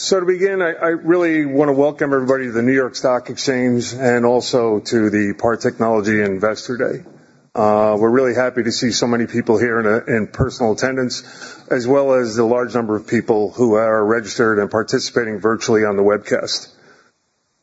So to begin, I really want to welcome everybody to the New York Stock Exchange and also to the PAR Technology Investor Day. We're really happy to see so many people here in personal attendance, as well as the large number of people who are registered and participating virtually on the webcast.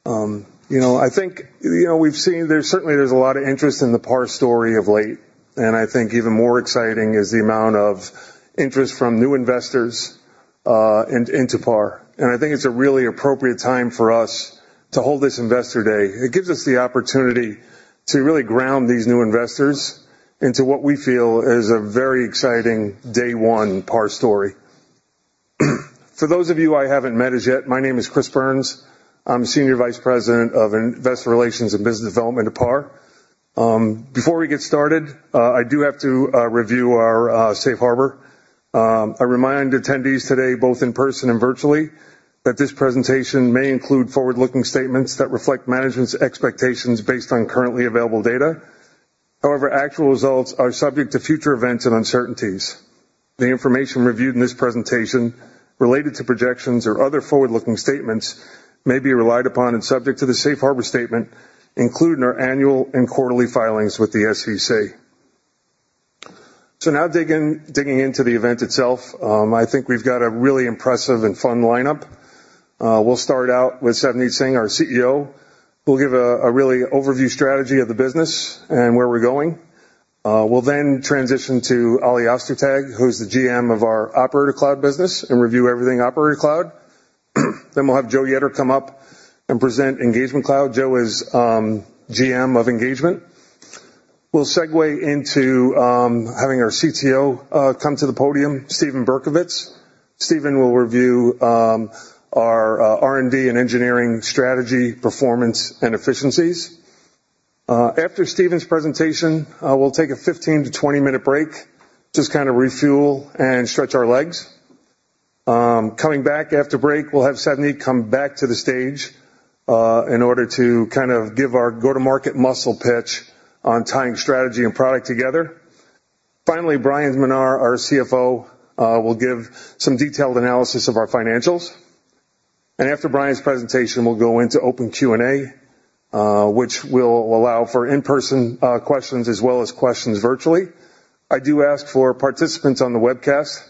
You know, I think, you know, we've seen. There's certainly a lot of interest in the PAR story of late, and I think even more exciting is the amount of interest from new investors into PAR. And I think it's a really appropriate time for us to hold this Investor Day. It gives us the opportunity to really ground these new investors into what we feel is a very exciting day one PAR story. For those of you I haven't met as yet, my name is Chris Byrnes. I am Senior Vice President of Investor Relations and Business Development at PAR. Before we get started, I do have to review our Safe Harbor. I remind attendees today, both in person and virtually, that this presentation may include forward-looking statements that reflect management's expectations based on currently available data. However, actual results are subject to future events and uncertainties. The information reviewed in this presentation related to projections or other forward-looking statements may be relied upon and subject to the Safe Harbor statement, including our annual and quarterly filings with the SEC. So now digging into the event itself, I think we've got a really impressive and fun lineup. We'll start out with Savneet Singh, our CEO, who'll give a real overview strategy of the business and where we're going. We'll then transition to Oli Ostertag, who's the GM of our Operator Cloud business, and review everything Operator Cloud. Then we'll have Joe Yetter come up and present Engagement Cloud. Joe is GM of Engagement. We'll segue into having our CTO come to the podium, Steven Berkovitz. Steven will review our R&D and engineering strategy, performance, and efficiencies. After Steven's presentation, we'll take a 15 to 20-minute break, just kind of refuel and stretch our legs. Coming back after break, we'll have Savneet come back to the stage in order to kind of give our go-to-market muscle pitch on tying strategy and product together. Finally, Bryan Menar, our CFO, will give some detailed analysis of our financials. And after Bryan's presentation, we'll go into open Q&A, which will allow for in-person questions as well as questions virtually. I do ask for participants on the webcast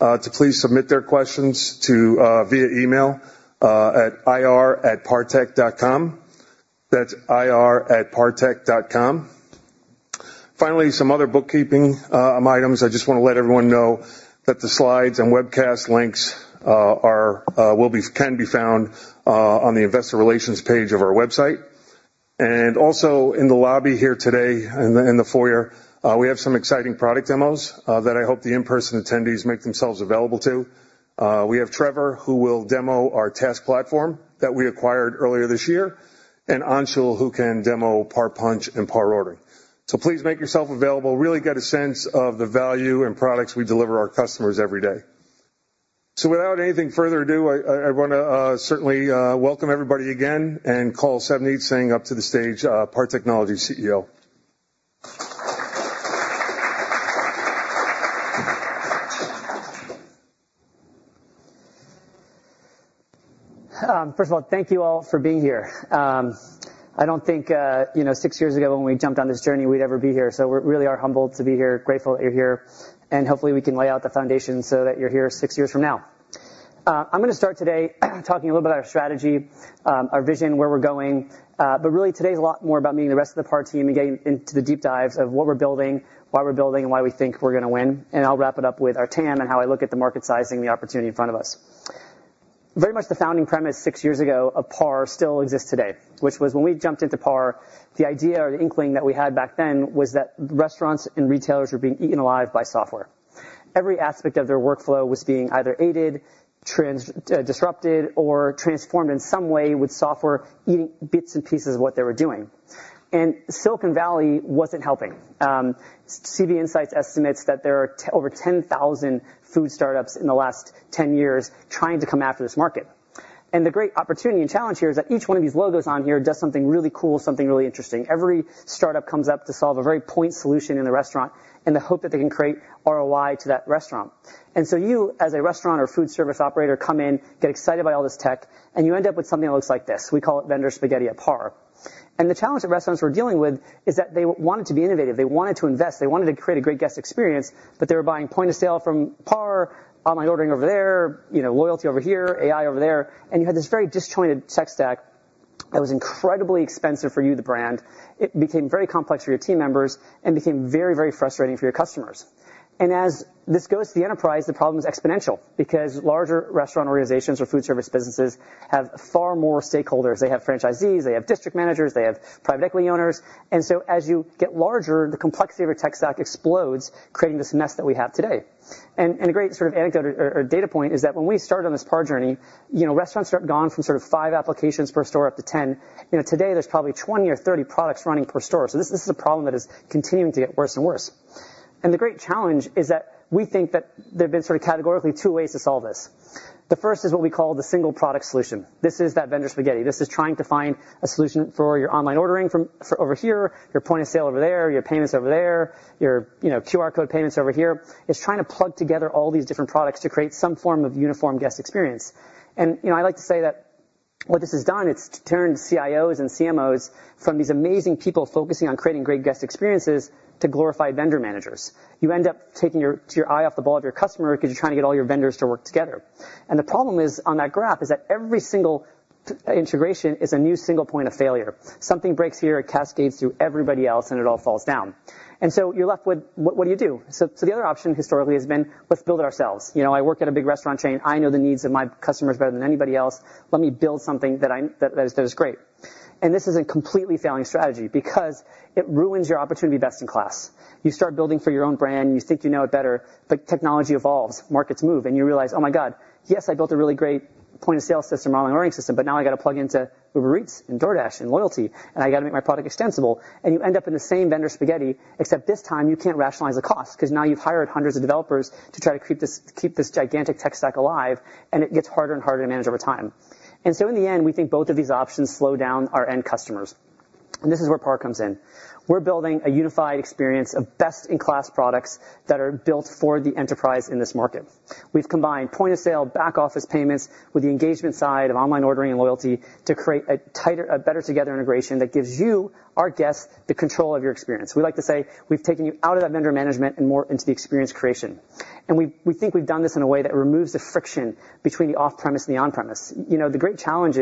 to please submit their questions via email at ir@partech.com. That's ir@partech.com. Finally, some other bookkeeping items. I just want to let everyone know that the slides and webcast links can be found on the Investor Relations page of our website. Also, in the lobby here today in the foyer, we have some exciting product demos that I hope the in-person attendees make themselves available to. We have Trevor, who will demo our TASK platform that we acquired earlier this year, and Anshul, who can demo PAR Punchh and PAR Ordering. Please make yourself available. Really get a sense of the value and products we deliver our customers every day. Without further ado, I want to certainly welcome everybody again and call Savneet Singh up to the stage, PAR Technology CEO. First of all, thank you all for being here. I don't think, you know, six years ago when we jumped on this journey, we'd ever be here. So we really are humbled to be here, grateful that you're here, and hopefully we can lay out the foundation so that you're here six years from now. I'm going to start today talking a little bit about our strategy, our vision, where we're going. But really today is a lot more about meeting the rest of the PAR team and getting into the deep dives of what we're building, why we're building, and why we think we're going to win. And I'll wrap it up with our team and how I look at the market sizing and the opportunity in front of us. Very much the founding premise six years ago of PAR still exists today, which was when we jumped into PAR. The idea or the inkling that we had back then was that restaurants and retailers were being eaten alive by software. Every aspect of their workflow was being either aided, disrupted, or transformed in some way with software eating bits and pieces of what they were doing, and Silicon Valley wasn't helping. CB Insights estimates that there are over 10,000 food startups in the last 10 years trying to come after this market, and the great opportunity and challenge here is that each one of these logos on here does something really cool, something really interesting. Every startup comes up to solve a very point solution in the restaurant and the hope that they can create ROI to that restaurant. And so you, as a restaurant or food service operator, come in, get excited by all this tech, and you end up with something that looks like this. We call it vendor spaghetti at PAR. And the challenge that restaurants were dealing with is that they wanted to be innovative. They wanted to invest. They wanted to create a great guest experience, but they were buying point-of-sale from PAR, online ordering over there, you know, loyalty over here, AI over there. And you had this very disjointed tech stack that was incredibly expensive for you, the brand. It became very complex for your team members and became very, very frustrating for your customers. And as this goes to the enterprise, the problem is exponential because larger restaurant organizations or food service businesses have far more stakeholders. They have franchisees, they have district managers, they have private equity owners. As you get larger, the complexity of your tech stack explodes, creating this mess that we have today. A great sort of anecdote or data point is that when we started on this PAR journey, you know, restaurants have gone from sort of five applications per store up to 10. You know, today there's probably 20 or 30 products running per store. This is a problem that is continuing to get worse and worse. The great challenge is that we think that there have been sort of categorically two ways to solve this. The first is what we call the single product solution. This is that vendor spaghetti. This is trying to find a solution for your online ordering from over here, your point of sale over there, your payments over there, your, you know, QR code payments over here. It's trying to plug together all these different products to create some form of uniform guest experience. And, you know, I like to say that what this has done, it's turned CIOs and CMOs from these amazing people focusing on creating great guest experiences to glorified vendor managers. You end up taking your eye off the ball of your customer because you're trying to get all your vendors to work together. And the problem is, on that graph, that every single integration is a new, single point of failure. Something breaks here and cascades through everybody else and it all falls down. And so you're left with, what do you do? So the other option historically has been, let's build it ourselves. You know, I work at a big restaurant chain. I know the needs of my customers better than anybody else. Let me build something that is great. And this is a completely failing strategy because it ruins your opportunity best in class. You start building for your own brand. You think you know it better, but technology evolves, markets move, and you realize, oh my God, yes, I built a really great point-of-sale system, online ordering system, but now I got to plug into Uber Eats and DoorDash and loyalty, and I got to make my product extensible. And you end up in the same vendor spaghetti, except this time you can't rationalize the cost because now you've hired hundreds of developers to try to keep this gigantic tech stack alive, and it gets harder and harder to manage over time. And so in the end, we think both of these options slow down our end customers. And this is where PAR comes in. We're building a unified experience of best in class products that are built for the enterprise in this market. We've combined point-of-sale, back office payments with the engagement side of online ordering and loyalty to create a tighter, a better together integration that gives you, our guests, the control of your experience. We like to say we've taken you out of that vendor management and more into the experience creation. And we think we've done this in a way that removes the friction between the off premise and the on premise. You know, the great challenge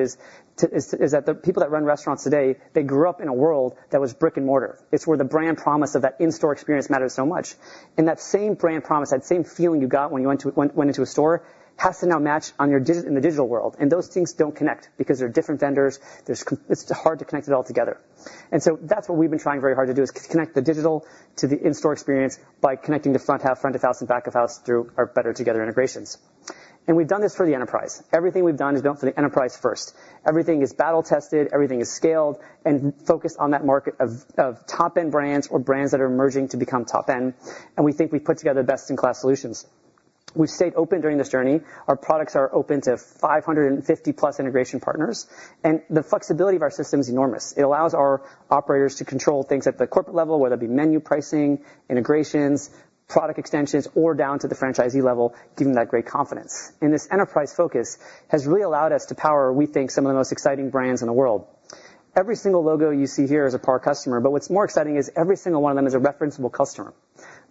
is that the people that run restaurants today, they grew up in a world that was brick and mortar. It's where the brand promise of that in-store experience matters so much. And that same brand promise, that same feeling you got when you went into a store, has to now match on your digital in the digital world. And those things don't connect because they're different vendors. It's hard to connect it all together. And so that's what we've been trying very hard to do is connect the digital to the in-store experience by connecting the front half, front of house and back of house through our better together integrations. And we've done this for the enterprise. Everything we've done is built for the enterprise first. Everything is battle tested. Everything is scaled and focused on that market of top end brands or brands that are emerging to become top end. And we think we've put together best in class solutions. We've stayed open during this journey. Our products are open to 550 plus integration partners, and the flexibility of our system is enormous. It allows our operators to control things at the corporate level, whether it be menu pricing, integrations, product extensions, or down to the franchisee level, giving that great confidence. And this enterprise focus has really allowed us to power, we think, some of the most exciting brands in the world. Every single logo you see here is a PAR customer, but what's more exciting is every single one of them is a referenceable customer.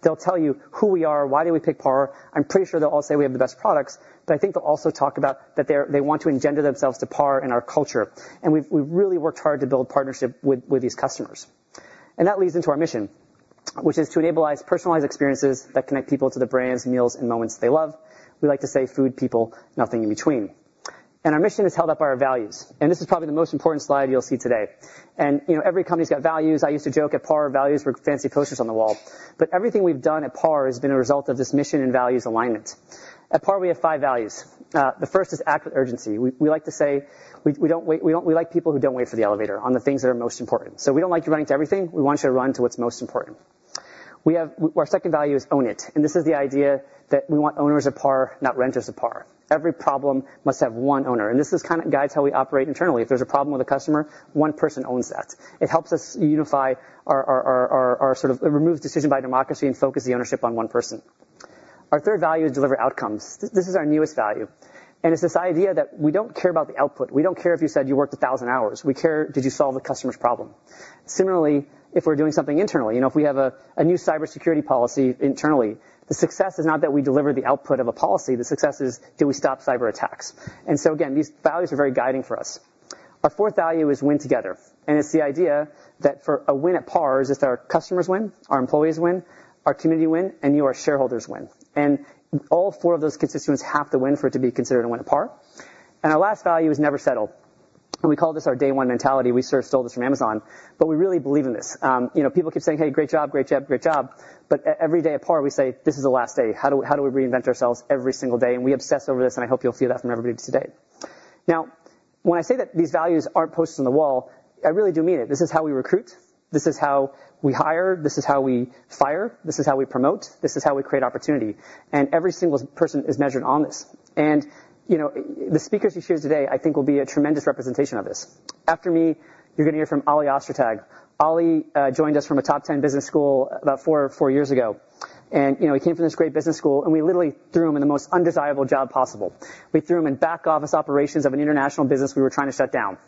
They'll tell you who we are, why did we pick PAR. I'm pretty sure they'll all say we have the best products, but I think they'll also talk about that they want to engender themselves to PAR and our culture. And we've really worked hard to build partnership with these customers. That leads into our mission, which is to enable personalized experiences that connect people to the brands, meals, and moments they love. We like to say food, people, nothing in between. Our mission is held up by our values. This is probably the most important slide you'll see today. You know, every company's got values. I used to joke at PAR, values were fancy posters on the wall. Everything we've done at PAR has been a result of this mission and values alignment. At PAR, we have five values. The first is Act with Urgency. We like to say we don't wait. We like people who don't wait for the elevator on the things that are most important. So we don't like you running to everything. We want you to run to what's most important. Our second value is Own It. This is the idea that we want owners of PAR, not renters of PAR. Every problem must have one owner. This kind of guides how we operate internally. If there's a problem with a customer, one person owns that. It helps us unify our sort of remove decision by democracy and focus the ownership on one person. Our third value is Deliver Outcomes. This is our newest value. It's this idea that we don't care about the output. We don't care if you said you worked a thousand hours. We care did you solve a customer's problem. Similarly, if we're doing something internally, you know, if we have a new cybersecurity policy internally, the success is not that we deliver the output of a policy. The success is do we stop cyber attacks. These values are very guiding for us. Our fourth value is Win Together. And it's the idea that for a win at PAR is if our customers win, our employees win, our community win, and you, our shareholders win. And all four of those constituents have to win for it to be considered a win at PAR. And our last value is Never Settle. And we call this our day one mentality. We sort of stole this from Amazon, but we really believe in this. You know, people keep saying, hey, great job, great job, great job. But every day at PAR, we say, this is the last day. How do we reinvent ourselves every single day? And we obsess over this. And I hope you'll feel that from everybody today. Now, when I say that these values aren't posted on the wall, I really do mean it. This is how we recruit. This is how we hire. This is how we fire. This is how we promote. This is how we create opportunity, and every single person is measured on this. You know, the speakers you hear today, I think, will be a tremendous representation of this. After me, you're going to hear from Oli Ostertag. Oli joined us from a top 10 business school about four years ago. You know, he came from this great business school, and we literally threw him in the most undesirable job possible. We threw him in back office operations of an international business we were trying to shut down.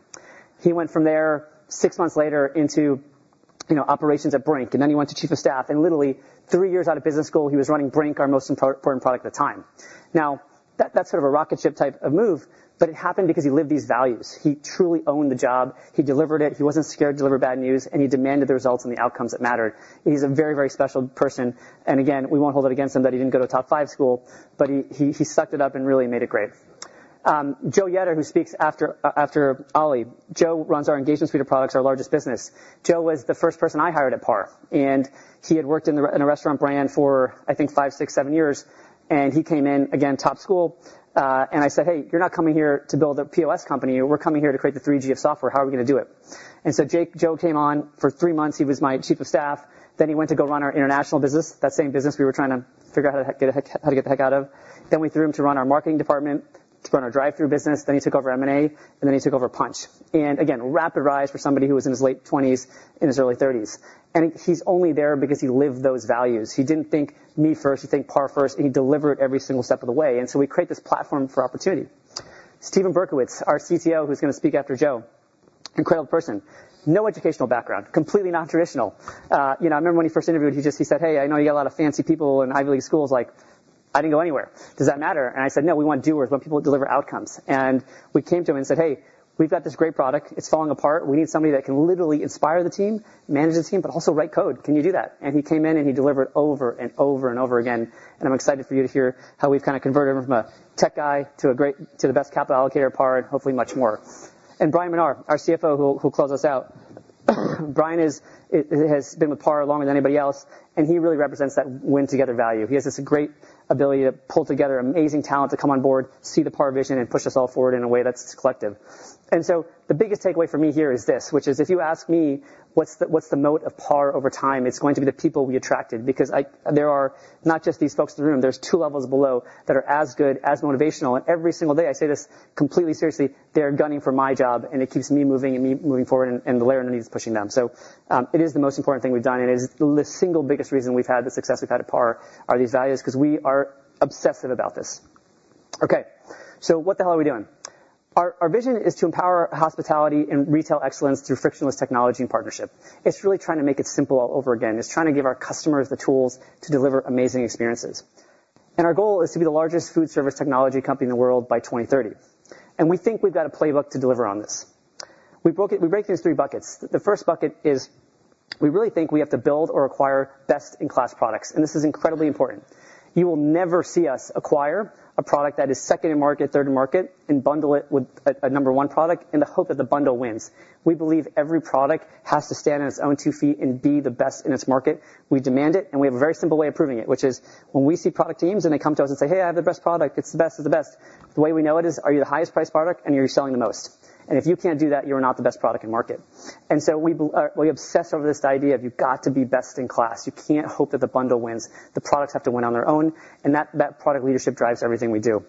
He went from there six months later into, you know, operations at Brink, and then he went to chief of staff. Literally three years out of business school, he was running Brink, our most important product at the time. Now, that's sort of a rocket ship type of move, but it happened because he lived these values. He truly owned the job. He delivered it. He wasn't scared to deliver bad news, and he demanded the results and the outcomes that mattered. He's a very, very special person. And again, we won't hold it against him that he didn't go to a top five school, but he sucked it up and really made it great. Joe Yetter, who speaks after Oli, Joe runs our engagement suite of products, our largest business. Joe was the first person I hired at PAR, and he had worked in a restaurant brand for, I think, five, six, seven years. And he came in, again, top school. And I said, hey, you're not coming here to build a POS company. We're coming here to create the 3G of software. How are we going to do it? And so Joe came on for three months. He was my chief of staff. Then he went to go run our international business, that same business we were trying to figure out how to get the heck out of. Then we threw him to run our marketing department, to run our Drive-Thru business. Then he took over M&A, and then he took over Punchh. And again, rapid rise for somebody who was in his late 20s and his early 30s. And he's only there because he lived those values. He didn't think me first. He think PAR first. And he delivered every single step of the way. And so we create this platform for opportunity. Steven Berkovitz, our CTO, who's going to speak after Joe. Incredible person. No educational background. Completely non-traditional. You know, I remember when he first interviewed, he just, he said, "Hey, I know you got a lot of fancy people and Ivy League schools. Like, I didn't go anywhere. Does that matter?" And I said, "No, we want doers. We want people to deliver outcomes." And we came to him and said, "Hey, we've got this great product. It's falling apart. We need somebody that can literally inspire the team, manage the team, but also write code. Can you do that?" And he came in and he delivered over and over and over again. And I'm excited for you to hear how we've kind of converted him from a tech guy to the best capital allocator at PAR and hopefully much more. And Bryan Menar, our CFO, who'll close us out. Bryan has been with PAR longer than anybody else, and he really represents that win together value. He has this great ability to pull together amazing talent to come on board, see the PAR vision, and push us all forward in a way that's collective. The biggest takeaway for me here is this, which is if you ask me what's the moat of PAR over time, it's going to be the people we attracted. Because there are not just these folks in the room. There's two levels below that are as good, as motivational. Every single day, I say this completely seriously, they're gunning for my job, and it keeps me moving and me moving forward, and the layer underneath is pushing them. It is the most important thing we've done, and it is the single biggest reason we've had the success we've had at PAR are these values because we are obsessive about this. Okay. What the hell are we doing? Our vision is to empower hospitality and retail excellence through frictionless technology and partnership. It's really trying to make it simple all over again. It's trying to give our customers the tools to deliver amazing experiences, and our goal is to be the largest food service technology company in the world by 2030. We think we've got a playbook to deliver on this. We break it into three buckets. The first bucket is we really think we have to build or acquire best in class products, and this is incredibly important. You will never see us acquire a product that is second in market, third in market, and bundle it with a number one product in the hope that the bundle wins. We believe every product has to stand on its own two feet and be the best in its market. We demand it, and we have a very simple way of proving it, which is when we see product teams and they come to us and say, hey, I have the best product. It's the best of the best. The way we know it is, are you the highest priced product and are you selling the most? And if you can't do that, you're not the best product in market. And so we obsess over this idea of you've got to be best-in-class. You can't hope that the bundle wins. The products have to win on their own. And that product leadership drives everything we do.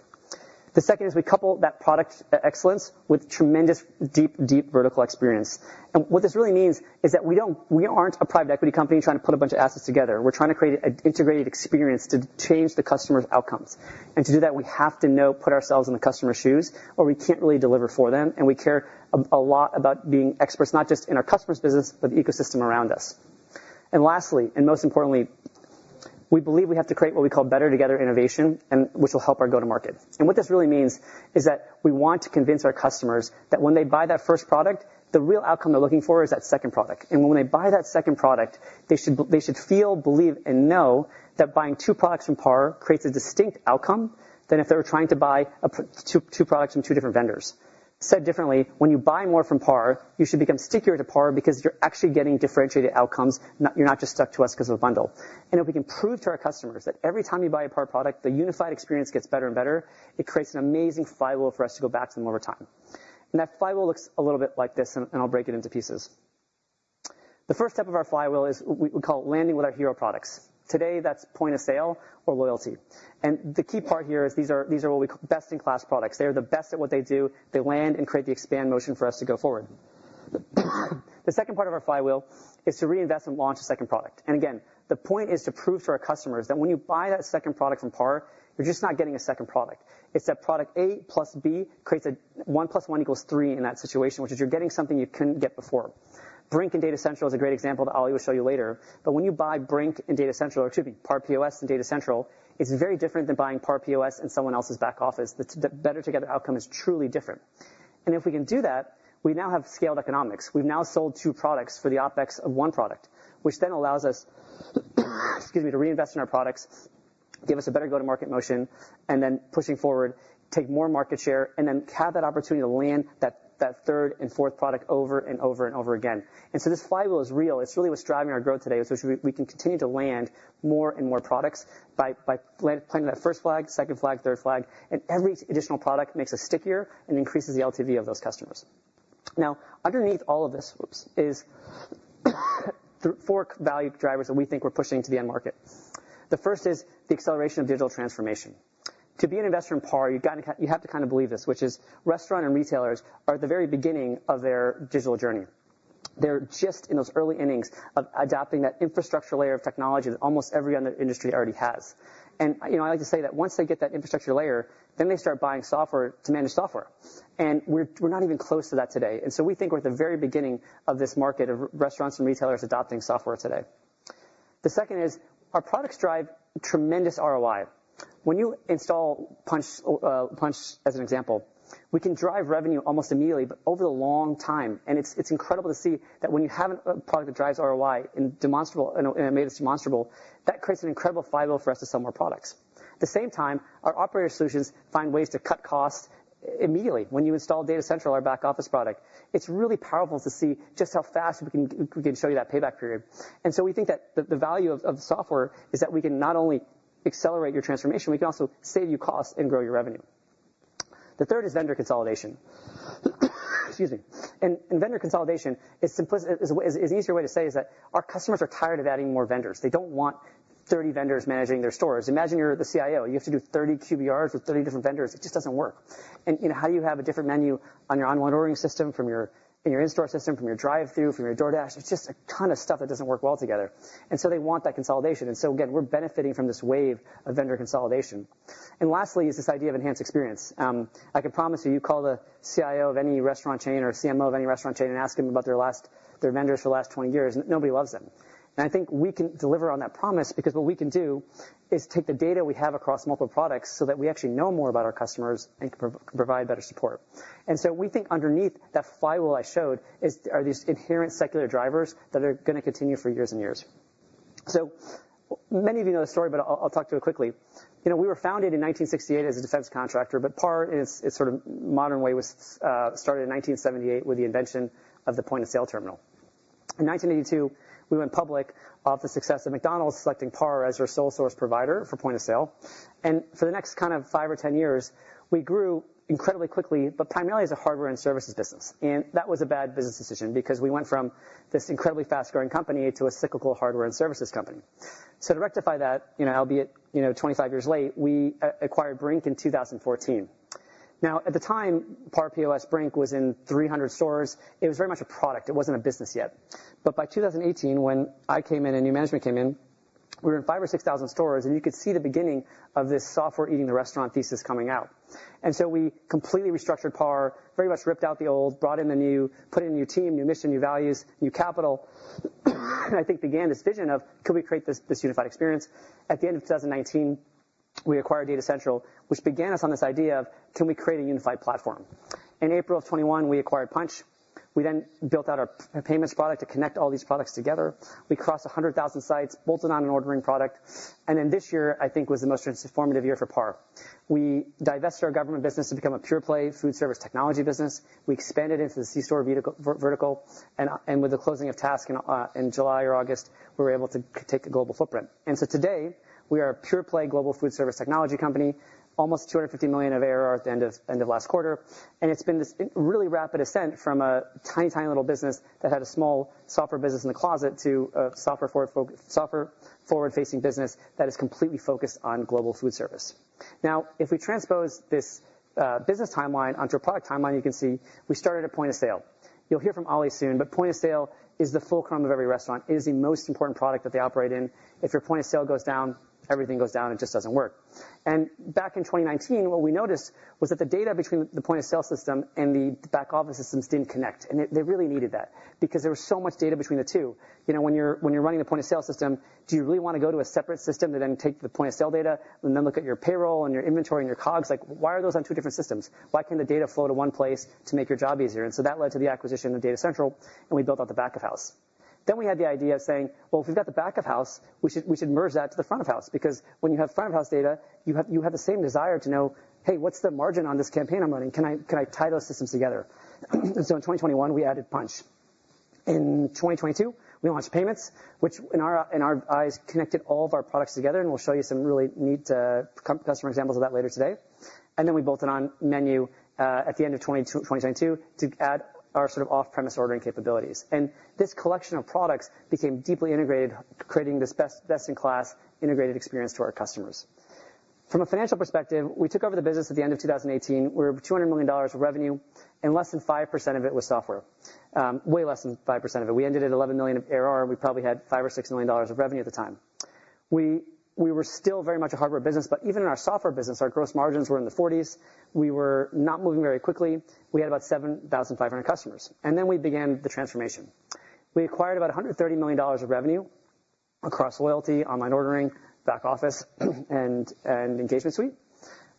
The second is we couple that product excellence with tremendous deep, deep vertical experience. And what this really means is that we aren't a private equity company trying to put a bunch of assets together. We're trying to create an integrated experience to change the customer's outcomes, and to do that, we have to know, put ourselves in the customer's shoes, or we can't really deliver for them, and we care a lot about being experts, not just in our customer's business, but the ecosystem around us, and lastly, and most importantly, we believe we have to create what we call better together innovation, which will help our go-to-market, and what this really means is that we want to convince our customers that when they buy that first product, the real outcome they're looking for is that second product, and when they buy that second product, they should feel, believe, and know that buying two products from PAR creates a distinct outcome than if they were trying to buy two products from two different vendors. Said differently, when you buy more from PAR, you should become stickier to PAR because you're actually getting differentiated outcomes. You're not just stuck to us because of a bundle. And if we can prove to our customers that every time you buy a PAR product, the unified experience gets better and better, it creates an amazing flywheel for us to go back to them over time. And that flywheel looks a little bit like this, and I'll break it into pieces. The first step of our flywheel is we call it landing with our hero products. Today, that's point of sale or loyalty. And the key part here is these are what we call best in class products. They are the best at what they do. They land and create the expand motion for us to go forward. The second part of our flywheel is to reinvest and launch a second product. And again, the point is to prove to our customers that when you buy that second product from PAR, you're just not getting a second product. It's that product A plus B creates a 1 + 1 = 3 in that situation, which is you're getting something you couldn't get before. Brink and Data Central is a great example that Oli will show you later. But when you buy Brink and Data Central, or excuse me, PAR POS and Data Central, it's very different than buying PAR POS and someone else's back office. The better together outcome is truly different. And if we can do that, we now have scaled economics. We've now sold two products for the OpEx of one product, which then allows us, excuse me, to reinvest in our products, give us a better go-to-market motion, and then pushing forward, take more market share, and then have that opportunity to land that third and fourth product over and over and over again. And so this flywheel is real. It's really what's driving our growth today, which is we can continue to land more and more products by planting that first flag, second flag, third flag, and every additional product makes us stickier and increases the LTV of those customers. Now, underneath all of this is four value drivers that we think we're pushing to the end market. The first is the acceleration of digital transformation. To be an investor in PAR, you have to kind of believe this, which is restaurants and retailers are at the very beginning of their digital journey. They're just in those early innings of adopting that infrastructure layer of technology that almost every other industry already has, and you know, I like to say that once they get that infrastructure layer, then they start buying software to manage software. And we're not even close to that today, and so we think we're at the very beginning of this market of restaurants and retailers adopting software today. The second is our products drive tremendous ROI. When you install Punchh, as an example, we can drive revenue almost immediately, but over the long time. It's incredible to see that when you have a product that drives ROI and makes it demonstrable, that creates an incredible flywheel for us to sell more products. At the same time, our Operator Solutions find ways to cut costs immediately when you install Data Central, our back office product. It's really powerful to see just how fast we can show you that payback period. We think that the value of software is that we can not only accelerate your transformation, we can also save you costs and grow your revenue. The third is vendor consolidation. Excuse me. Vendor consolidation is an easier way to say that our customers are tired of adding more vendors. They don't want 30 vendors managing their stores. Imagine you're the CIO. You have to do 30 QBRs with 30 different vendors. It just doesn't work. You know, how do you have a different menu on your online ordering system from your in-store system, from your drive-through, from your DoorDash? It's just a ton of stuff that doesn't work well together. And so they want that consolidation. And so again, we're benefiting from this wave of vendor consolidation. And lastly is this idea of enhanced experience. I can promise you, you call the CIO of any restaurant chain or CMO of any restaurant chain and ask them about their vendors for the last 20 years, nobody loves them. And I think we can deliver on that promise because what we can do is take the data we have across multiple products so that we actually know more about our customers and can provide better support. And so we think underneath that flywheel I showed are these inherent secular drivers that are going to continue for years and years. So many of you know the story, but I'll talk to it quickly. You know, we were founded in 1968 as a defense contractor, but PAR, in its sort of modern way, was started in 1978 with the invention of the point-of-sale terminal. In 1982, we went public off the success of McDonald's selecting PAR as their sole source provider for point-of-sale. And for the next kind of five or 10 years, we grew incredibly quickly, but primarily as a hardware and services business. And that was a bad business decision because we went from this incredibly fast-growing company to a cyclical hardware and services company. So to rectify that, you know, albeit, you know, 25 years late, we acquired Brink in 2014. Now, at the time, PAR POS Brink was in 300 stores. It was very much a product. It wasn't a business yet. But by 2018, when I came in and new management came in, we were in five or six thousand stores, and you could see the beginning of this software eating the restaurant thesis coming out. And so we completely restructured PAR, very much ripped out the old, brought in the new, put in a new team, new mission, new values, new capital. I think began this vision of, could we create this unified experience? At the end of 2019, we acquired Data Central, which began us on this idea of, can we create a unified platform? In April of 2021, we acquired Punchh. We then built out our payments product to connect all these products together. We crossed 100,000 sites, bolted on an ordering product. Then this year, I think, was the most transformative year for PAR. We divested our government business to become a pure-play food service technology business. We expanded into the C-store vertical. And with the closing of TASK in July or August, we were able to take a global footprint. And so today, we are a pure-play global food service technology company, almost $250 million of ARR at the end of last quarter. And it's been this really rapid ascent from a tiny, tiny little business that had a small software business in the closet to a software forward-facing business that is completely focused on global food service. Now, if we transpose this business timeline onto a product timeline, you can see we started at point of sale. You'll hear from Oli soon, but point of sale is the fulcrum of every restaurant. It is the most important product that they operate in. If your point-of-sale goes down, everything goes down. It just doesn't work. And back in 2019, what we noticed was that the data between the point-of-sale system and the back office systems didn't connect. And they really needed that because there was so much data between the two. You know, when you're running the point-of-sale system, do you really want to go to a separate system to then take the point of sale data and then look at your payroll and your inventory and your COGS? Like, why are those on two different systems? Why can't the data flow to one place to make your job easier? And so that led to the acquisition of Data Central, and we built out the back of house. Then we had the idea of saying, well, if we've got the back of house, we should merge that to the front of house. Because when you have front of house data, you have the same desire to know, hey, what's the margin on this campaign I'm running? Can I tie those systems together? And so in 2021, we added Punchh. In 2022, we launched Payments, which in our eyes connected all of our products together, and we'll show you some really neat customer examples of that later today. And then we bolted on MENU at the end of 2022 to add our sort of off-premise ordering capabilities. And this collection of products became deeply integrated, creating this best in class integrated experience to our customers. From a financial perspective, we took over the business at the end of 2018. We were $200 million of revenue, and less than 5% of it was software. Way less than 5% of it. We ended at $11 million of ARR. We probably had $5 million or $6 million of revenue at the time. We were still very much a hardware business, but even in our software business, our gross margins were in the 40s. We were not moving very quickly. We had about 7,500 customers. And then we began the transformation. We acquired about $130 million of revenue across loyalty, online ordering, back office, and engagement suite.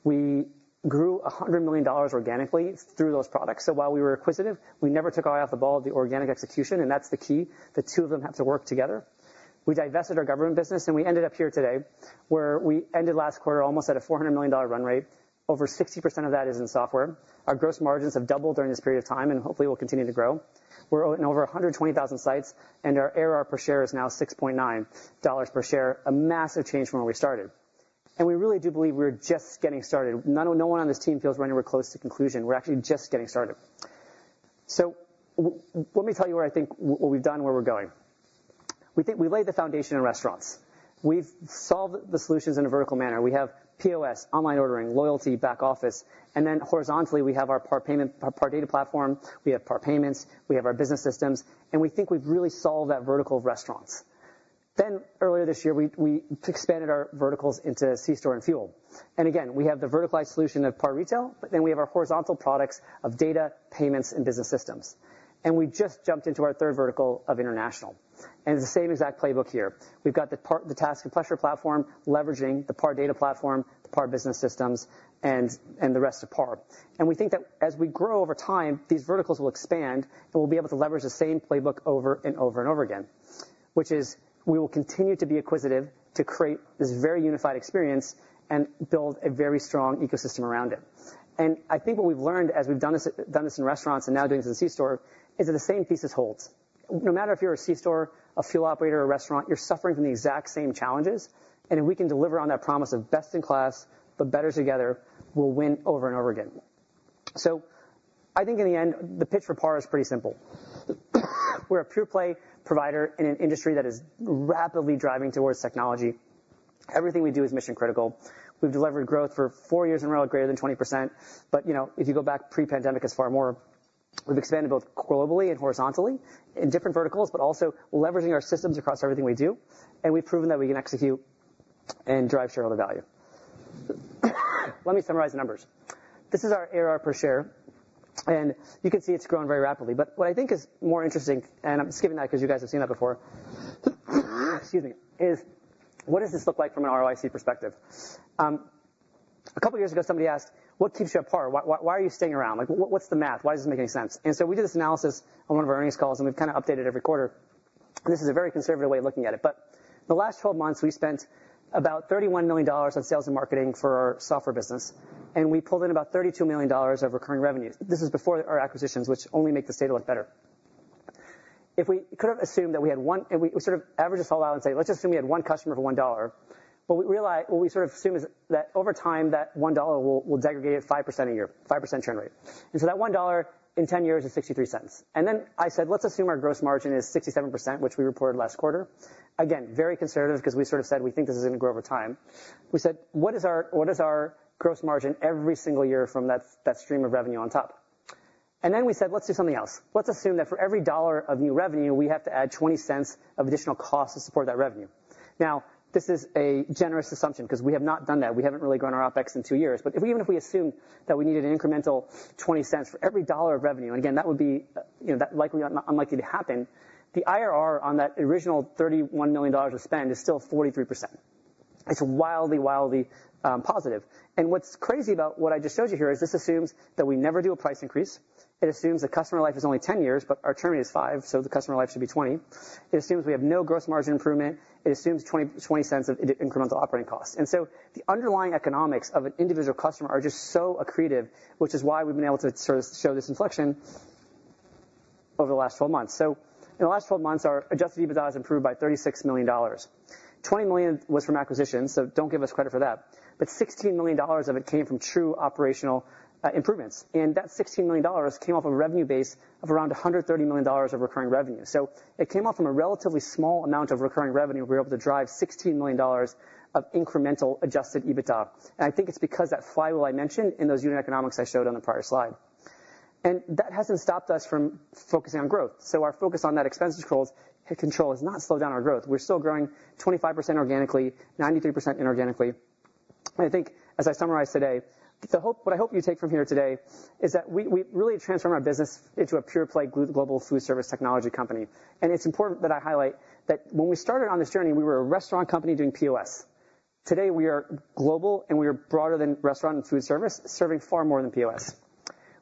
We grew $100 million organically through those products. So while we were acquisitive, we never took our eye off the ball of the organic execution, and that's the key. The two of them have to work together. We divested our government business, and we ended up here today, where we ended last quarter almost at a $400 million run rate. Over 60% of that is in software. Our gross margins have doubled during this period of time, and hopefully we'll continue to grow. We're in over 120,000 sites, and our ARR per share is now $6.9 per share, a massive change from where we started. And we really do believe we're just getting started. No one on this team feels we're anywhere close to conclusion. We're actually just getting started. So let me tell you where I think what we've done and where we're going. We laid the foundation in restaurants. We've solved the solutions in a vertical manner. We have POS, Online Ordering, Loyalty, Back Office. And then horizontally, we have our PAR Data Platform. We have PAR Payments. We have our Business Systems. We think we've really solved that vertical of restaurants. Earlier this year, we expanded our verticals into C-store and fuel. Again, we have the verticalized solution of PAR Retail, but then we have our horizontal products of Data, Payments, and Business Systems. We just jumped into our third vertical of international. It's the same exact playbook here. We've got the TASK and Plexure platform, leveraging the PAR Data Platform, the PAR Business Systems, and the rest of PAR. We think that as we grow over time, these verticals will expand, and we'll be able to leverage the same playbook over and over and over again, which is we will continue to be acquisitive to create this very unified experience and build a very strong ecosystem around it. And I think what we've learned as we've done this in restaurants and now doing this in C-store is that the same thesis holds. No matter if you're a C-store, a fuel operator, or a restaurant, you're suffering from the exact same challenges. And if we can deliver on that promise of best in class, but better together, we'll win over and over again. So I think in the end, the pitch for PAR is pretty simple. We're a pure-play provider in an industry that is rapidly driving towards technology. Everything we do is mission-critical. We've delivered growth for four years in a row at greater than 20%. But, you know, if you go back pre-pandemic as far more, we've expanded both globally and horizontally in different verticals, but also leveraging our systems across everything we do. And we've proven that we can execute and drive shareholder value. Let me summarize the numbers. This is our ARR per share. And you can see it's grown very rapidly. But what I think is more interesting, and I'm skipping that because you guys have seen that before, excuse me, is what does this look like from an ROIC perspective? A couple of years ago, somebody asked, what keeps you at PAR? Why are you staying around? What's the math? Why does this make any sense? And so we did this analysis on one of our earnings calls, and we've kind of updated every quarter. And this is a very conservative way of looking at it. But the last 12 months, we spent about $31 million on sales and marketing for our software business. And we pulled in about $32 million of recurring revenue. This is before our acquisitions, which only make the state of it better. If we could have assumed that we had one, and we sort of average this all out and say, let's assume we had one customer for $1. But what we sort of assume is that over time, that $1 will depreciate 5% a year, 5% churn rate. And then I said, let's assume our gross margin is 67%, which we reported last quarter. Again, very conservative because we sort of said we think this is going to grow over time. We said, what is our gross margin every single year from that stream of revenue on top? And then we said, let's do something else. Let's assume that for every dollar of new revenue, we have to add $0.20 of additional costs to support that revenue. Now, this is a generous assumption because we have not done that. We haven't really grown our OpEx in two years. But even if we assumed that we needed an incremental $0.20 for every $1 of revenue, and again, that would be, you know, unlikely to happen, the IRR on that original $31 million of spend is still 43%. It's wildly, wildly positive. And what's crazy about what I just showed you here is this assumes that we never do a price increase. It assumes the customer life is only 10 years, but our churn rate is 5%, so the customer life should be 20. It assumes we have no gross margin improvement. It assumes $0.20 of incremental operating costs. And so the underlying economics of an individual customer are just so accretive, which is why we've been able to sort of show this inflection over the last 12 months. So in the last 12 months, our adjusted EBITDA has improved by $36 million. $20 million was from acquisitions, so don't give us credit for that. But $16 million of it came from true operational improvements. And that $16 million came off a revenue base of around $130 million of recurring revenue. So it came off from a relatively small amount of recurring revenue. We were able to drive $16 million of incremental adjusted EBITDA. And I think it's because that flywheel I mentioned in those unit economics I showed on the prior slide. And that hasn't stopped us from focusing on growth. So our focus on that expense control has not slowed down our growth. We're still growing 25% organically, 93% inorganically. I think, as I summarize today, what I hope you take from here today is that we really transformed our business into a pure-play global food service technology company. It's important that I highlight that when we started on this journey, we were a restaurant company doing POS. Today, we are global, and we are broader than restaurant and food service, serving far more than POS.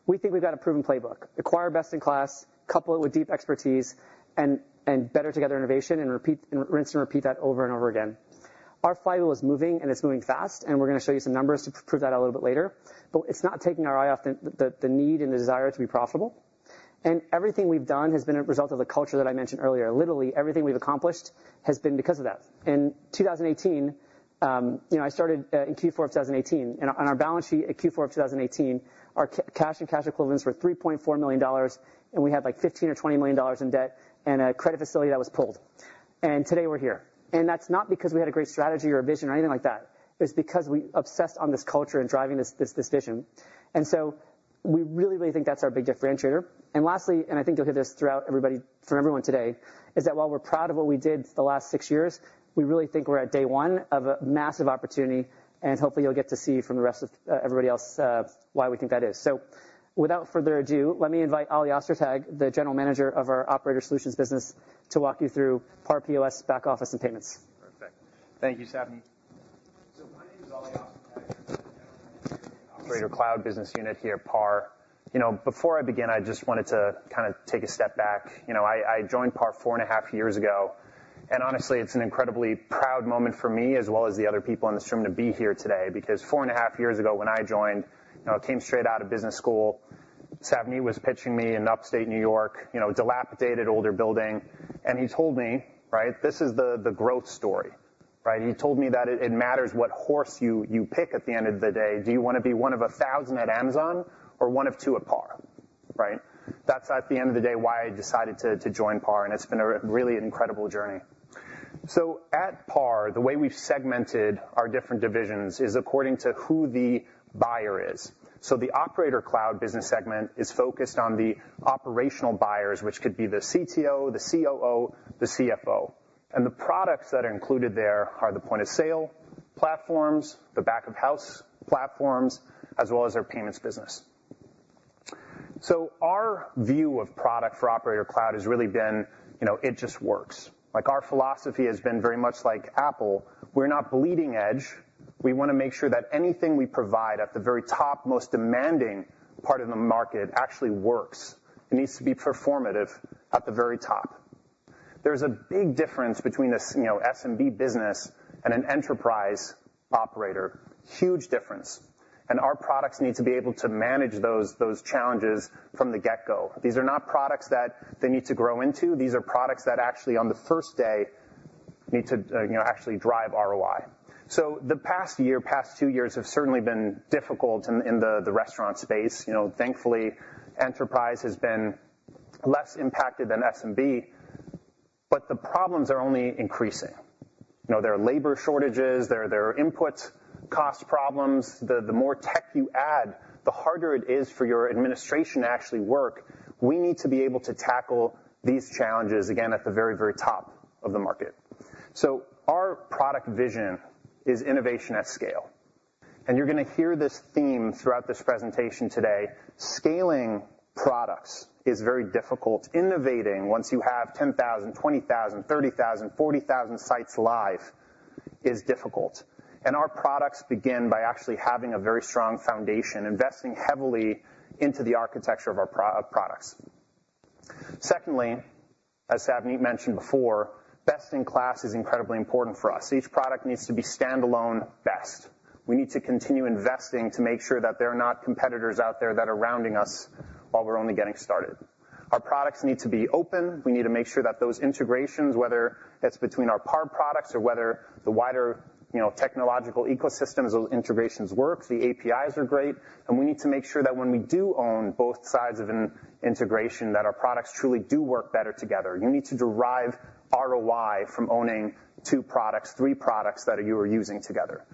We think we've got a proven playbook. Acquire best in class, couple it with deep expertise, and Better Together innovation and rinse and repeat that over and over again. Our flywheel is moving, and it's moving fast, and we're going to show you some numbers to prove that a little bit later. It's not taking our eye off the need and the desire to be profitable. Everything we've done has been a result of the culture that I mentioned earlier. Literally, everything we've accomplished has been because of that. In 2018, you know, I started in Q4 of 2018, and on our balance sheet at Q4 of 2018, our cash and cash equivalents were $3.4 million, and we had like $15 million or $20 million in debt and a credit facility that was pulled, and today we're here. And that's not because we had a great strategy or a vision or anything like that. It was because we obsessed on this culture and driving this vision, and so we really, really think that's our big differentiator. And lastly, and I think you'll hear this throughout everybody from everyone today is that while we're proud of what we did the last six years, we really think we're at day one of a massive opportunity, and hopefully, you'll get to see from the rest of everybody else why we think that is. So without further ado, let me invite Oli Ostertag, the General Manager of our Operator Solutions business, to walk you through PAR POS, Back Office, and Payments. Perfect. Thank you, Savneet. So my name is Oli Ostertag. I'm the General Manager of the Operator Cloud business unit here at PAR. You know, before I begin, I just wanted to kind of take a step back. You know, I joined PAR four and a half years ago. And honestly, it's an incredibly proud moment for me, as well as the other people in this room, to be here today. Because four and a half years ago when I joined, you know, I came straight out of business school. Savneet was pitching me in Upstate New York, you know, dilapidated older building. And he told me, right, this is the growth story. Right? He told me that it matters what horse you pick at the end of the day. Do you want to be one of a thousand at Amazon or one of two at PAR? Right? That's at the end of the day why I decided to join PAR. And it's been a really incredible journey. So at PAR, the way we've segmented our different divisions is according to who the buyer is. So the Operator Cloud business segment is focused on the operational buyers, which could be the CTO, the COO, the CFO. And the products that are included there are the point-of-sale platforms, the back of house platforms, as well as our Payments business. So our view of product for Operator Cloud has really been, you know, it just works. Like our philosophy has been very much like Apple. We're not bleeding edge. We want to make sure that anything we provide at the very top, most demanding part of the market actually works. It needs to be performant at the very top. There's a big difference between a, you know, SMB business and an enterprise operator. Huge difference. And our products need to be able to manage those challenges from the get-go. These are not products that they need to grow into. These are products that actually on the first day need to, you know, actually drive ROI. So the past year, past two years have certainly been difficult in the restaurant space. You know, thankfully, enterprise has been less impacted than SMB, but the problems are only increasing. You know, there are labor shortages. There are input cost problems. The more tech you add, the harder it is for your administration to actually work. We need to be able to tackle these challenges again at the very, very top of the market. Our product vision is innovation at scale. And you're going to hear this theme throughout this presentation today. Scaling products is very difficult. Innovating once you have 10,000, 20,000, 30,000, 40,000 sites live is difficult. Our products begin by actually having a very strong foundation, investing heavily into the architecture of our products. Secondly, as Savneet mentioned before, best in class is incredibly important for us. Each product needs to be standalone best. We need to continue investing to make sure that there are not competitors out there that are out-running us while we're only getting started. Our products need to be open. We need to make sure that those integrations, whether that's between our PAR products or whether the wider, you know, technological ecosystems, those integrations work, the APIs are great, and we need to make sure that when we do own both sides of an integration, that our products truly do work better together. You need to derive ROI from owning two products, three products that you are using together.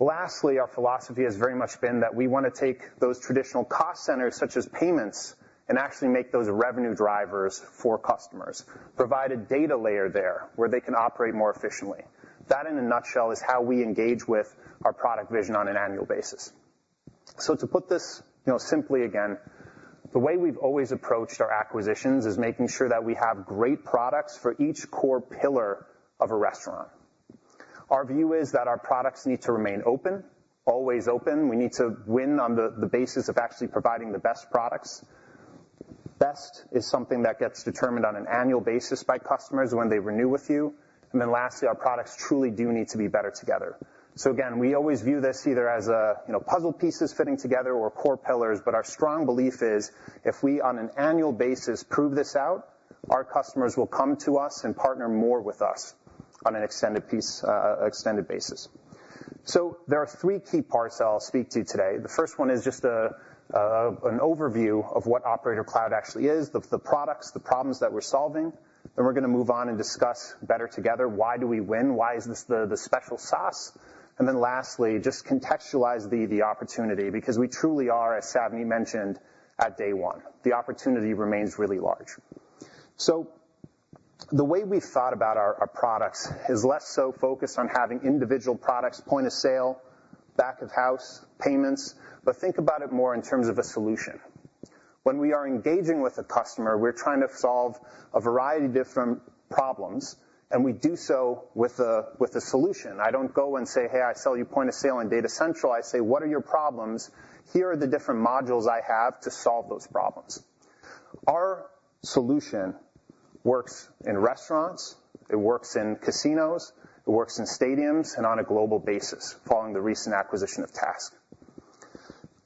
Lastly, our philosophy has very much been that we want to take those traditional cost centers, such as payments, and actually make those revenue drivers for customers, provide a data layer there where they can operate more efficiently. That, in a nutshell, is how we engage with our product vision on an annual basis. So to put this, you know, simply again, the way we've always approached our acquisitions is making sure that we have great products for each core pillar of a restaurant. Our view is that our products need to remain open, always open. We need to win on the basis of actually providing the best products. Best is something that gets determined on an annual basis by customers when they renew with you. And then lastly, our products truly do need to be better together. So again, we always view this either as, you know, puzzle pieces fitting together or core pillars. But our strong belief is if we on an annual basis prove this out, our customers will come to us and partner more with us on an extended basis. So there are three key parts I'll speak to today. The first one is just an overview of what Operator Cloud actually is, the products, the problems that we're solving. Then we're going to move on and discuss Better Together. Why do we win? Why is this the special sauce? And then lastly, just contextualize the opportunity because we truly are, as Savneet mentioned, at day one. The opportunity remains really large. So the way we've thought about our products is less so focused on having individual products, point of sale, back of house, payments, but think about it more in terms of a solution. When we are engaging with a customer, we're trying to solve a variety of different problems, and we do so with a solution. I don't go and say, hey, I sell you Point-of-Sale and Data Central. I say, what are your problems? Here are the different modules I have to solve those problems. Our solution works in restaurants. It works in casinos. It works in stadiums and on a global basis following the recent acquisition of TASK.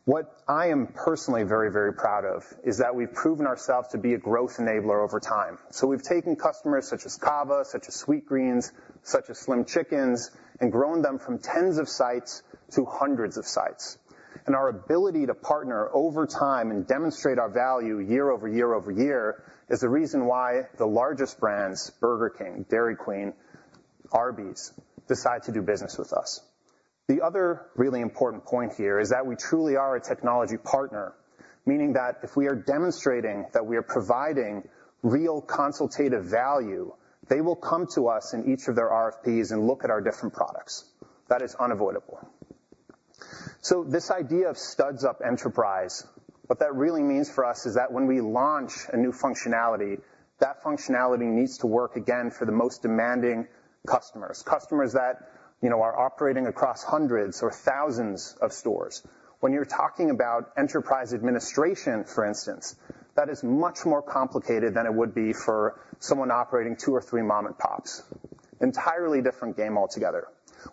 What I am personally very, very proud of is that we've proven ourselves to be a growth enabler over time. So we've taken customers such as Cava, such as Sweetgreen, such as Slim Chickens, and grown them from tens of sites to hundreds of sites. And our ability to partner over time and demonstrate our value year over year-over-year is the reason why the largest brands, Burger King, Dairy Queen, Arby's, decide to do business with us. The other really important point here is that we truly are a technology partner, meaning that if we are demonstrating that we are providing real consultative value, they will come to us in each of their RFPs and look at our different products. That is unavoidable. So this idea of studs up enterprise, what that really means for us is that when we launch a new functionality, that functionality needs to work again for the most demanding customers, customers that, you know, are operating across hundreds or thousands of stores. When you're talking about enterprise administration, for instance, that is much more complicated than it would be for someone operating two or three mom-and-pops. Entirely different game altogether.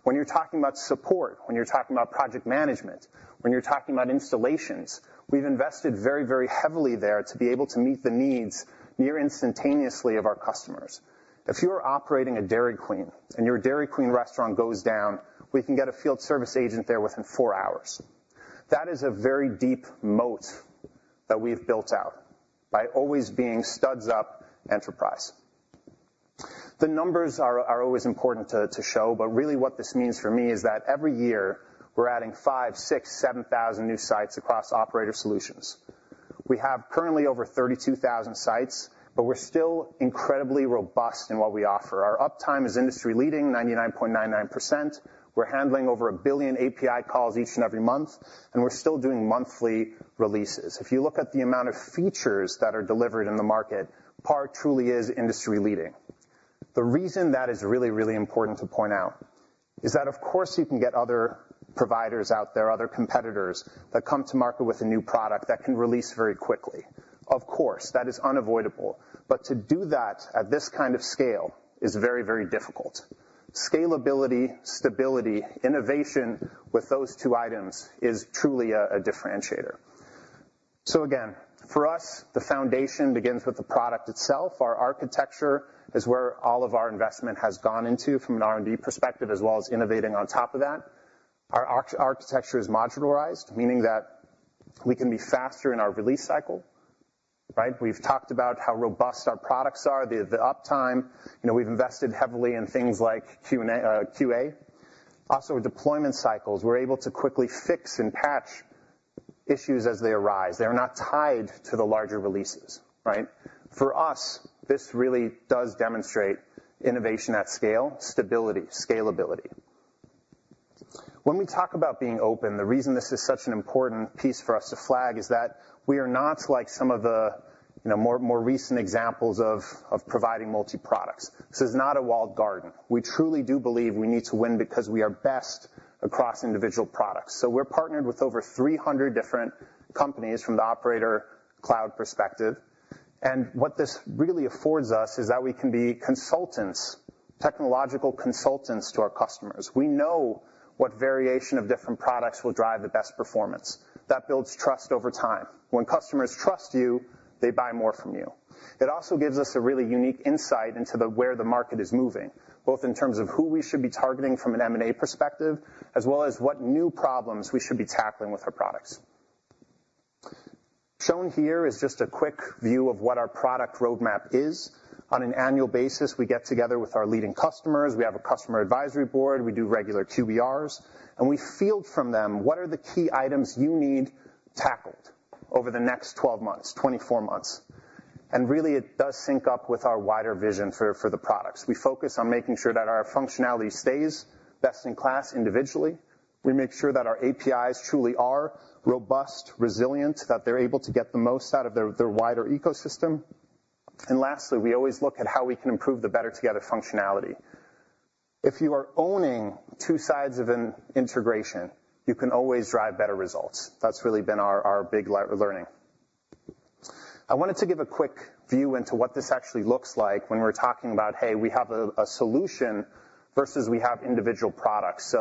When you're talking about support, when you're talking about project management, when you're talking about installations, we've invested very, very heavily there to be able to meet the needs near instantaneously of our customers. If you are operating a Dairy Queen and your Dairy Queen restaurant goes down, we can get a field service agent there within four hours. That is a very deep moat that we've built out by always being studs up enterprise. The numbers are always important to show, but really what this means for me is that every year we're adding five, six, seven thousand new sites across Operator Solutions. We have currently over 32,000 sites, but we're still incredibly robust in what we offer. Our uptime is industry leading, 99.99%. We're handling over a billion API calls each and every month, and we're still doing monthly releases. If you look at the amount of features that are delivered in the market, PAR truly is industry leading. The reason that is really, really important to point out is that, of course, you can get other providers out there, other competitors that come to market with a new product that can release very quickly. Of course, that is unavoidable. But to do that at this kind of scale is very, very difficult. Scalability, stability, innovation with those two items is truly a differentiator. So again, for us, the foundation begins with the product itself. Our architecture is where all of our investment has gone into from an R&D perspective, as well as innovating on top of that. Our architecture is modularized, meaning that we can be faster in our release cycle. Right? We've talked about how robust our products are, the uptime. You know, we've invested heavily in things like QA, also deployment cycles. We're able to quickly fix and patch issues as they arise. They're not tied to the larger releases. Right? For us, this really does demonstrate innovation at scale, stability, scalability. When we talk about being open, the reason this is such an important piece for us to flag is that we are not like some of the, you know, more recent examples of providing multi-products. This is not a walled garden. We truly do believe we need to win because we are best across individual products. So we're partnered with over 300 different companies from the Operator Cloud perspective. And what this really affords us is that we can be consultants, technological consultants to our customers. We know what variation of different products will drive the best performance. That builds trust over time. When customers trust you, they buy more from you. It also gives us a really unique insight into where the market is moving, both in terms of who we should be targeting from an M&A perspective, as well as what new problems we should be tackling with our products. Shown here is just a quick view of what our product roadmap is. On an annual basis, we get together with our leading customers. We have a customer advisory board. We do regular QBRs, and we field from them what are the key items you need tackled over the next 12 months, 24 months. Really, it does sync up with our wider vision for the products. We focus on making sure that our functionality stays best in class individually. We make sure that our APIs truly are robust, resilient, that they're able to get the most out of their wider ecosystem. Lastly, we always look at how we can improve the Better Together functionality. If you are owning two sides of an integration, you can always drive better results. That's really been our big learning. I wanted to give a quick view into what this actually looks like when we're talking about, hey, we have a solution versus we have individual products.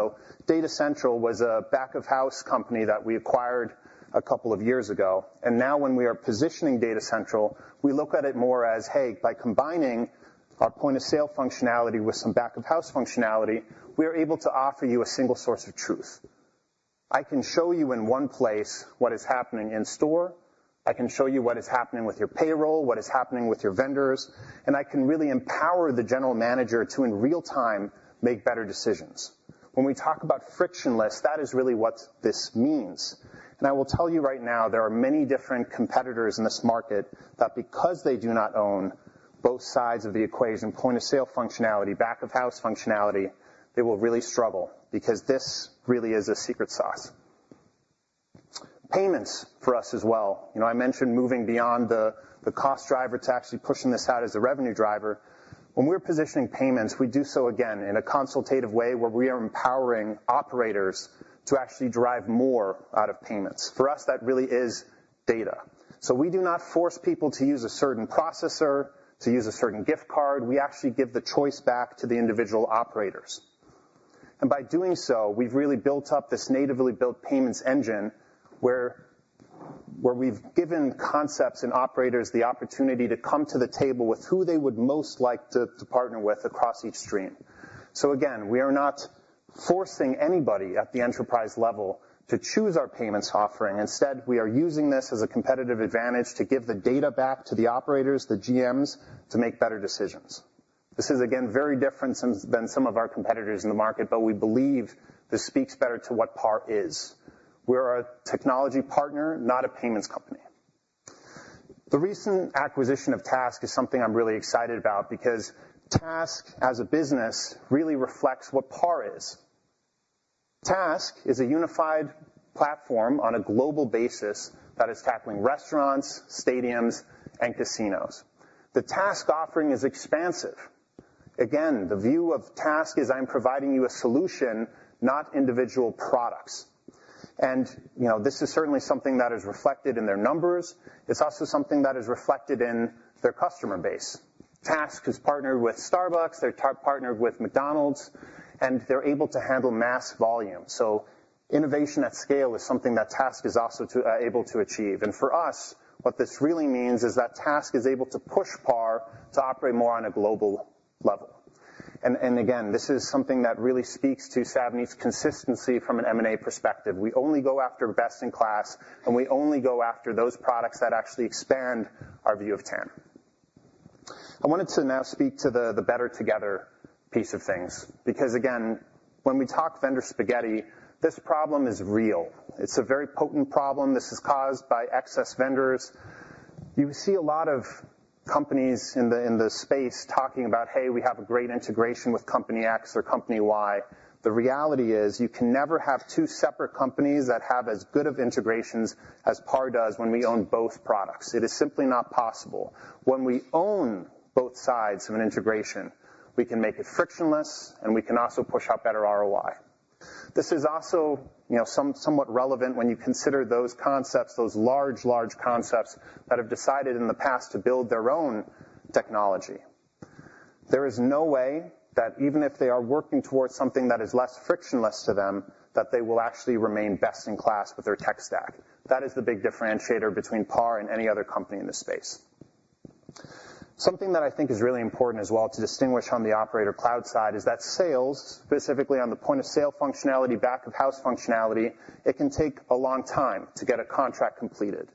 Data Central was a back of house company that we acquired a couple of years ago. Now when we are positioning Data Central, we look at it more as, hey, by combining our point-of-sale functionality with some back of house functionality, we are able to offer you a single source of truth. I can show you in one place what is happening in store. I can show you what is happening with your payroll, what is happening with your vendors. I can really empower the general manager to, in real time, make better decisions. When we talk about frictionless, that is really what this means. I will tell you right now, there are many different competitors in this market that, because they do not own both sides of the equation, point-of-sale functionality, back of house functionality, they will really struggle because this really is a secret sauce. Payments for us as well. You know, I mentioned moving beyond the cost driver to actually pushing this out as a revenue driver. When we're positioning payments, we do so again in a consultative way where we are empowering operators to actually drive more out of payments. For us, that really is data. So we do not force people to use a certain processor, to use a certain gift card. We actually give the choice back to the individual operators. By doing so, we've really built up this natively built Payments engine where we've given concepts and operators the opportunity to come to the table with who they would most like to partner with across each stream. So again, we are not forcing anybody at the enterprise level to choose our payments offering. Instead, we are using this as a competitive advantage to give the data back to the operators, the GMs, to make better decisions. This is again very different than some of our competitors in the market, but we believe this speaks better to what PAR is. We're a technology partner, not a payments company. The recent acquisition of TASK is something I'm really excited about because TASK, as a business, really reflects what PAR is. TASK is a unified platform on a global basis that is tackling restaurants, stadiums, and casinos. The TASK offering is expansive. Again, the view of TASK is I'm providing you a solution, not individual products, and you know, this is certainly something that is reflected in their numbers. It's also something that is reflected in their customer base. TASK has partnered with Starbucks. They've partnered with McDonald's, and they're able to handle mass volume. So innovation at scale is something that TASK is also able to achieve, and for us, what this really means is that TASK is able to push PAR to operate more on a global level. And again, this is something that really speaks to Savneet's consistency from an M&A perspective. We only go after best in class, and we only go after those products that actually expand our view of TAM. I wanted to now speak to the Better Together piece of things because, again, when we talk vendor spaghetti, this problem is real. It's a very potent problem. This is caused by excess vendors. You see a lot of companies in the space talking about, hey, we have a great integration with company X or company Y. The reality is you can never have two separate companies that have as good of integrations as PAR does when we own both products. It is simply not possible. When we own both sides of an integration, we can make it frictionless, and we can also push out better ROI. This is also, you know, somewhat relevant when you consider those concepts, those large, large concepts that have decided in the past to build their own technology. There is no way that even if they are working towards something that is less frictionless to them, that they will actually remain best-in-class with their tech stack. That is the big differentiator between PAR and any other company in this space. Something that I think is really important as well to distinguish on the Operator Cloud side is that sales, specifically on the point-of-sale functionality, back of house functionality, it can take a long time to get a contract completed.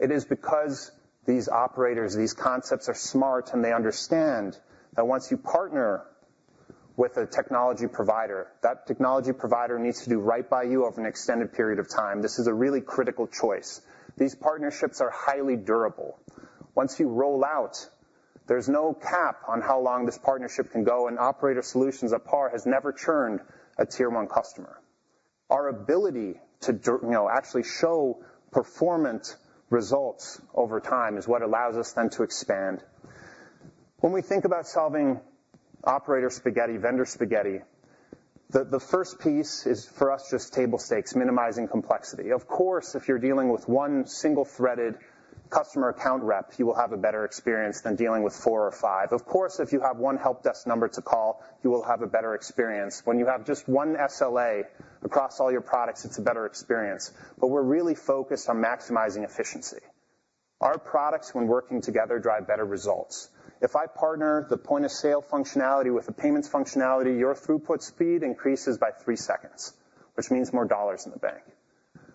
It is because these operators, these concepts are smart, and they understand that once you partner with a technology provider, that technology provider needs to do right by you over an extended period of time. This is a really critical choice. These partnerships are highly durable. Once you roll out, there's no cap on how long this partnership can go, and Operator Solutions at PAR have never churned a tier one customer. Our ability to, you know, actually show performance results over time is what allows us then to expand. When we think about solving operator spaghetti, vendor spaghetti, the first piece is for us just table stakes, minimizing complexity. Of course, if you're dealing with one single-threaded customer account rep, you will have a better experience than dealing with four or five. Of course, if you have one help desk number to call, you will have a better experience. When you have just one SLA across all your products, it's a better experience. But we're really focused on maximizing efficiency. Our products, when working together, drive better results. If I partner the point-of-sale functionality with a payments functionality, your throughput speed increases by three seconds, which means more dollars in the bank.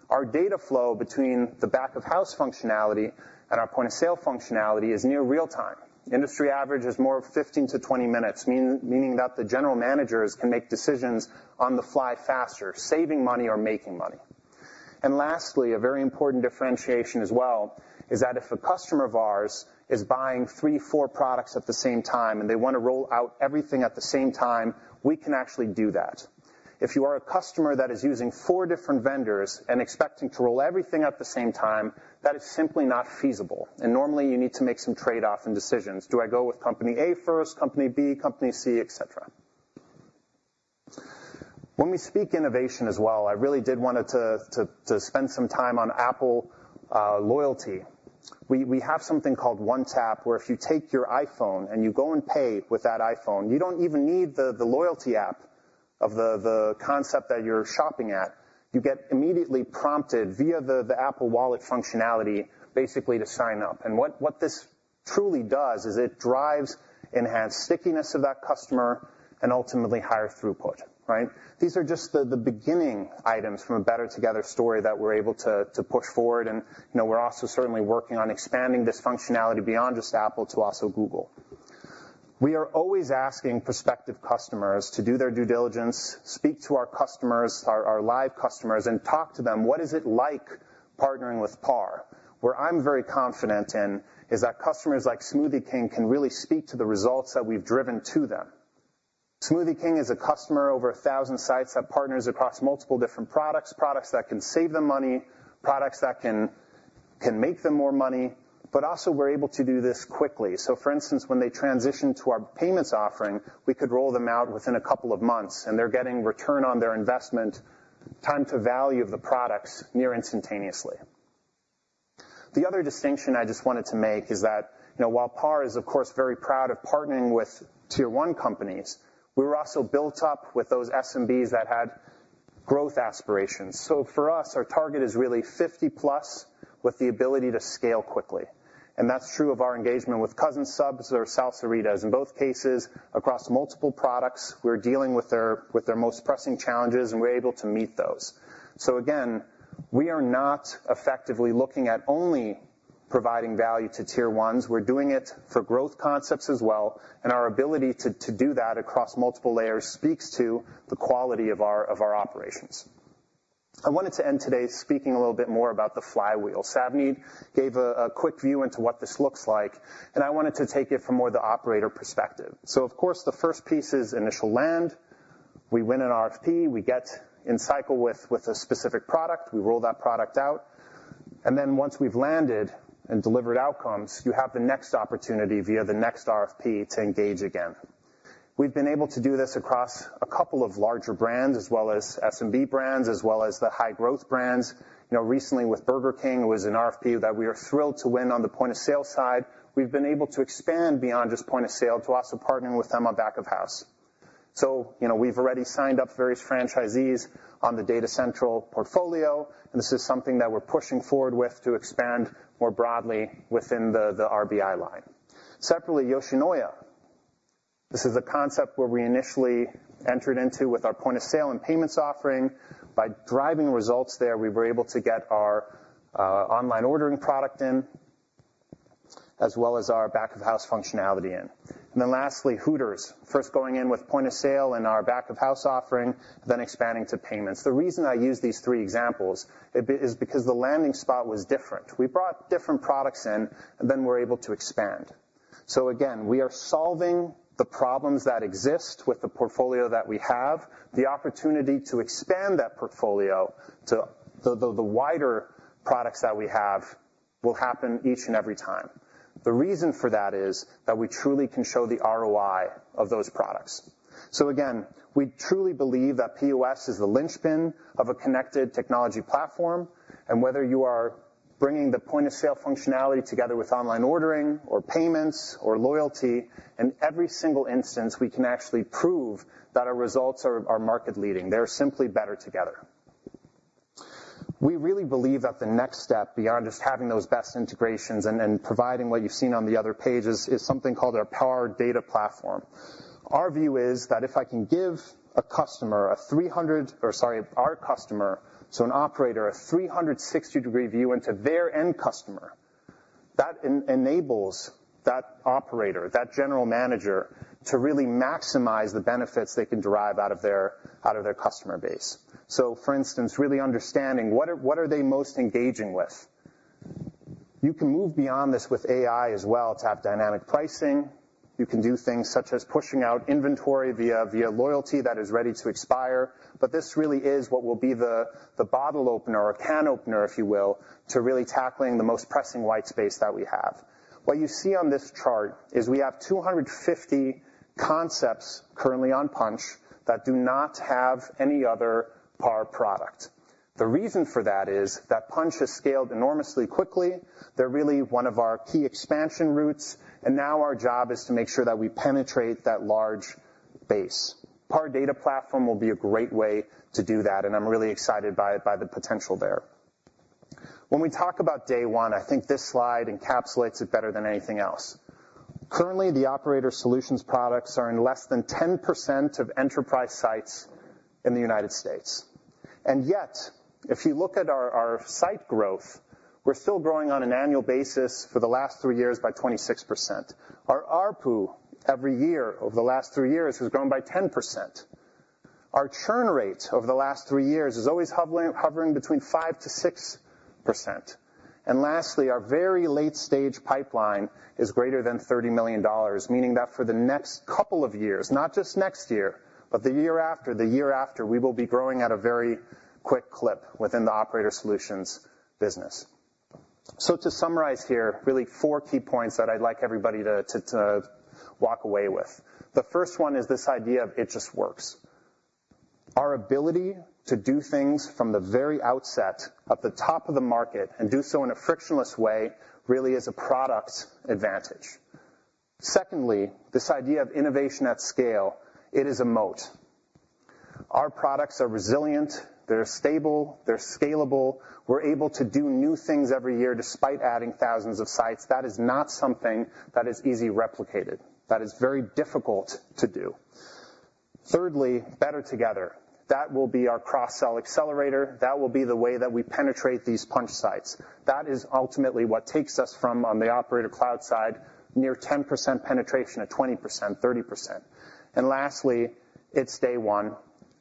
Our data flow between the back-of-house functionality and our point-of-sale functionality is near real-time. Industry average is more of 15-20 minutes, meaning that the general managers can make decisions on the fly faster, saving money or making money. And lastly, a very important differentiation as well is that if a customer of ours is buying three, four products at the same time and they want to roll out everything at the same time, we can actually do that. If you are a customer that is using four different vendors and expecting to roll everything at the same time, that is simply not feasible. And normally you need to make some trade-off in decisions. Do I go with company A first, company B, company C, etc.? When we speak innovation as well, I really did want to spend some time on Apple loyalty. We have something called One Tap where if you take your iPhone and you go and pay with that iPhone, you don't even need the loyalty app of the concept that you're shopping at. You get immediately prompted via the Apple Wallet functionality basically to sign up. And what this truly does is it drives enhanced stickiness of that customer and ultimately higher throughput. Right? These are just the beginning items from a Better Together story that we're able to push forward. And, you know, we're also certainly working on expanding this functionality beyond just Apple to also Google. We are always asking prospective customers to do their due diligence, speak to our customers, our live customers, and talk to them. What is it like partnering with PAR? Where I'm very confident in is that customers like Smoothie King can really speak to the results that we've driven to them. Smoothie King is a customer over 1,000 sites that partners across multiple different products, products that can save them money, products that can make them more money, but also we're able to do this quickly. For instance, when they transition to our payments offering, we could roll them out within a couple of months, and they're getting return on their investment, time to value of the products near instantaneously. The other distinction I just wanted to make is that, you know, while PAR is, of course, very proud of partnering with tier one companies, we were also built up with those SMBs that had growth aspirations. For us, our target is really 50 plus with the ability to scale quickly. That's true of our engagement with Cousins Subs or Salsarita's. In both cases, across multiple products, we're dealing with their most pressing challenges, and we're able to meet those. So again, we are not effectively looking at only providing value to Tier 1s. We're doing it for growth concepts as well. And our ability to do that across multiple layers speaks to the quality of our operations. I wanted to end today speaking a little bit more about the flywheel. Savneet gave a quick view into what this looks like, and I wanted to take it from more the operator perspective. So, of course, the first piece is initial land. We win an RFP. We get in cycle with a specific product. We roll that product out. And then once we've landed and delivered outcomes, you have the next opportunity via the next RFP to engage again. We've been able to do this across a couple of larger brands, as well as SMB brands, as well as the high growth brands. You know, recently with Burger King, it was an RFP that we are thrilled to win on the point-of-sale side. We've been able to expand beyond just point of sale to also partner with them on back of house. So, you know, we've already signed up various franchisees on the Data Central portfolio, and this is something that we're pushing forward with to expand more broadly within the RBI line. Separately, Yoshinoya. This is a concept where we initially entered into with our point-of-sale and Payments offering. By driving results there, we were able to get our online ordering product in, as well as our back of house functionality in. Then lastly, Hooters, first going in with point-of-sale and our back of house offering, then expanding to payments. The reason I use these three examples is because the landing spot was different. We brought different products in, and then we're able to expand. So again, we are solving the problems that exist with the portfolio that we have. The opportunity to expand that portfolio to the wider products that we have will happen each and every time. The reason for that is that we truly can show the ROI of those products. So again, we truly believe that POS is the linchpin of a connected technology platform. Whether you are bringing the point of sale functionality together with online ordering or payments or loyalty, in every single instance, we can actually prove that our results are market leading. They're simply better together. We really believe that the next step beyond just having those best integrations and providing what you've seen on the other page is something called our PAR Data Platform. Our view is that if I can give a customer a 300, or sorry, our customer, so an operator, a 360-degree view into their end customer, that enables that operator, that general manager, to really maximize the benefits they can derive out of their customer base. So, for instance, really understanding what are they most engaging with. You can move beyond this with AI as well to have dynamic pricing. You can do things such as pushing out inventory via loyalty that is ready to expire. But this really is what will be the bottle opener or can opener, if you will, to really tackling the most pressing white space that we have. What you see on this chart is we have 250 concepts currently on Punchh that do not have any other PAR product. The reason for that is that Punchh has scaled enormously quickly. They're really one of our key expansion routes, and now our job is to make sure that we penetrate that large base. PAR Data Platform will be a great way to do that, and I'm really excited by the potential there. When we talk about day one, I think this slide encapsulates it better than anything else. Currently, the Operator Solutions products are in less than 10% of enterprise sites in the United States, and yet, if you look at our site growth, we're still growing on an annual basis for the last three years by 26%. Our ARPU every year over the last three years has grown by 10%. Our churn rate over the last three years is always hovering between 5%-6%. And lastly, our very late-stage pipeline is greater than $30 million, meaning that for the next couple of years, not just next year, but the year after, the year after, we will be growing at a very quick clip within the Operator Solutions business. So to summarize here, really four key points that I'd like everybody to walk away with. The first one is this idea of it just works. Our ability to do things from the very outset at the top of the market and do so in a frictionless way really is a product advantage. Secondly, this idea of innovation at scale, it is a moat. Our products are resilient. They're stable. They're scalable. We're able to do new things every year despite adding thousands of sites. That is not something that is easily replicated. That is very difficult to do. Thirdly, Better Together. That will be our cross-sell accelerator. That will be the way that we penetrate these Punchh sites. That is ultimately what takes us from, on the operator cloud side, near 10% penetration at 20%, 30%. And lastly, it's day one.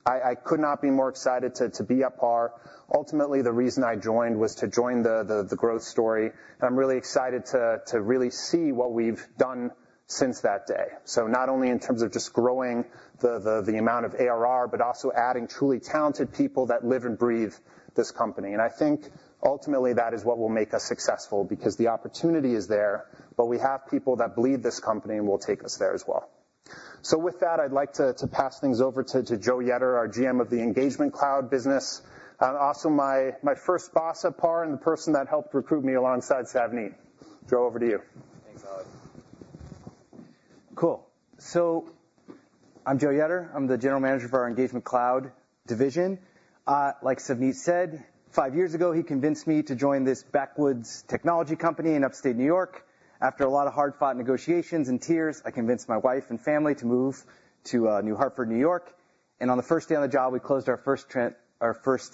I could not be more excited to be at PAR. Ultimately, the reason I joined was to join the growth story. And I'm really excited to really see what we've done since that day. So not only in terms of just growing the amount of ARR, but also adding truly talented people that live and breathe this company. And I think ultimately that is what will make us successful because the opportunity is there, but we have people that bleed this company and will take us there as well. So with that, I'd like to pass things over to Joe Yetter, our GM of the Engagement Cloud business, also my first boss at PAR and the person that helped recruit me alongside Savneet. Joe, over to you. Thanks, Oli. Cool. So I'm Joe Yetter. I'm the General Manager of our Engagement Cloud division. Like Savneet said, five years ago, he convinced me to join this backwoods technology company in Upstate New York. After a lot of hard-fought negotiations and tears, I convinced my wife and family to move to New Hartford, New York, and on the first day on the job, we closed our first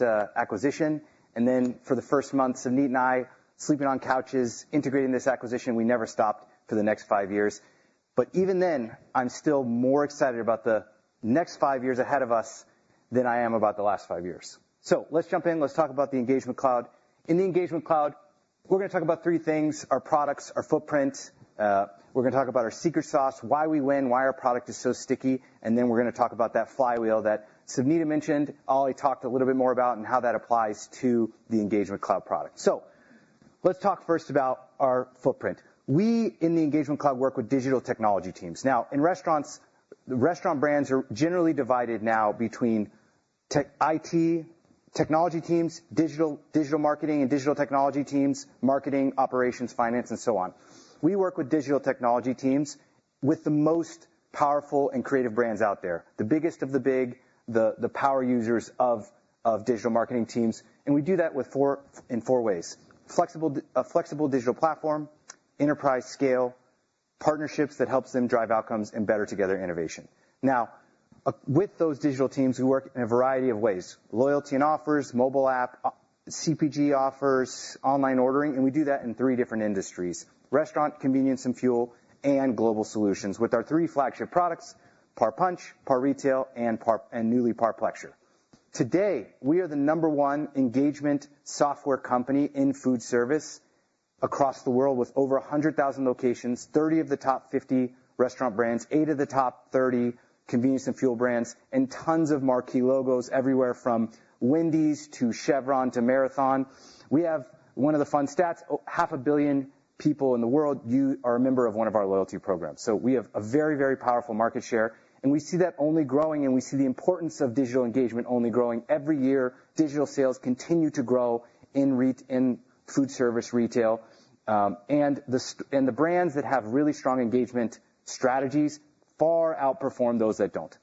acquisition, and then for the first month, Savneet and I sleeping on couches, integrating this acquisition. We never stopped for the next five years, but even then, I'm still more excited about the next five years ahead of us than I am about the last five years. So let's jump in. Let's talk about the Engagement Cloud. In the Engagement Cloud, we're going to talk about three things: our products, our footprint. We're going to talk about our secret sauce, why we win, why our product is so sticky, and then we're going to talk about that flywheel that Savneet mentioned, Oli talked a little bit more about, and how that applies to the Engagement Cloud product. Let's talk first about our footprint. We, in the Engagement Cloud, work with digital technology teams. Now, in restaurants, restaurant brands are generally divided now between IT technology teams, digital marketing and digital technology teams, marketing, operations, finance, and so on. We work with digital technology teams with the most powerful and creative brands out there, the biggest of the big, the power users of digital marketing teams. And we do that in four ways: a flexible digital platform, enterprise scale, partnerships that help them drive outcomes, and Better Together innovation. Now, with those digital teams, we work in a variety of ways: loyalty and offers, mobile app, CPG offers, online ordering. And we do that in three different industries: restaurant, convenience, and fuel, and global solutions with our three flagship products, PAR Punchh, PAR Retail, and newly PAR Plexure. Today, we are the number one engagement software company in food service across the world with over 100,000 locations, 30 of the top 50 restaurant brands, 8 of the top 30 convenience and fuel brands, and tons of marquee logos everywhere from Wendy's to Chevron to Marathon. We have, one of the fun stats, 500 million people in the world are a member of one of our loyalty programs. So we have a very, very powerful market share. And we see that only growing, and we see the importance of digital engagement only growing. Every year, digital sales continue to grow in food service retail. The brands that have really strong engagement strategies far outperform those that don't.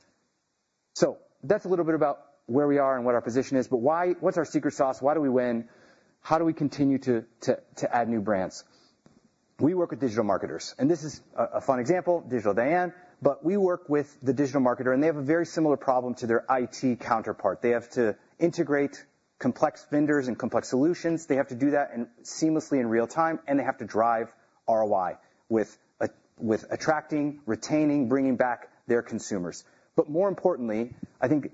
That's a little bit about where we are and what our position is. What's our secret sauce? Why do we win? How do we continue to add new brands? We work with digital marketers. This is a fun example, Digital Diane, but we work with the digital marketer, and they have a very similar problem to their IT counterpart. They have to integrate complex vendors and complex solutions. They have to do that seamlessly in real time, and they have to drive ROI with attracting, retaining, bringing back their consumers. But more importantly, I think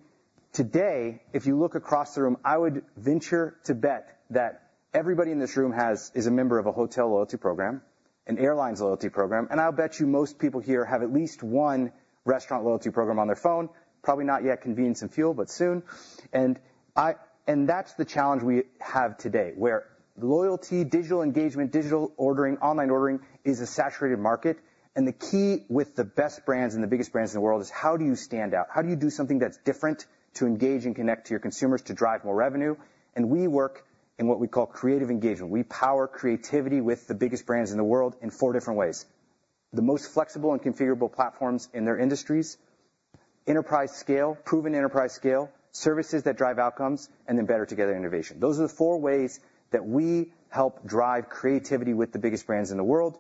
today, if you look across the room, I would venture to bet that everybody in this room is a member of a hotel loyalty program, an airline's loyalty program. And I'll bet you most people here have at least one restaurant loyalty program on their phone, probably not yet convenience and fuel, but soon. And that's the challenge we have today, where loyalty, digital engagement, digital ordering, online ordering is a saturated market. And the key with the best brands and the biggest brands in the world is how do you stand out? How do you do something that's different to engage and connect to your consumers to drive more revenue? And we work in what we call creative engagement. We power creativity with the biggest brands in the world in four different ways: the most flexible and configurable platforms in their industries, enterprise scale, proven enterprise scale, services that drive outcomes, and then Better Together innovation. Those are the four ways that we help drive creativity with the biggest brands in the world.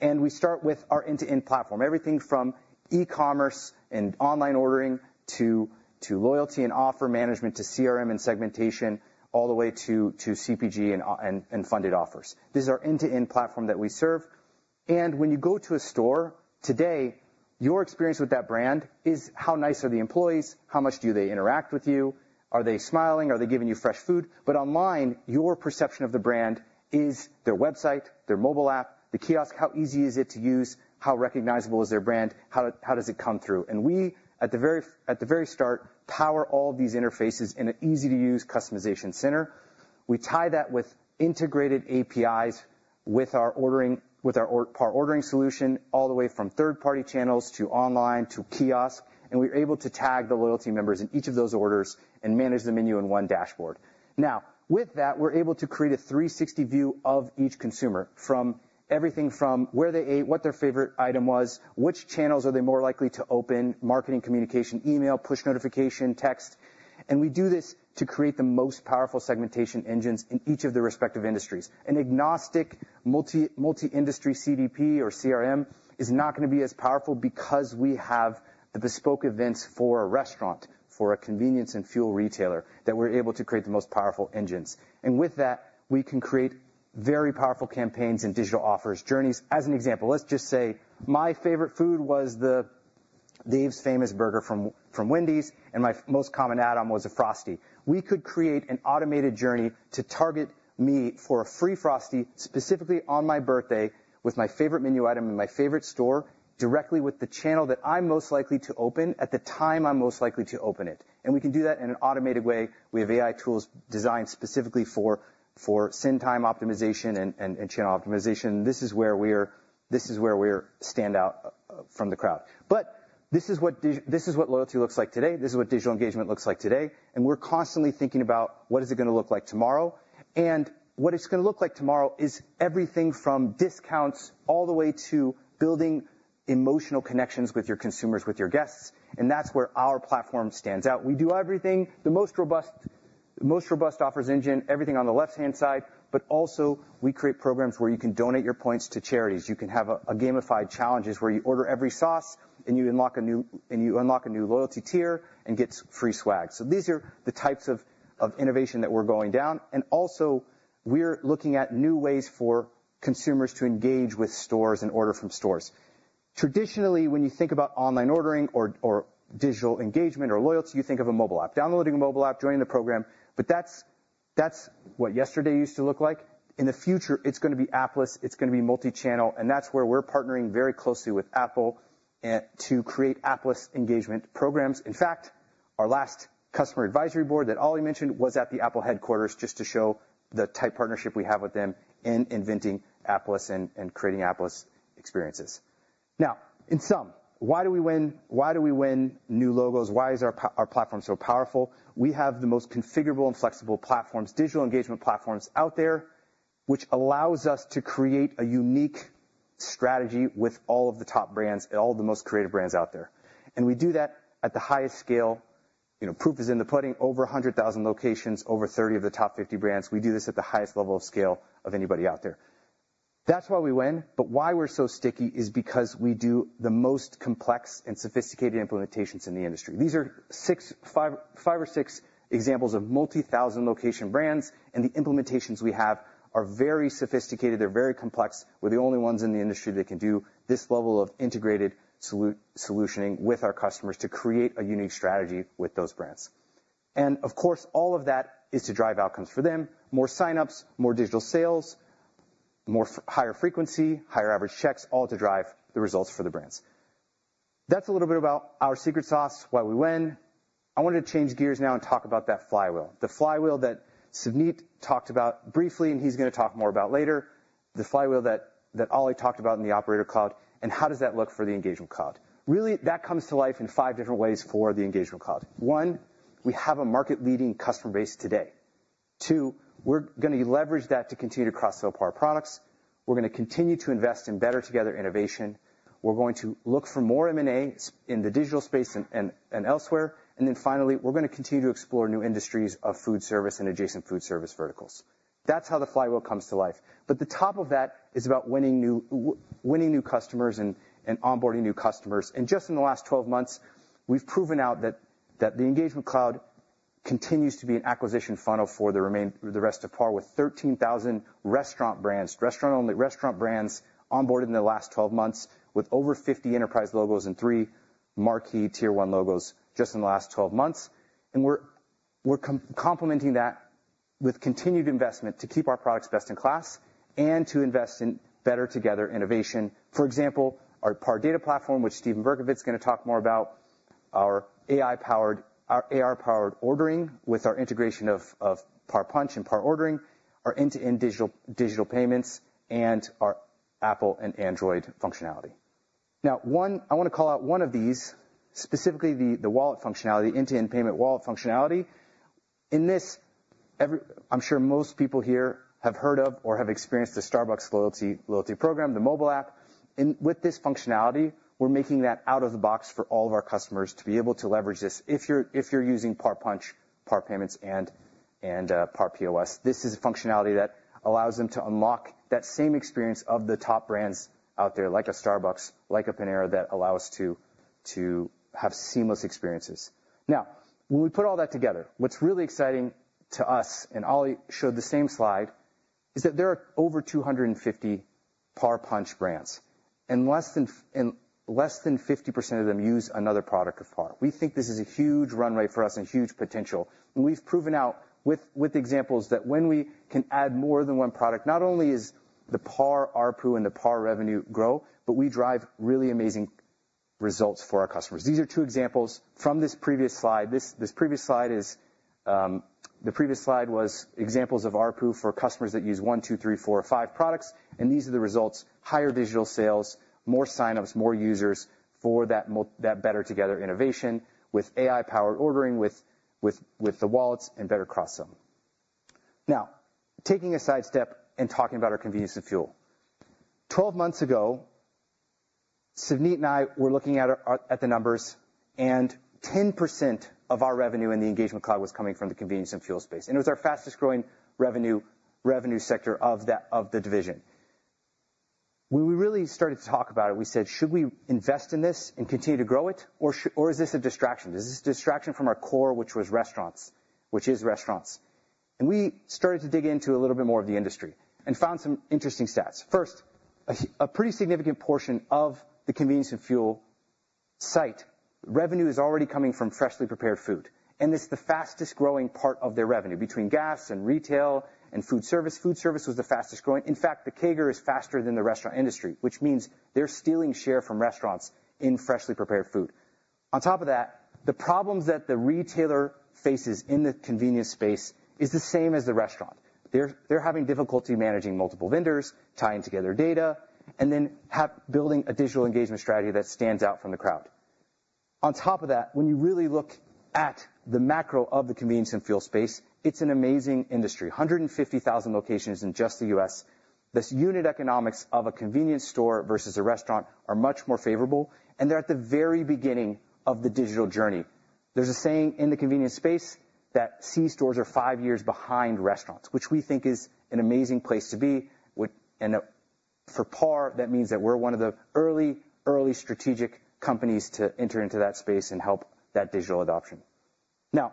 We start with our end-to-end platform, everything from e-commerce and online ordering to loyalty and offer management to CRM and segmentation, all the way to CPG and funded offers. This is our end-to-end platform that we serve. When you go to a store today, your experience with that brand is how nice are the employees? How much do they interact with you? Are they smiling? Are they giving you fresh food? But online, your perception of the brand is their website, their mobile app, the kiosk. How easy is it to use? How recognizable is their brand? How does it come through? We, at the very start, power all of these interfaces in an easy-to-use customization center. We tie that with integrated APIs with our PAR Ordering solution, all the way from third-party channels to online to kiosk. We're able to tag the loyalty members in each of those orders and manage the menu in one dashboard. Now, with that, we're able to create a 360 view of each consumer from everything from where they ate, what their favorite item was, which channels are they more likely to open, marketing communication, email, push notification, text. We do this to create the most powerful segmentation engines in each of the respective industries. An agnostic multi-industry CDP or CRM is not going to be as powerful because we have the bespoke events for a restaurant, for a convenience and fuel retailer that we're able to create the most powerful engines. And with that, we can create very powerful campaigns and digital offers journeys. As an example, let's just say my favorite food was the Dave's Famous burger from Wendy's, and my most common add-on was a Frosty. We could create an automated journey to target me for a free Frosty specifically on my birthday with my favorite menu item in my favorite store directly with the channel that I'm most likely to open at the time I'm most likely to open it. And we can do that in an automated way. We have AI tools designed specifically for send time optimization and channel optimization. This is where we stand out from the crowd. But this is what loyalty looks like today. This is what digital engagement looks like today. And we're constantly thinking about what is it going to look like tomorrow. And what it's going to look like tomorrow is everything from discounts all the way to building emotional connections with your consumers, with your guests. And that's where our platform stands out. We do everything, the most robust offers engine, everything on the left-hand side. But also, we create programs where you can donate your points to charities. You can have a gamified challenges where you order every sauce and you unlock a new loyalty tier and get free swag. So these are the types of innovation that we're going down. And also, we're looking at new ways for consumers to engage with stores and order from stores. Traditionally, when you think about online ordering or digital engagement or loyalty, you think of a mobile app, downloading a mobile app, joining the program. But that's what yesterday used to look like. In the future, it's going to be app-less. It's going to be multi-channel. And that's where we're partnering very closely with Apple to create app-less engagement programs. In fact, our last customer advisory board that Oli mentioned was at the Apple headquarters just to show the tight partnership we have with them in inventing app-less and creating app-less experiences. Now, in sum, why do we win? Why do we win new logos? Why is our platform so powerful? We have the most configurable and flexible platforms, digital engagement platforms out there, which allows us to create a unique strategy with all of the top brands and all of the most creative brands out there. And we do that at the highest scale. Proof is in the pudding. Over 100,000 locations, over 30 of the top 50 brands. We do this at the highest level of scale of anybody out there. That's why we win. But why we're so sticky is because we do the most complex and sophisticated implementations in the industry. These are five or six examples of multi-thousand location brands. And the implementations we have are very sophisticated. They're very complex. We're the only ones in the industry that can do this level of integrated solutioning with our customers to create a unique strategy with those brands. And of course, all of that is to drive outcomes for them: more sign-ups, more digital sales, higher frequency, higher average checks, all to drive the results for the brands. That's a little bit about our secret sauce, why we win. I wanted to change gears now and talk about that flywheel, the flywheel that Savneet talked about briefly, and he's going to talk more about later, the flywheel that Oli talked about in the Operator Cloud and how does that look for the Engagement Cloud. Really, that comes to life in five different ways for the Engagement Cloud. One, we have a market-leading customer base today. Two, we're going to leverage that to continue to cross-sell PAR products. We're going to continue to invest in Better Together innovation. We're going to look for more M&A in the digital space and elsewhere. And then finally, we're going to continue to explore new industries of food service and adjacent food service verticals. That's how the flywheel comes to life. But the top of that is about winning new customers and onboarding new customers. Just in the last 12 months, we've proven out that the Engagement Cloud continues to be an acquisition funnel for the rest of PAR with 13,000 restaurant brands, restaurant-only restaurant brands onboarded in the last 12 months with over 50 enterprise logos and three marquee Tier 1 logos just in the last 12 months. We're complementing that with continued investment to keep our products best in class and to invest in Better Together innovation. For example, our PAR Data Platform, which Steven Berkovitz is going to talk more about, our AI-powered ordering with our integration of PAR Punchh and PAR Ordering, our end-to-end digital payments, and our Apple and Android functionality. Now, I want to call out one of these, specifically the wallet functionality, end-to-end payment wallet functionality. In this, I'm sure most people here have heard of or have experienced the Starbucks loyalty program, the mobile app. With this functionality, we're making that out of the box for all of our customers to be able to leverage this. If you're using PAR Punchh, PAR Payments, and PAR POS, this is a functionality that allows them to unlock that same experience of the top brands out there like a Starbucks, like a Panera that allow us to have seamless experiences. Now, when we put all that together, what's really exciting to us, and Oli showed the same slide, is that there are over 250 PAR Punchh brands, and less than 50% of them use another product of PAR. We think this is a huge runway for us and huge potential. We've proven out with examples that when we can add more than one product, not only does the PAR ARPU and the PAR revenue grow, but we drive really amazing results for our customers. These are two examples from this previous slide. The previous slide was examples of our ARPU for customers that use one, two, three, four, five products, and these are the results: higher digital sales, more sign-ups, more users for that better together innovation with AI-powered ordering, with the wallets, and better cross-selling. Now, taking a side step and talking about our convenience and fuel. Twelve months ago, Savneet and I were looking at the numbers, and 10% of our revenue in the Engagement Cloud was coming from the convenience and fuel space, and it was our fastest-growing revenue sector of the division. When we really started to talk about it, we said, "Should we invest in this and continue to grow it, or is this a distraction? Is this a distraction from our core, which was restaurants, which is restaurants?" And we started to dig into a little bit more of the industry and found some interesting stats. First, a pretty significant portion of the convenience and fuel site revenue is already coming from freshly prepared food. And it's the fastest-growing part of their revenue between gas and retail and food service. Food service was the fastest-growing. In fact, the CAGR is faster than the restaurant industry, which means they're stealing share from restaurants in freshly prepared food. On top of that, the problems that the retailer faces in the convenience space are the same as the restaurant. They're having difficulty managing multiple vendors, tying together data, and then building a digital engagement strategy that stands out from the crowd. On top of that, when you really look at the macro of the convenience and fuel space, it's an amazing industry. 150,000 locations in just the U.S. This unit economics of a convenience store versus a restaurant is much more favorable, and they're at the very beginning of the digital journey. There's a saying in the convenience space that C-stores are five years behind restaurants, which we think is an amazing place to be. For PAR, that means that we're one of the early, early strategic companies to enter into that space and help that digital adoption. Now,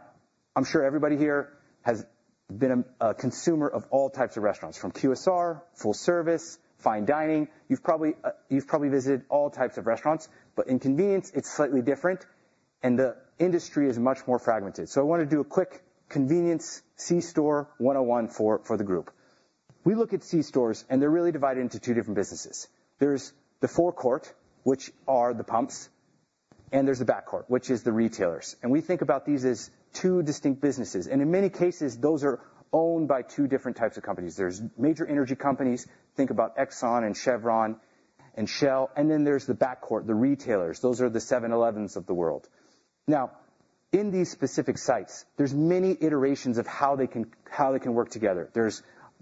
I'm sure everybody here has been a consumer of all types of restaurants, from QSR, full service, fine dining. You've probably visited all types of restaurants. But in convenience, it's slightly different, and the industry is much more fragmented. I want to do a quick convenience C-store 101 for the group. We look at C-stores, and they're really divided into two different businesses. There's the forecourt, which are the pumps, and there's the backcourt, which is the retailers. We think about these as two distinct businesses. In many cases, those are owned by two different types of companies. There's major energy companies. Think about Exxon and Chevron and Shell. Then there's the backcourt, the retailers. Those are the 7-Elevens of the world. Now, in these specific sites, there's many iterations of how they can work together.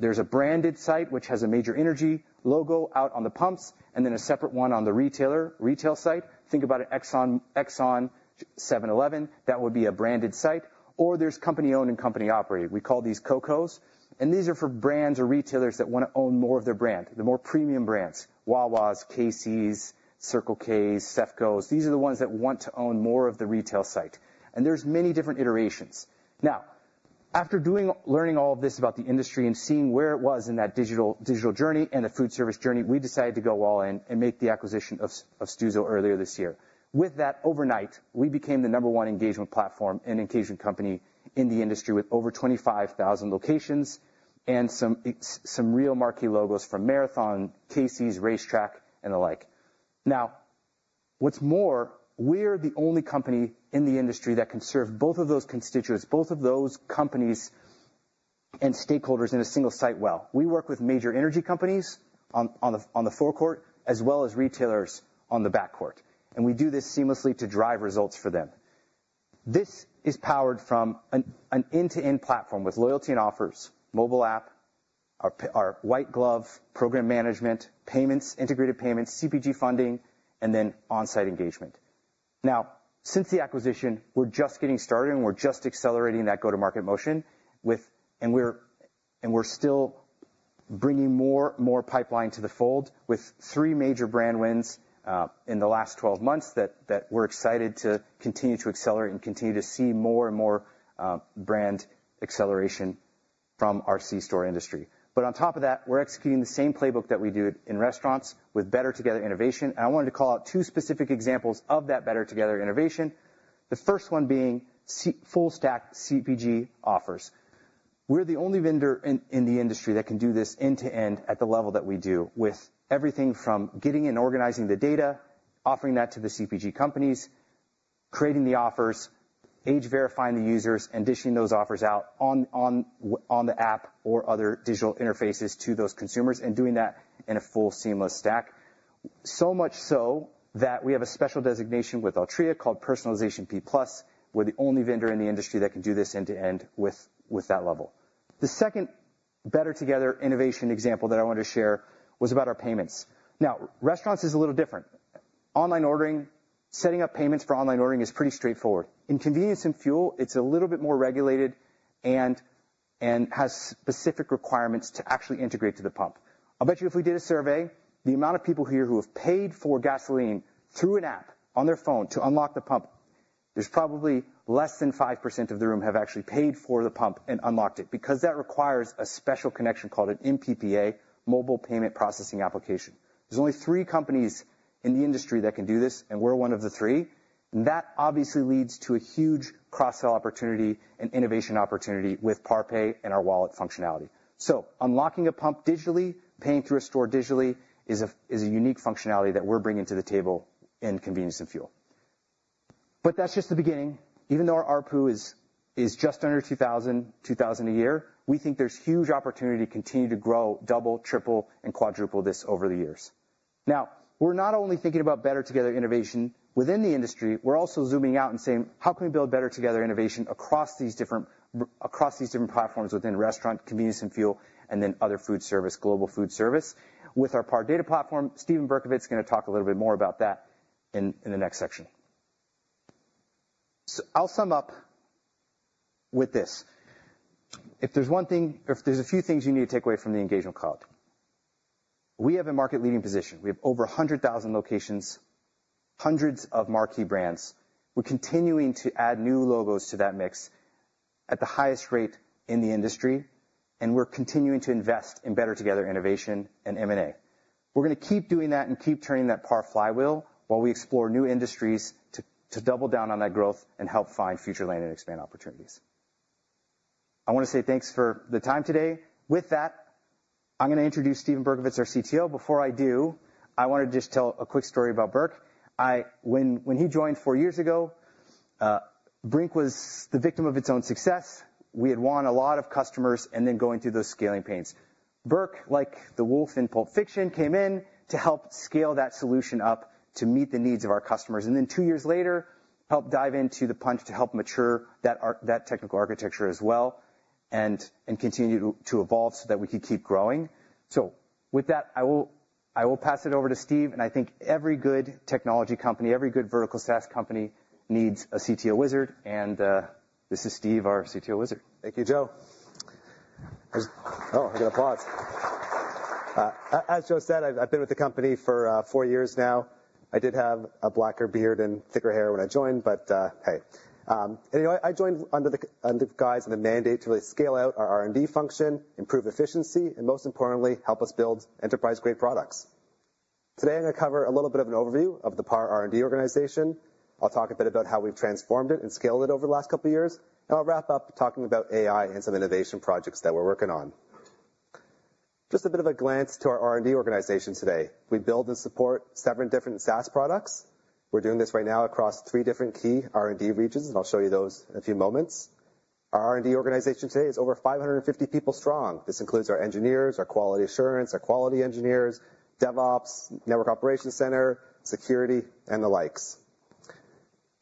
There's a branded site, which has a major energy logo out on the pumps, and then a separate one on the retailer retail site. Think about an Exxon 7-Eleven. That would be a branded site. Or there's company-owned and company-operated. We call these Co-Cos. These are for brands or retailers that want to own more of their brand, the more premium brands: Wawa's, Casey's, Circle K's, CEFCO's. These are the ones that want to own more of the retail site. And there's many different iterations. Now, after learning all of this about the industry and seeing where it was in that digital journey and the food service journey, we decided to go all in and make the acquisition of Stuzo earlier this year. With that, overnight, we became the number one engagement platform and engagement company in the industry with over 25,000 locations and some real marquee logos from Marathon, Casey's, RaceTrac, and the like. Now, what's more, we're the only company in the industry that can serve both of those constituents, both of those companies and stakeholders in a single site well. We work with major energy companies on the forecourt as well as retailers on the backcourt. And we do this seamlessly to drive results for them. This is powered from an end-to-end platform with loyalty and offers, mobile app, our white glove program management, payments, integrated payments, CPG funding, and then on-site engagement. Now, since the acquisition, we're just getting started, and we're just accelerating that go-to-market motion. And we're still bringing more and more pipeline to the fold with three major brand wins in the last 12 months that we're excited to continue to accelerate and continue to see more and more brand acceleration from our C-store industry. But on top of that, we're executing the same playbook that we do in restaurants with Better Together innovation. And I wanted to call out two specific examples of that Better Together innovation, the first one being full-stack CPG offers. We're the only vendor in the industry that can do this end-to-end at the level that we do with everything from getting and organizing the data, offering that to the CPG companies, creating the offers, age-verifying the users, and dishing those offers out on the app or other digital interfaces to those consumers and doing that in a full seamless stack. So much so that we have a special designation with Altria called Personalization P+. We're the only vendor in the industry that can do this end-to-end with that level. The second Better Together innovation example that I wanted to share was about our payments. Now, restaurants is a little different. Online ordering, setting up payments for online ordering is pretty straightforward. In convenience and fuel, it's a little bit more regulated and has specific requirements to actually integrate to the pump. I bet you if we did a survey, the amount of people here who have paid for gasoline through an app on their phone to unlock the pump, there's probably less than 5% of the room have actually paid for the pump and unlocked it because that requires a special connection called an MPPA, Mobile Payment Processing Application. There's only three companies in the industry that can do this, and we're one of the three, and that obviously leads to a huge cross-sell opportunity and innovation opportunity with PAR Pay and our wallet functionality, so unlocking a pump digitally, paying through a store digitally is a unique functionality that we're bringing to the table in convenience and fuel, but that's just the beginning. Even though our ARPU is just under 2,000, 2,000 a year, we think there's huge opportunity to continue to grow, double, triple, and quadruple this over the years. Now, we're not only thinking about Better Together innovation within the industry. We're also zooming out and saying, "How can we build Better Together innovation across these different platforms within restaurant, convenience and fuel, and then another food service, global food service?" With our PAR Data Platform, Steven Berkovitz is going to talk a little bit more about that in the next section. So I'll sum up with this. If there's a few things you need to take away from the Engagement Cloud, we have a market-leading position. We have over 100,000 locations, hundreds of marquee brands. We're continuing to add new logos to that mix at the highest rate in the industry, and we're continuing to invest in Better Together innovation and M&A. We're going to keep doing that and keep turning that PAR flywheel while we explore new industries to double down on that growth and help find future land and expand opportunities. I want to say thanks for the time today. With that, I'm going to introduce Steven Berkovitz, our CTO. Before I do, I wanted to just tell a quick story about Berk. When he joined four years ago, Brink was the victim of its own success. We had won a lot of customers and then going through those scaling pains. Berk, like the wolf in Pulp Fiction, came in to help scale that solution up to meet the needs of our customers. Then two years later, helped dive into the Punchh to help mature that technical architecture as well and continue to evolve so that we could keep growing. With that, I will pass it over to Steve. I think every good technology company, every good vertical SaaS company needs a CTO wizard. This is Steve, our CTO wizard. Thank you, Joe. Oh, I get applause. As Joe said, I've been with the company for four years now. I did have a blacker beard and thicker hair when I joined, but hey. Anyway, I joined under the guise of the mandate to really scale out our R&D function, improve efficiency, and most importantly, help us build enterprise-grade products. Today, I'm going to cover a little bit of an overview of the PAR R&D organization. I'll talk a bit about how we've transformed it and scaled it over the last couple of years, and I'll wrap up talking about AI and some innovation projects that we're working on. Just a bit of a glance to our R&D organization today. We build and support seven different SaaS products. We're doing this right now across three different key R&D regions, and I'll show you those in a few moments. Our R&D organization today is over 550 people strong. This includes our engineers, our quality assurance, our quality engineers, DevOps, network operations center, security, and the likes.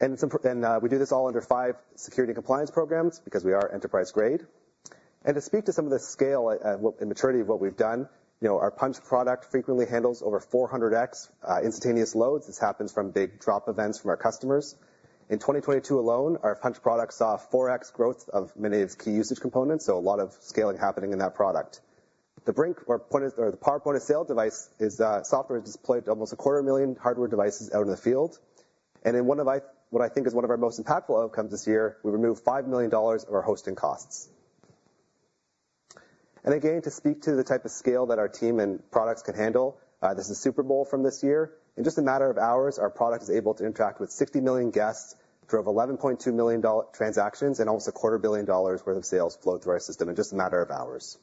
To speak to some of the scale and maturity of what we've done, our Punchh product frequently handles over 400x instantaneous loads. This happens from big drop events from our customers. In 2022 alone, our Punchh product saw 4x growth of many of its key usage components, so a lot of scaling happening in that product. The PAR point of sale device software has deployed almost 250,000 hardware devices out in the field. In one of, what I think is one of our most impactful outcomes this year, we removed $5 million of our hosting costs. And again, to speak to the type of scale that our team and products can handle, this is Super Bowl from this year. In just a matter of hours, our product is able to interact with 60 million guests, drove $11.2 million transactions, and almost a $250 million worth of sales flowed through our system in just a matter of hours.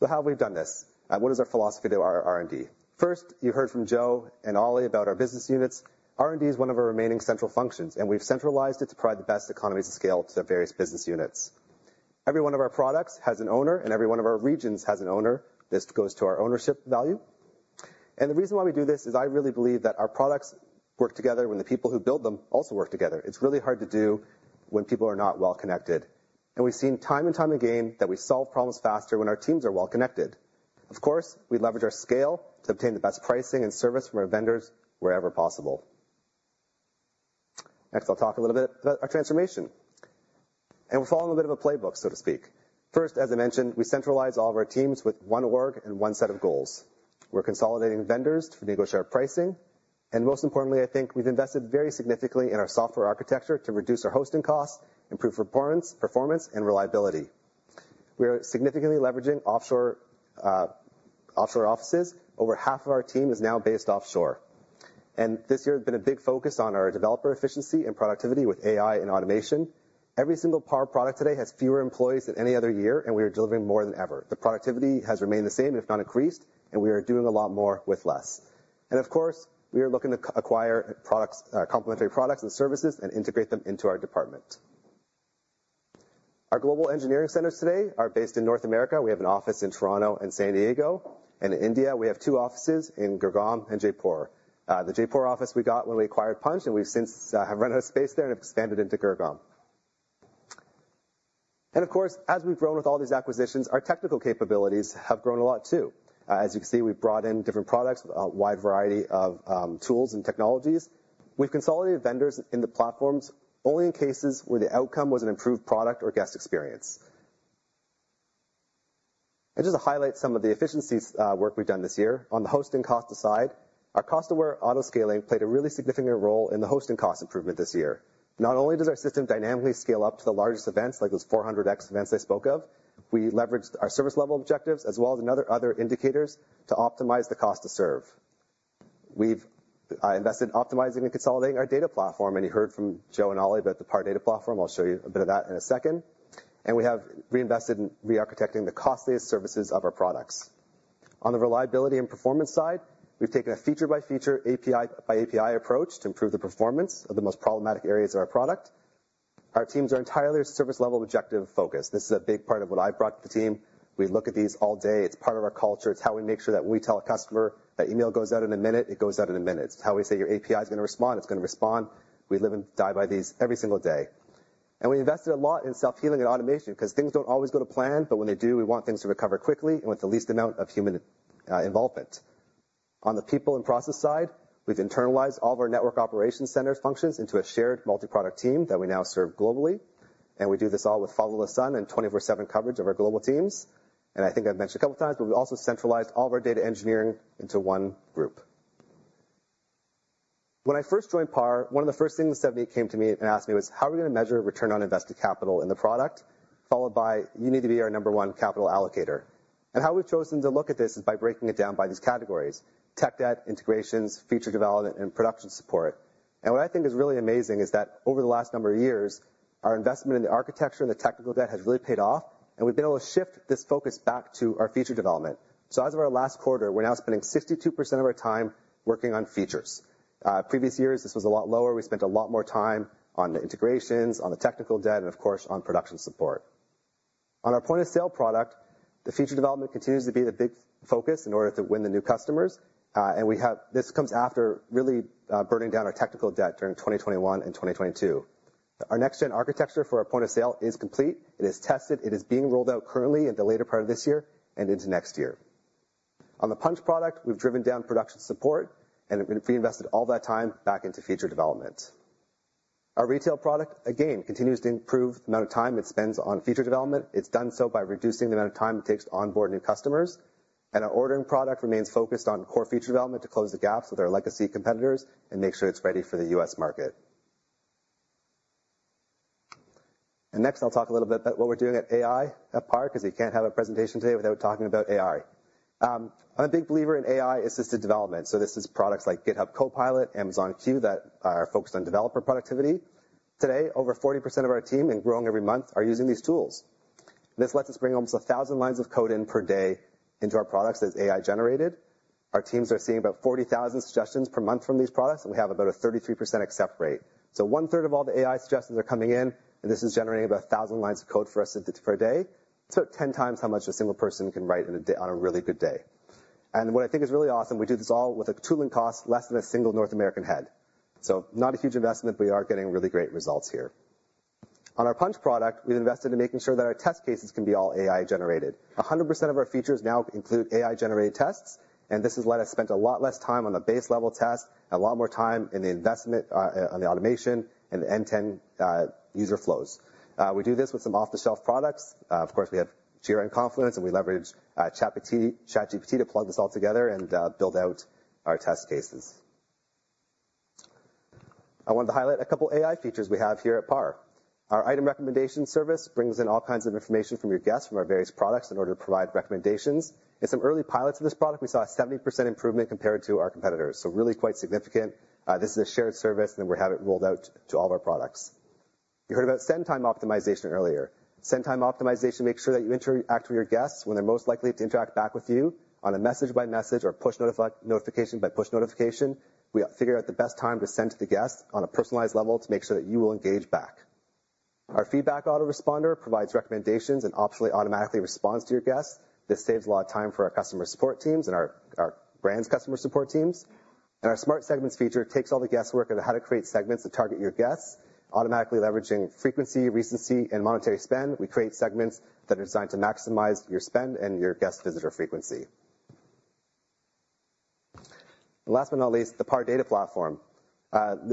So how have we done this? What is our philosophy to our R&D? First, you heard from Joe and Oli about our business units. R&D is one of our remaining central functions, and we've centralized it to provide the best economies of scale to various business units. Every one of our products has an owner, and every one of our regions has an owner. This goes to our ownership value. The reason why we do this is I really believe that our products work together when the people who build them also work together. It's really hard to do when people are not well connected. We've seen time and time again that we solve problems faster when our teams are well connected. Of course, we leverage our scale to obtain the best pricing and service from our vendors wherever possible. Next, I'll talk a little bit about our transformation. We're following a bit of a playbook, so to speak. First, as I mentioned, we centralize all of our teams with one org and one set of goals. We're consolidating vendors to negotiate pricing. Most importantly, I think we've invested very significantly in our software architecture to reduce our hosting costs, improve performance, and reliability. We are significantly leveraging offshore offices. Over half of our team is now based offshore. This year has been a big focus on our developer efficiency and productivity with AI and automation. Every single PAR product today has fewer employees than any other year, and we are delivering more than ever. The productivity has remained the same, if not increased, and we are doing a lot more with less. Of course, we are looking to acquire complementary products and services and integrate them into our department. Our global engineering centers today are based in North America. We have an office in Toronto and San Diego. In India, we have two offices in Gurugram and Jaipur. The Jaipur office we got when we acquired Punchh, and we've since run out of space there and expanded into Gurugram. Of course, as we've grown with all these acquisitions, our technical capabilities have grown a lot too. As you can see, we've brought in different products, a wide variety of tools and technologies. We've consolidated vendors in the platforms only in cases where the outcome was an improved product or guest experience. Just to highlight some of the efficiency work we've done this year, on the hosting cost aside, our Cost-Aware Autoscaling played a really significant role in the hosting cost improvement this year. Not only does our system dynamically scale up to the largest events, like those 400x events I spoke of, we leveraged our service level objectives as well as other indicators to optimize the cost to serve. We've invested in optimizing and consolidating our data platform, and you heard from Joe and Oli about the PAR Data Platform. I'll show you a bit of that in a second, and we have reinvested in re-architecting the costliest services of our products. On the reliability and performance side, we've taken a feature-by-feature, API-by-API approach to improve the performance of the most problematic areas of our product. Our teams are entirely service level objective focused. This is a big part of what I've brought to the team. We look at these all day. It's part of our culture. It's how we make sure that when we tell a customer that email goes out in a minute, it goes out in a minute. It's how we say your API is going to respond. It's going to respond. We live and die by these every single day. We invested a lot in self-healing and automation because things don't always go to plan, but when they do, we want things to recover quickly and with the least amount of human involvement. On the people and process side, we've internalized all of our network operations center functions into a shared multi-product team that we now serve globally. We do this all with follow-the-sun and 24/7 coverage of our global teams. I think I've mentioned a couple of times, but we've also centralized all of our data engineering into one group. When I first joined PAR, one of the first things that came to me and asked me was, "How are we going to measure return on invested capital in the product?" Followed by, "You need to be our number one capital allocator." And how we've chosen to look at this is by breaking it down by these categories: tech debt, integrations, feature development, and production support. And what I think is really amazing is that over the last number of years, our investment in the architecture and the technical debt has really paid off, and we've been able to shift this focus back to our feature development. So as of our last quarter, we're now spending 62% of our time working on features. Previous years, this was a lot lower. We spent a lot more time on the integrations, on the technical debt, and of course, on production support. On our point-of-sale product, the feature development continues to be the big focus in order to win the new customers. And this comes after really burning down our technical debt during 2021 and 2022. Our next-gen architecture for our point-of-sale is complete. It is tested. It is being rolled out currently in the later part of this year and into next year. On the Punchh product, we've driven down production support and reinvested all that time back into feature development. Our retail product, again, continues to improve the amount of time it spends on feature development. It's done so by reducing the amount of time it takes to onboard new customers. And our ordering product remains focused on core feature development to close the gaps with our legacy competitors and make sure it's ready for the U.S. market. Next, I'll talk a little bit about what we're doing at AI at PAR because you can't have a presentation today without talking about AI. I'm a big believer in AI-assisted development. So this is products like GitHub Copilot, Amazon Q that are focused on developer productivity. Today, over 40% of our team and growing every month are using these tools. This lets us bring almost 1,000 lines of code in per day into our products that is AI-generated. Our teams are seeing about 40,000 suggestions per month from these products, and we have about a 33% accept rate. So one-third of all the AI suggestions are coming in, and this is generating about 1,000 lines of code for us per day. It's about 10 times how much a single person can write on a really good day. What I think is really awesome, we do this all with a tooling cost less than a single North American head. So not a huge investment, but we are getting really great results here. On our Punchh product, we've invested in making sure that our test cases can be all AI-generated. 100% of our features now include AI-generated tests, and this has let us spend a lot less time on the base-level test and a lot more time in the investment on the automation and the end-to-end user flows. We do this with some off-the-shelf products. Of course, we have Jira and Confluence, and we leverage ChatGPT to plug this all together and build out our test cases. I wanted to highlight a couple of AI features we have here at PAR. Our item recommendation service brings in all kinds of information from your guests from our various products in order to provide recommendations. In some early pilots of this product, we saw a 70% improvement compared to our competitors, so really quite significant. This is a shared service, and we have it rolled out to all of our products. You heard about Send-Time Optimization earlier. Send-time optimization makes sure that you interact with your guests when they're most likely to interact back with you on a message-by-message or push notification-by-push notification. We figure out the best time to send to the guest on a personalized level to make sure that you will engage back. Our Feedback Autoresponder provides recommendations and optionally automatically responds to your guests. This saves a lot of time for our customer support teams and our brand's customer support teams. Our Smart Segments feature takes all the guesswork of how to create segments that target your guests. Automatically leveraging frequency, recency, and monetary spend, we create segments that are designed to maximize your spend and your guest visitor frequency. Last but not least, the PAR Data Platform.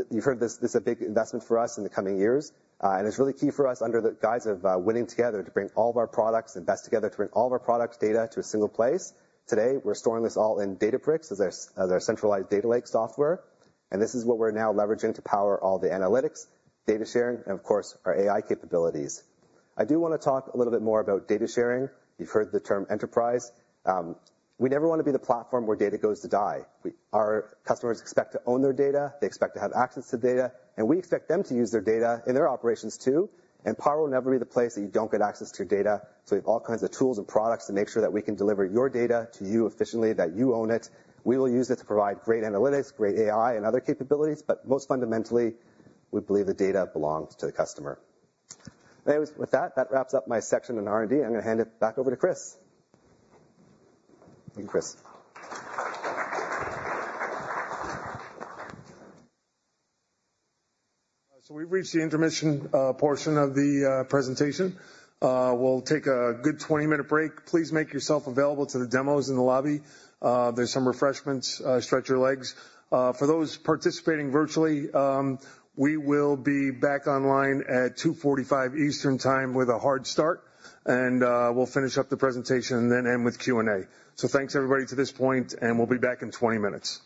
You've heard this. This is a big investment for us in the coming years, and it's really key for us under the guise of winning together to bring all of our products and best together to bring all of our product data to a single place. Today, we're storing this all in Databricks as our centralized data lake software. And this is what we're now leveraging to power all the analytics, data sharing, and of course, our AI capabilities. I do want to talk a little bit more about data sharing. You've heard the term enterprise. We never want to be the platform where data goes to die. Our customers expect to own their data. They expect to have access to data, and we expect them to use their data in their operations too. And PAR will never be the place that you don't get access to your data. So we have all kinds of tools and products to make sure that we can deliver your data to you efficiently, that you own it. We will use it to provide great analytics, great AI, and other capabilities, but most fundamentally, we believe the data belongs to the customer. Anyways, with that, that wraps up my section on R&D. I'm going to hand it back over to Chris. Thank you, Chris. So we've reached the intermission portion of the presentation. We'll take a good 20-minute break. Please make yourself available to the demos in the lobby. There's some refreshments. Stretch your legs. For those participating virtually, we will be back online at 2:45 P.M. Eastern Time with a hard start, and we'll finish up the presentation and then end with Q&A, so thanks, everybody, to this point, and we'll be back in 20 minutes.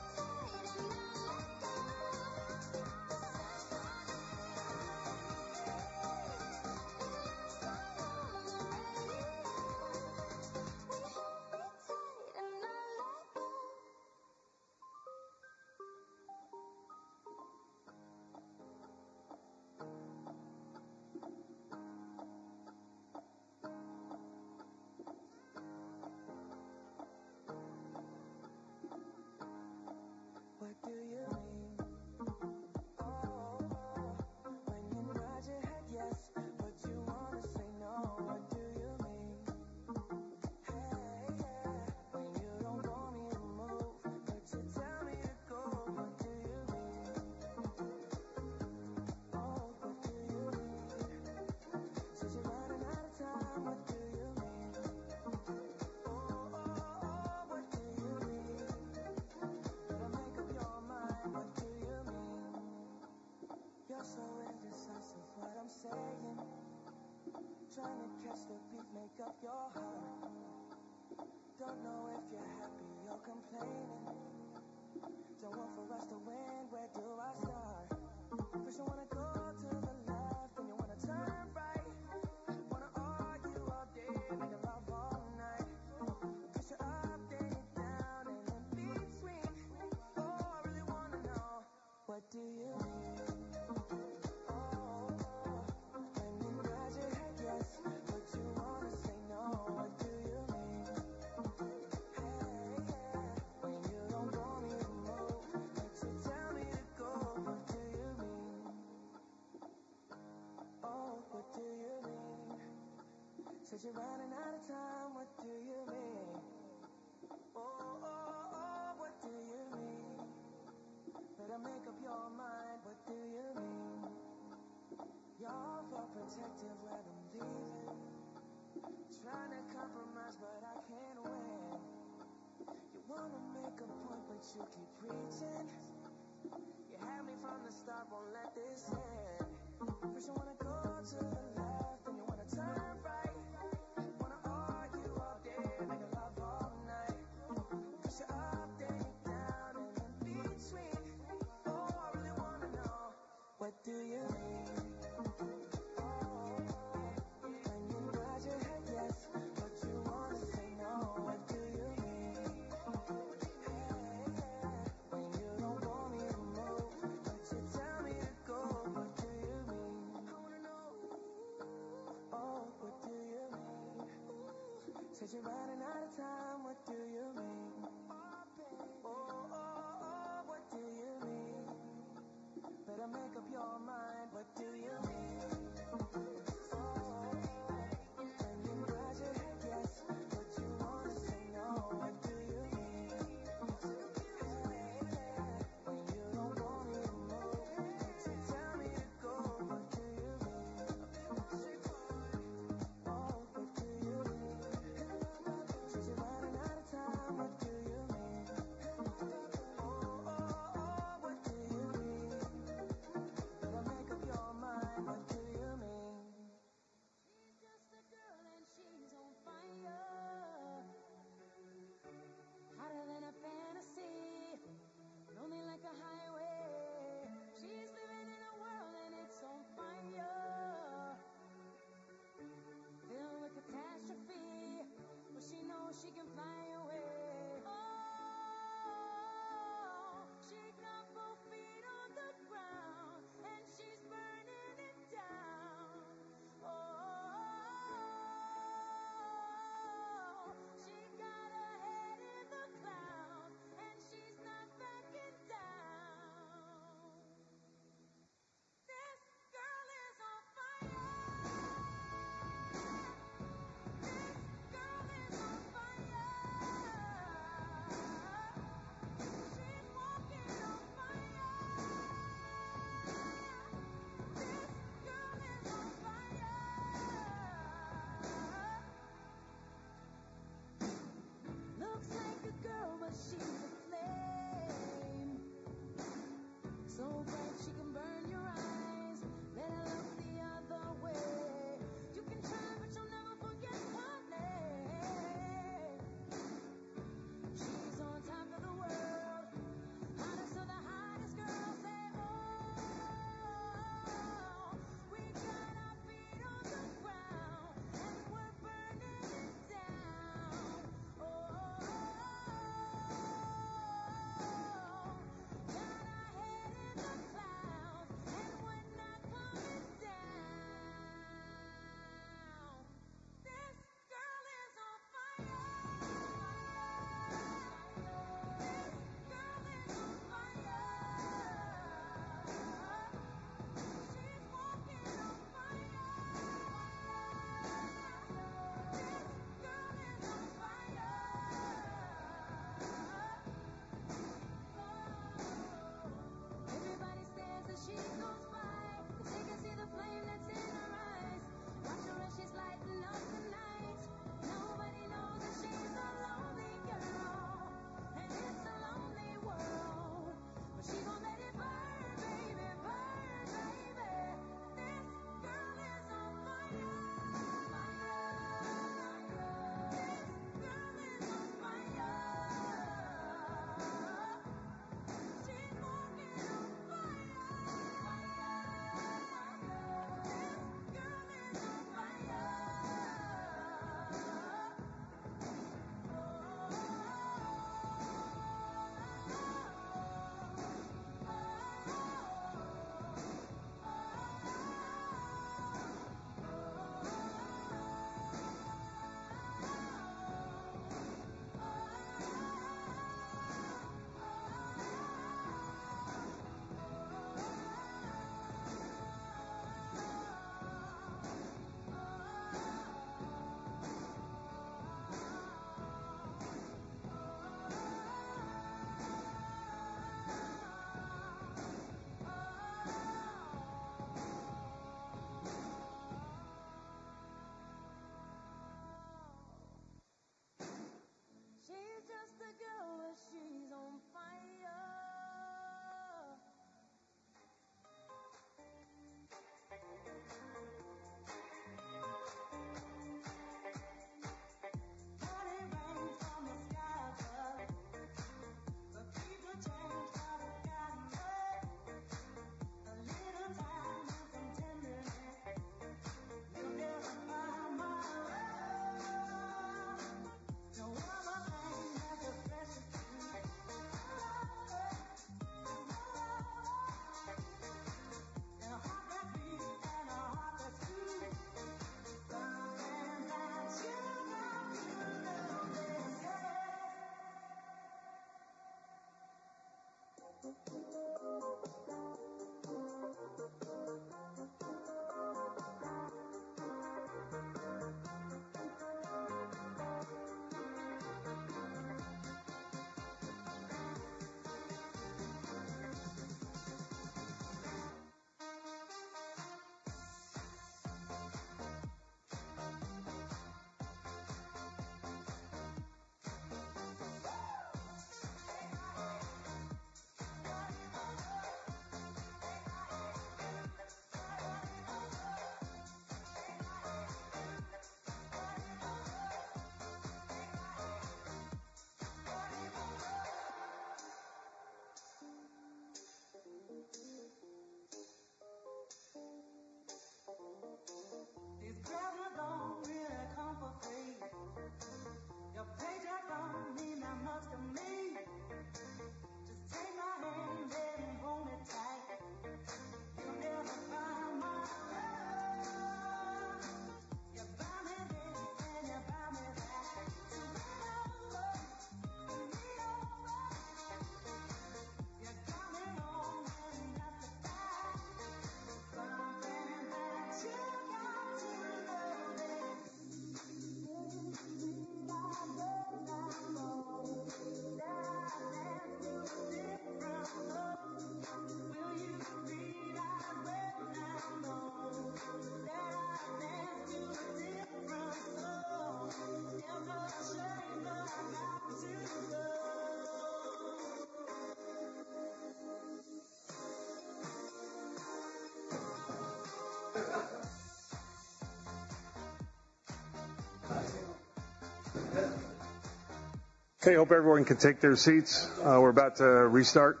Okay, hope everyone can take their seats. We're about to restart.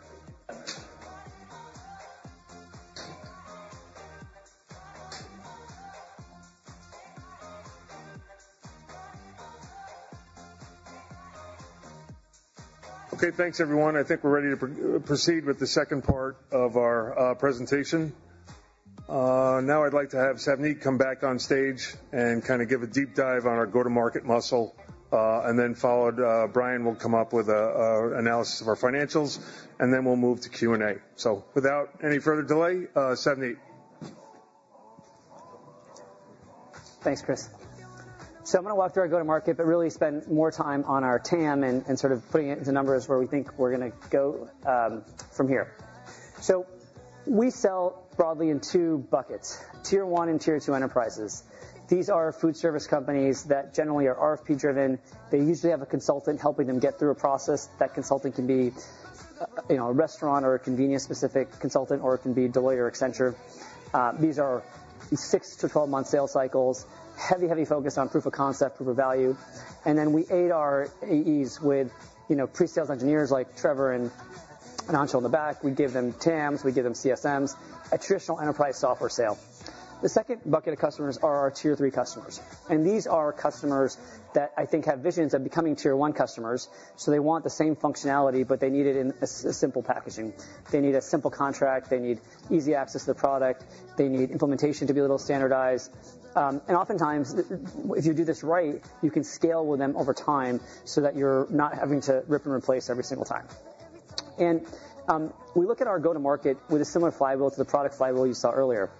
Okay, thanks everyone. I think we're ready to proceed with the second part of our presentation. Now I'd like to have Savneet come back on stage and kind of give a deep dive on our go-to-market muscle, and then Bryan will come up with an analysis of our financials, and then we'll move to Q&A. So without any further delay, Savneet. Thanks, Chris. So I'm going to walk through our go-to-market, but really spend more time on our TAM and sort of putting it into numbers where we think we're going to go from here. So we sell broadly in two buckets: Tier 1 and Tier 2 enterprises. These are food service companies that generally are RFP-driven. They usually have a consultant helping them get through a process. That consultant can be a restaurant or a convenience-specific consultant, or it can be Deloitte or Accenture. These are 6 to 12-month sales cycles, heavy, heavy focus on proof of concept, proof of value, and then we aid our AEs with presales engineers like Trevor and Anshul in the back. We give them TAMs. We give them CSMs, a traditional enterprise software sale. The second bucket of customers are our Tier 3 customers. And these are customers that I think have visions of becoming Tier 1 customers, so they want the same functionality, but they need it in a simple packaging. They need a simple contract. They need easy access to the product. They need implementation to be a little standardized, and oftentimes, if you do this right, you can scale with them over time so that you're not having to rip and replace every single time, and we look at our go-to-market with a similar flywheel to the product flywheel you saw earlier.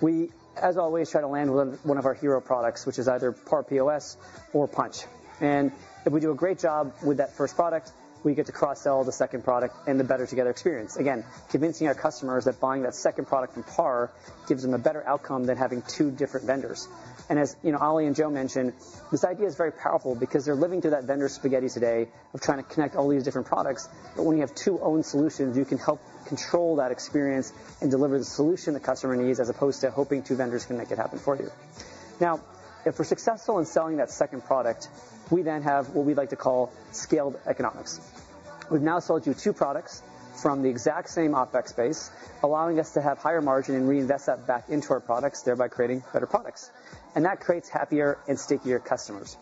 We, as always, try to land with one of our hero products, which is either PAR POS or Punchh, and if we do a great job with that first product, we get to cross-sell the second product and the better-together experience. Again, convincing our customers that buying that second product from PAR gives them a better outcome than having two different vendors. And as Oli and Joe mentioned, this idea is very powerful because they're living through that vendor spaghetti today of trying to connect all these different products. But when you have two own solutions, you can help control that experience and deliver the solution the customer needs as opposed to hoping two vendors can make it happen for you. Now, if we're successful in selling that second product, we then have what we like to call scaled economics. We've now sold you two products from the exact same OpEx base, allowing us to have higher margin and reinvest that back into our products, thereby creating better products. And that creates happier and stickier customers.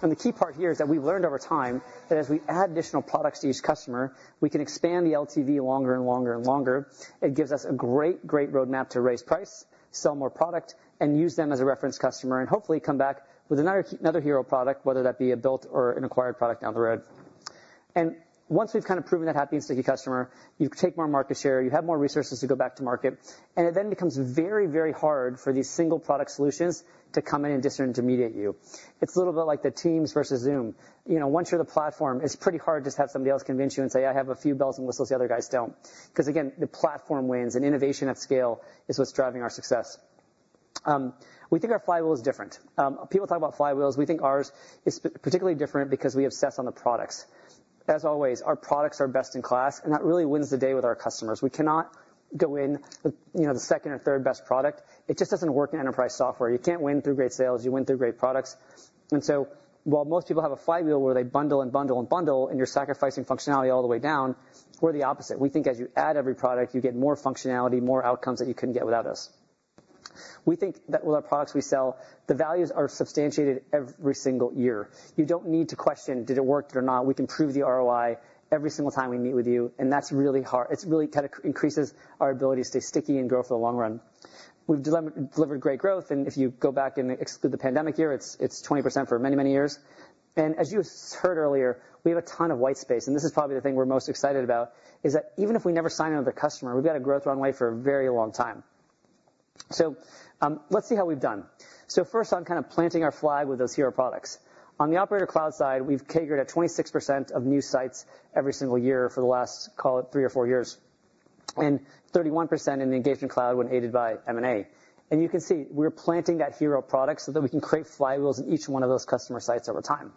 The key part here is that we've learned over time that as we add additional products to each customer, we can expand the LTV longer and longer and longer. It gives us a great, great roadmap to raise price, sell more product, and use them as a reference customer, and hopefully come back with another hero product, whether that be a built or an acquired product down the road. Once we've kind of proven that happy and sticky customer, you take more market share, you have more resources to go back to market, and it then becomes very, very hard for these single product solutions to come in and disintermediate you. It's a little bit like the Teams versus Zoom. Once you're the platform, it's pretty hard to just have somebody else convince you and say, "I have a few bells and whistles the other guys don't." Because again, the platform wins and innovation at scale is what's driving our success. We think our flywheel is different. People talk about flywheels. We think ours is particularly different because we have bets on the products. As always, our products are best in class, and that really wins the day with our customers. We cannot go in with the second or third best product. It just doesn't work in enterprise software. You can't win through great sales. You win through great products. And so while most people have a flywheel where they bundle and bundle and bundle and you're sacrificing functionality all the way down, we're the opposite. We think as you add every product, you get more functionality, more outcomes that you couldn't get without us. We think that with our products we sell, the values are substantiated every single year. You don't need to question, "Did it work? Did it not?" We can prove the ROI every single time we meet with you. And that's really hard. It really kind of increases our ability to stay sticky and grow for the long run. We've delivered great growth. And if you go back and exclude the pandemic year, it's 20% for many, many years. And as you heard earlier, we have a ton of white space. And this is probably the thing we're most excited about, is that even if we never sign another customer, we've got a growth runway for a very long time. So let's see how we've done. So first on kind of planting our flag with those hero products. On the Operator Cloud side, we've CAGR 26% of new sites every single year for the last, call it, three or four years, and 31% in the Engagement Cloud when aided by M&A. And you can see we're planting that hero product so that we can create flywheels in each one of those customer sites over time.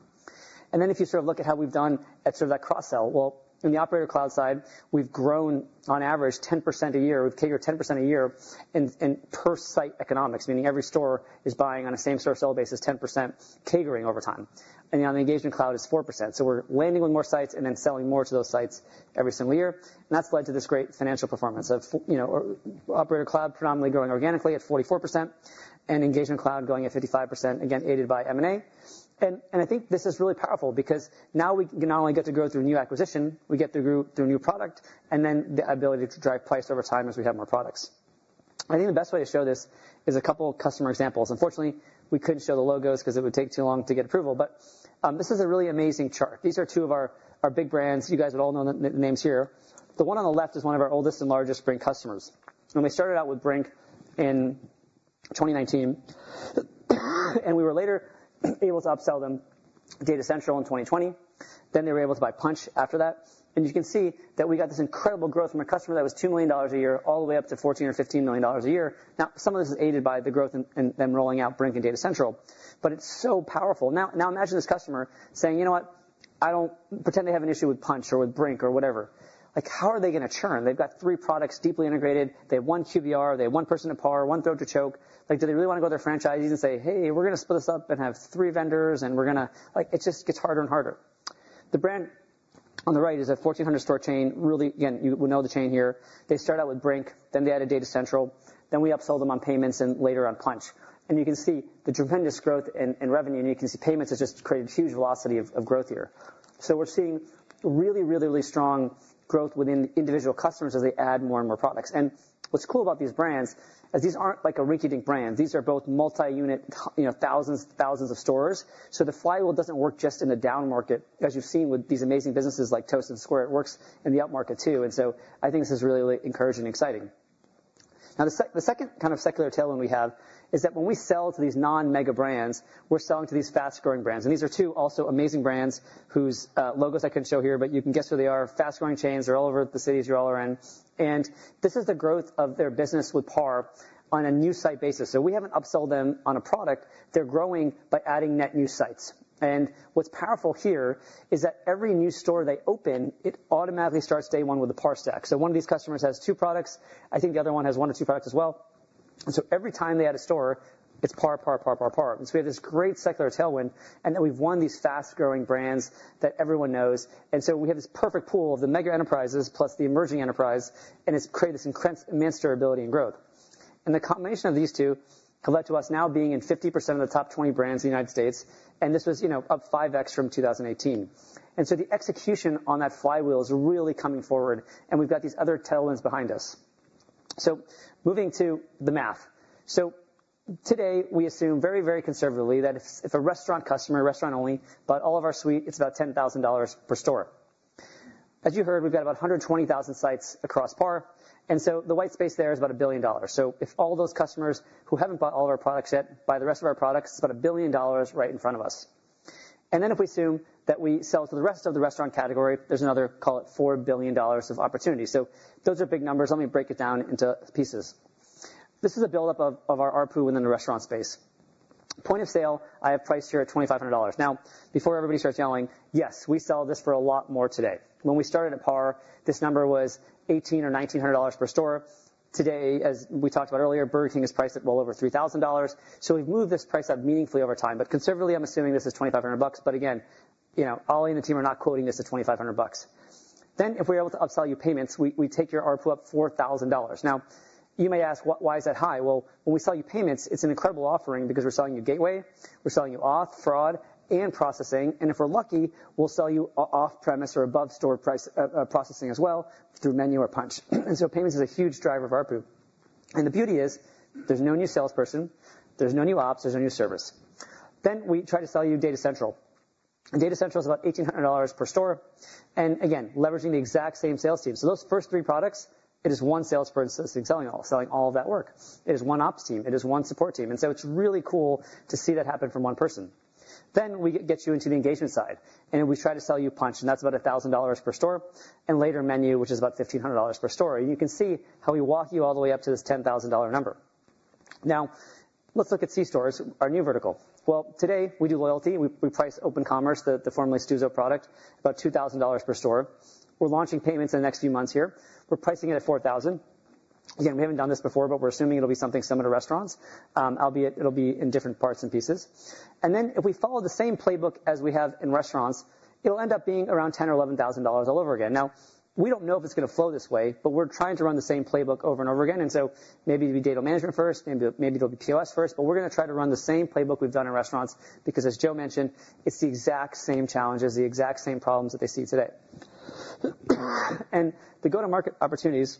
And then if you sort of look at how we've done at sort of that cross-sell, well, in the Operator Cloud side, we've grown on average 10% a year. We're CAGR 10% a year in per-site economics, meaning every store is buying on a same-store sales basis, 10% CAGR-ing over time. And on the Engagement Cloud, it's 4%. So we're landing on more sites and then selling more to those sites every single year. And that's led to this great financial performance of Operator Cloud predominantly growing organically at 44% and Engagement Cloud going at 55%, again, aided by M&A. And I think this is really powerful because now we can not only get to grow through new acquisition, we get through new product, and then the ability to drive price over time as we have more products. I think the best way to show this is a couple of customer examples. Unfortunately, we couldn't show the logos because it would take too long to get approval. But this is a really amazing chart. These are two of our big brands. You guys would all know the names here. The one on the left is one of our oldest and largest Brink customers. And we started out with Brink in 2019, and we were later able to upsell them Data Central in 2020. They were able to buy Punchh after that. And you can see that we got this incredible growth from a customer that was $2 million a year all the way up to $14 million or $15 million a year. Now, some of this is aided by the growth and them rolling out Brink and Data Central. But it's so powerful. Now imagine this customer saying, "You know what? I don't pretend they have an issue with Punchh or with Brink or whatever." How are they going to churn? They've got three products deeply integrated. They have one QBR. They have one person to PAR, one throat to choke. Do they really want to go to their franchisees and say, "Hey, we're going to split this up and have three vendors, and we're going to..." It just gets harder and harder. The brand on the right is a 1,400-store chain. Again, you will know the chain here. They start out with Brink, then they added Data Central, then we upsold them on Payments and later on Punchh. And you can see the tremendous growth in revenue, and you can see Payments has just created huge velocity of growth here. So we're seeing really, really, really strong growth within individual customers as they add more and more products. And what's cool about these brands is these aren't like a rinky-dink brand. These are both multi-unit thousands of stores. So the flywheel doesn't work just in the down market, as you've seen with these amazing businesses like Toast and Square. It works in the up market too. And so I think this is really, really encouraging and exciting. Now, the second kind of secular tailwind we have is that when we sell to these non-mega brands, we're selling to these fast-growing brands. And these are two also amazing brands whose logos I couldn't show here, but you can guess where they are. Fast-growing chains. They're all over the cities you're all around. And this is the growth of their business with PAR on a new site basis. So we haven't upsold them on a product. They're growing by adding net new sites. And what's powerful here is that every new store they open, it automatically starts day one with a PAR stack. So one of these customers has two products. I think the other one has one or two products as well. And so every time they add a store, it's PAR, PAR, PAR, PAR, PAR. And so we have this great secular tailwind, and then we've won these fast-growing brands that everyone knows. We have this perfect pool of the mega enterprises plus the emerging enterprise, and it has created this immense durability and growth. The combination of these two has led to us now being in 50% of the top 20 brands in the United States, and this was up 5x from 2018. The execution on that flywheel is really coming forward, and we have got these other tailwinds behind us. Moving to the math. Today, we assume very, very conservatively that if a restaurant customer, restaurant only, bought all of our suite, it is about $10,000 per store. As you heard, we have got about 120,000 sites across PAR. The white space there is about $1 billion. If all those customers who have not bought all of our products yet buy the rest of our products, it is about $1 billion right in front of us. If we assume that we sell to the rest of the restaurant category, there's another, call it, $4 billion of opportunity. Those are big numbers. Let me break it down into pieces. This is a build-up of our ARPU and then the restaurant space. Point-of-sale, I have priced here at $2,500. Now, before everybody starts yelling, yes, we sell this for a lot more today. When we started at PAR, this number was $1,800 or $1,900 per store. Today, as we talked about earlier, Burger King is priced at well over $3,000. We've moved this price up meaningfully over time. But conservatively, I'm assuming this is $2,500. But again, Oli and the team are not quoting this at $2,500. If we're able to upsell you payments, we take your ARPU up $4,000. Now, you may ask, why is that high? When we sell you Payments, it's an incredible offering because we're selling you gateway. We're selling you auth, fraud, and processing, and if we're lucky, we'll sell you off-premise or above-store processing as well through MENU or Punchh, and so Payments is a huge driver of ARPU, and the beauty is there's no new salesperson. There's no new ops. There's no new service, then we try to sell you Data Central. Data Central is about $1,800 per store, and again, leveraging the exact same sales team, so those first three products, it is one salesperson that's been selling all of that work. It is one ops team. It is one support team, and so it's really cool to see that happen from one person, then we get you into the engagement side, and we try to sell you Punchh, and that's about $1,000 per store. Later MENU, which is about $1,500 per store. You can see how we walk you all the way up to this $10,000 number. Now, let's look at C-Stores, our new vertical. Today we do loyalty. We price Open Commerce, the formerly Stuzo product, about $2,000 per store. We're launching payments in the next few months here. We're pricing it at $4,000. Again, we haven't done this before, but we're assuming it'll be something similar to restaurants, albeit it'll be in different parts and pieces. Then if we follow the same playbook as we have in restaurants, it'll end up being around $10,000 or $11,000 all over again. Now, we don't know if it's going to flow this way, but we're trying to run the same playbook over and over again. So maybe it'll be data management first. Maybe it'll be POS first. But we're going to try to run the same playbook we've done in restaurants because, as Joe mentioned, it's the exact same challenges, the exact same problems that they see today. And the go-to-market opportunities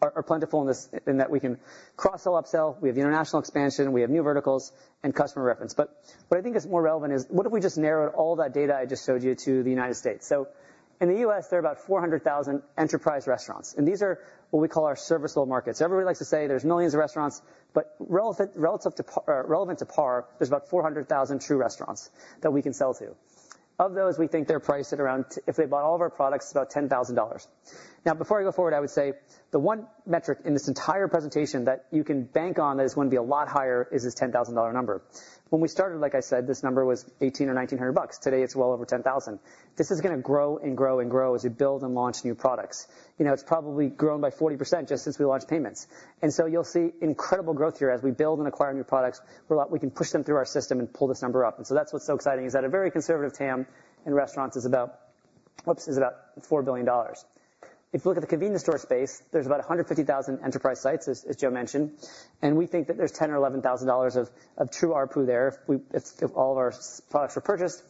are plentiful in that we can cross-sell, upsell. We have international expansion. We have new verticals and customer reference. But what I think is more relevant is, what if we just narrowed all that data I just showed you to the United States? So in the U.S., there are about 400,000 enterprise restaurants. And these are what we call our serviceable markets. Everybody likes to say there's millions of restaurants. But relevant to PAR, there's about 400,000 true restaurants that we can sell to. Of those, we think they're priced at around, if they bought all of our products, about $10,000. Now, before I go forward, I would say the one metric in this entire presentation that you can bank on that is going to be a lot higher is this $10,000 number. When we started, like I said, this number was $1,800 or $1,900. Today, it's well over 10,000. This is going to grow and grow and grow as we build and launch new products. It's probably grown by 40% just since we launched Payments. And so you'll see incredible growth here as we build and acquire new products where we can push them through our system and pull this number up. And so that's what's so exciting is that a very conservative TAM in restaurants is about $4 billion. If you look at the convenience store space, there's about 150,000 enterprise sites, as Joe mentioned. And we think that there's $10,000 or $11,000 of true ARPU there if all of our products were purchased.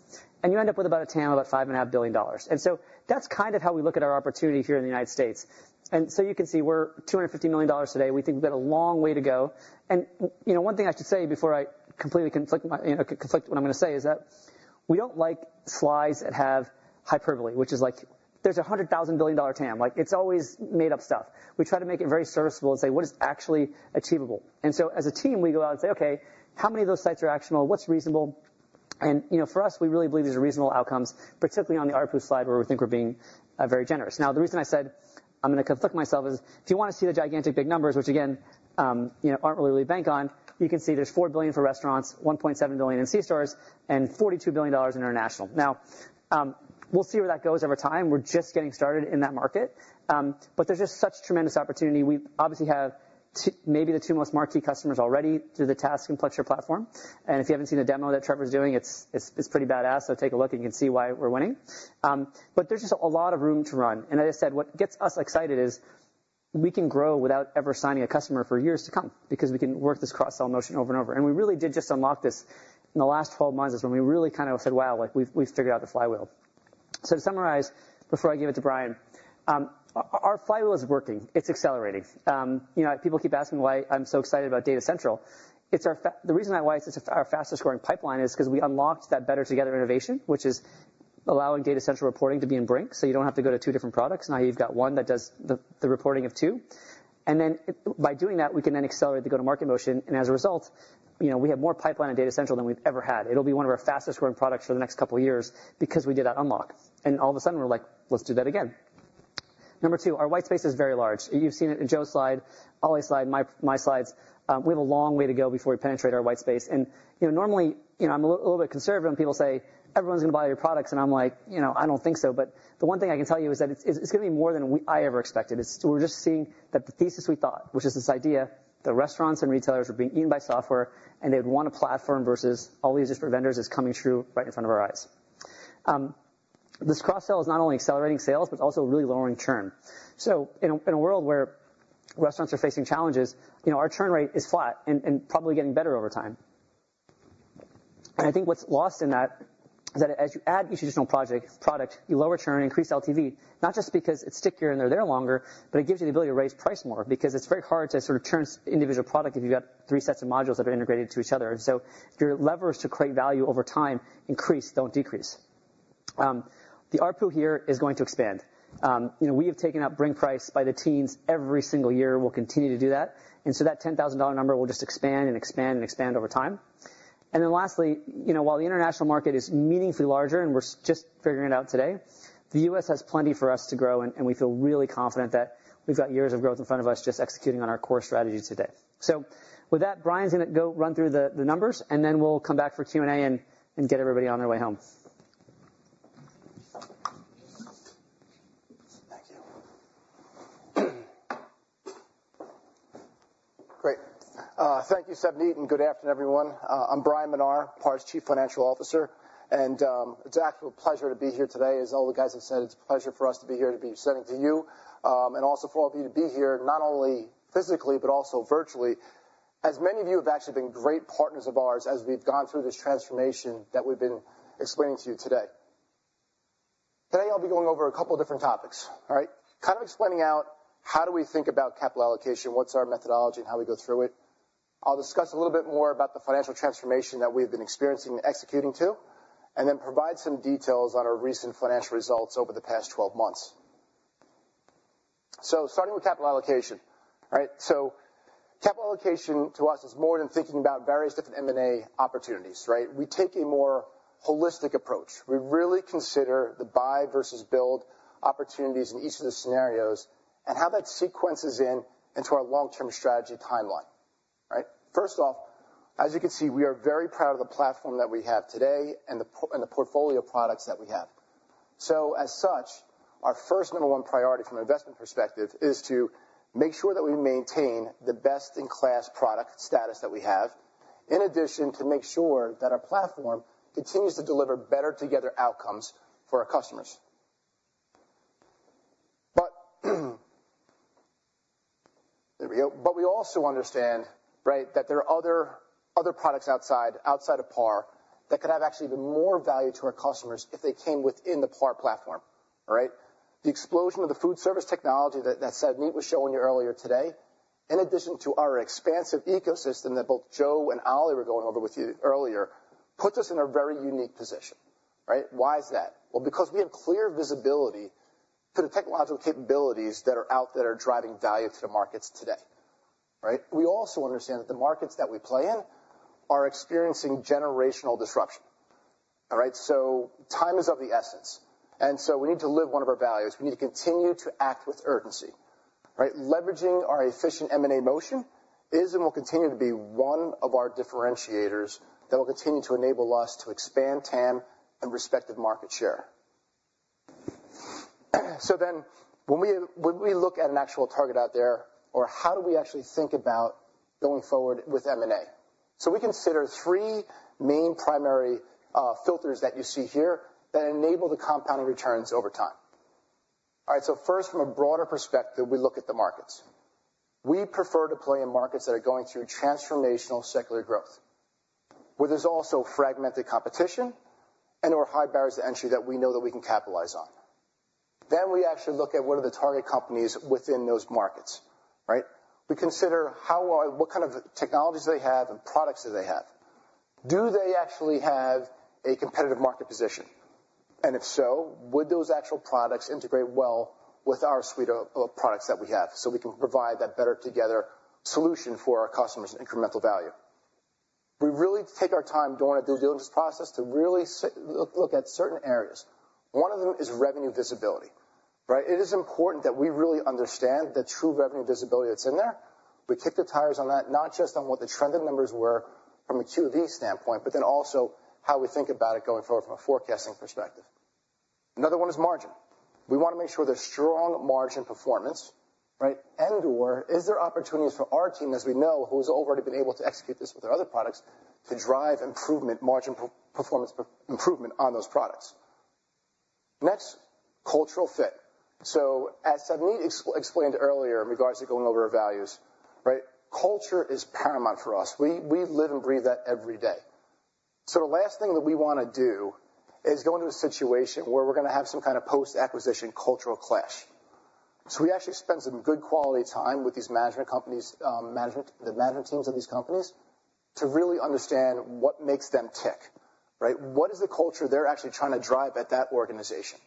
And you end up with about a TAM of about $5.5 billion. And so that's kind of how we look at our opportunity here in the United States. And so you can see we're $250 million today. We think we've got a long way to go. And one thing I should say before I completely contradict what I'm going to say is that we don't like slides that have hyperbole, which is like there's a $100,000 billion TAM. It's always made-up stuff. We try to make it very serviceable and say, "What is actually achievable?" And so as a team, we go out and say, "Okay, how many of those sites are actionable? What's reasonable?" And for us, we really believe these are reasonable outcomes, particularly on the ARPU slide where we think we're being very generous. Now, the reason I said I'm going to conflict myself is if you want to see the gigantic big numbers, which again aren't really to bank on, you can see there's $4 billion for restaurants, $1.7 billion in C-stores, and $42 billion in international. Now, we'll see where that goes over time. We're just getting started in that market. But there's just such tremendous opportunity. We obviously have maybe the two most marquee customers already through the TASK and Plexure platform. And if you haven't seen the demo that Trevor's doing, it's pretty badass. So take a look, and you can see why we're winning. But there's just a lot of room to run. And as I said, what gets us excited is we can grow without ever signing a customer for years to come because we can work this cross-sell motion over and over. And we really did just unlock this in the last 12 months when we really kind of said, "Wow, we've figured out the flywheel." So to summarize before I give it to Bryan, our flywheel is working. It's accelerating. People keep asking why I'm so excited about Data Central. The reason why it's our fastest-growing pipeline is because we unlocked that Better Together innovation, which is allowing Data Central reporting to be in Brink so you don't have to go to two different products. Now you've got one that does the reporting of two. And then by doing that, we can then accelerate the go-to-market motion. As a result, we have more pipeline in Data Central than we've ever had. It'll be one of our fastest-growing products for the next couple of years because we did that unlock. And all of a sudden, we're like, "Let's do that again." Number two, our white space is very large. You've seen it in Joe's slide, Oli's slide, my slides. We have a long way to go before we penetrate our white space. And normally, I'm a little bit conservative when people say, "Everyone's going to buy your products." And I'm like, "I don't think so." The one thing I can tell you is that it's going to be more than I ever expected. We're just seeing that the thesis we thought, which is this idea that restaurants and retailers were being eaten by software and they would want a platform versus all these different vendors is coming true right in front of our eyes. This cross-sell is not only accelerating sales, but also really lowering churn. So in a world where restaurants are facing challenges, our churn rate is flat and probably getting better over time. And I think what's lost in that is that as you add each additional product, you lower churn, increase LTV, not just because it's stickier and they're there longer, but it gives you the ability to raise price more because it's very hard to sort of churn individual product if you've got three sets of modules that are integrated into each other. And so your levers to create value over time increase, don't decrease. The ARPU here is going to expand. We have taken up Brink's price by the teens every single year. We'll continue to do that. And so that $10,000 number will just expand and expand and expand over time. And then lastly, while the international market is meaningfully larger and we're just figuring it out today, the U.S. has plenty for us to grow, and we feel really confident that we've got years of growth in front of us just executing on our core strategy today. So with that, Bryan's going to go run through the numbers, and then we'll come back for Q&A and get everybody on their way home. Thank you. Great. Thank you, Savneet, and good afternoon, everyone. I'm Bryan Menar, PAR's Chief Financial Officer. And it's an actual pleasure to be here today. As all the guys have said, it's a pleasure for us to be here to be presenting to you and also for all of you to be here not only physically, but also virtually, as many of you have actually been great partners of ours as we've gone through this transformation that we've been explaining to you today. Today, I'll be going over a couple of different topics, kind of explaining out how do we think about capital allocation, what's our methodology, and how we go through it. I'll discuss a little bit more about the financial transformation that we've been experiencing and executing too, and then provide some details on our recent financial results over the past 12 months. Starting with capital allocation, capital allocation to us is more than thinking about various different M&A opportunities. We take a more holistic approach. We really consider the buy versus build opportunities in each of the scenarios and how that sequences into our long-term strategy timeline. First off, as you can see, we are very proud of the platform that we have today and the portfolio products that we have. As such, our first number one priority from an investment perspective is to make sure that we maintain the best-in-class product status that we have, in addition to make sure that our platform continues to deliver better together outcomes for our customers. We also understand that there are other products outside of PAR that could have actually even more value to our customers if they came within the PAR platform. The explosion of the food service technology that Savneet was showing you earlier today, in addition to our expansive ecosystem that both Joe and Oli were going over with you earlier, puts us in a very unique position. Why is that? Well, because we have clear visibility to the technological capabilities that are out there driving value to the markets today. We also understand that the markets that we play in are experiencing generational disruption. So time is of the essence. And so we need to live one of our values. We need to continue to act with urgency. Leveraging our efficient M&A motion is and will continue to be one of our differentiators that will continue to enable us to expand TAM and respective market share. So then when we look at an actual target out there, or how do we actually think about going forward with M&A? So we consider three main primary filters that you see here that enable the compounding returns over time. So first, from a broader perspective, we look at the markets. We prefer to play in markets that are going through transformational secular growth, where there's also fragmented competition and/or high barriers to entry that we know that we can capitalize on. Then we actually look at what are the target companies within those markets. We consider what kind of technologies do they have and products do they have. Do they actually have a competitive market position? And if so, would those actual products integrate well with our suite of products that we have so we can provide that Better Together solution for our customers and incremental value? We really take our time during the due diligence process to really look at certain areas. One of them is revenue visibility. It is important that we really understand the true revenue visibility that's in there. We kick the tires on that, not just on what the trending numbers were from a QOE standpoint, but then also how we think about it going forward from a forecasting perspective. Another one is margin. We want to make sure there's strong margin performance. And/or is there opportunities for our team, as we know, who has already been able to execute this with our other products, to drive improvement, margin performance improvement on those products? Next, cultural fit. So as Savneet explained earlier in regards to going over our values, culture is paramount for us. We live and breathe that every day. So the last thing that we want to do is go into a situation where we're going to have some kind of post-acquisition cultural clash. We actually spend some good quality time with the management teams of these companies to really understand what makes them tick. What is the culture they're actually trying to drive at that organization?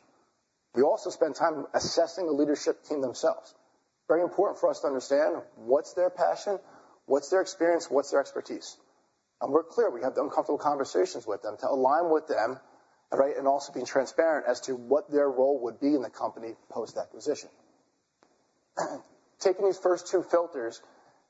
We also spend time assessing the leadership team themselves. Very important for us to understand what's their passion, what's their experience, what's their expertise. And we're clear we have the uncomfortable conversations with them to align with them and also be transparent as to what their role would be in the company post-acquisition. Taking these first two filters,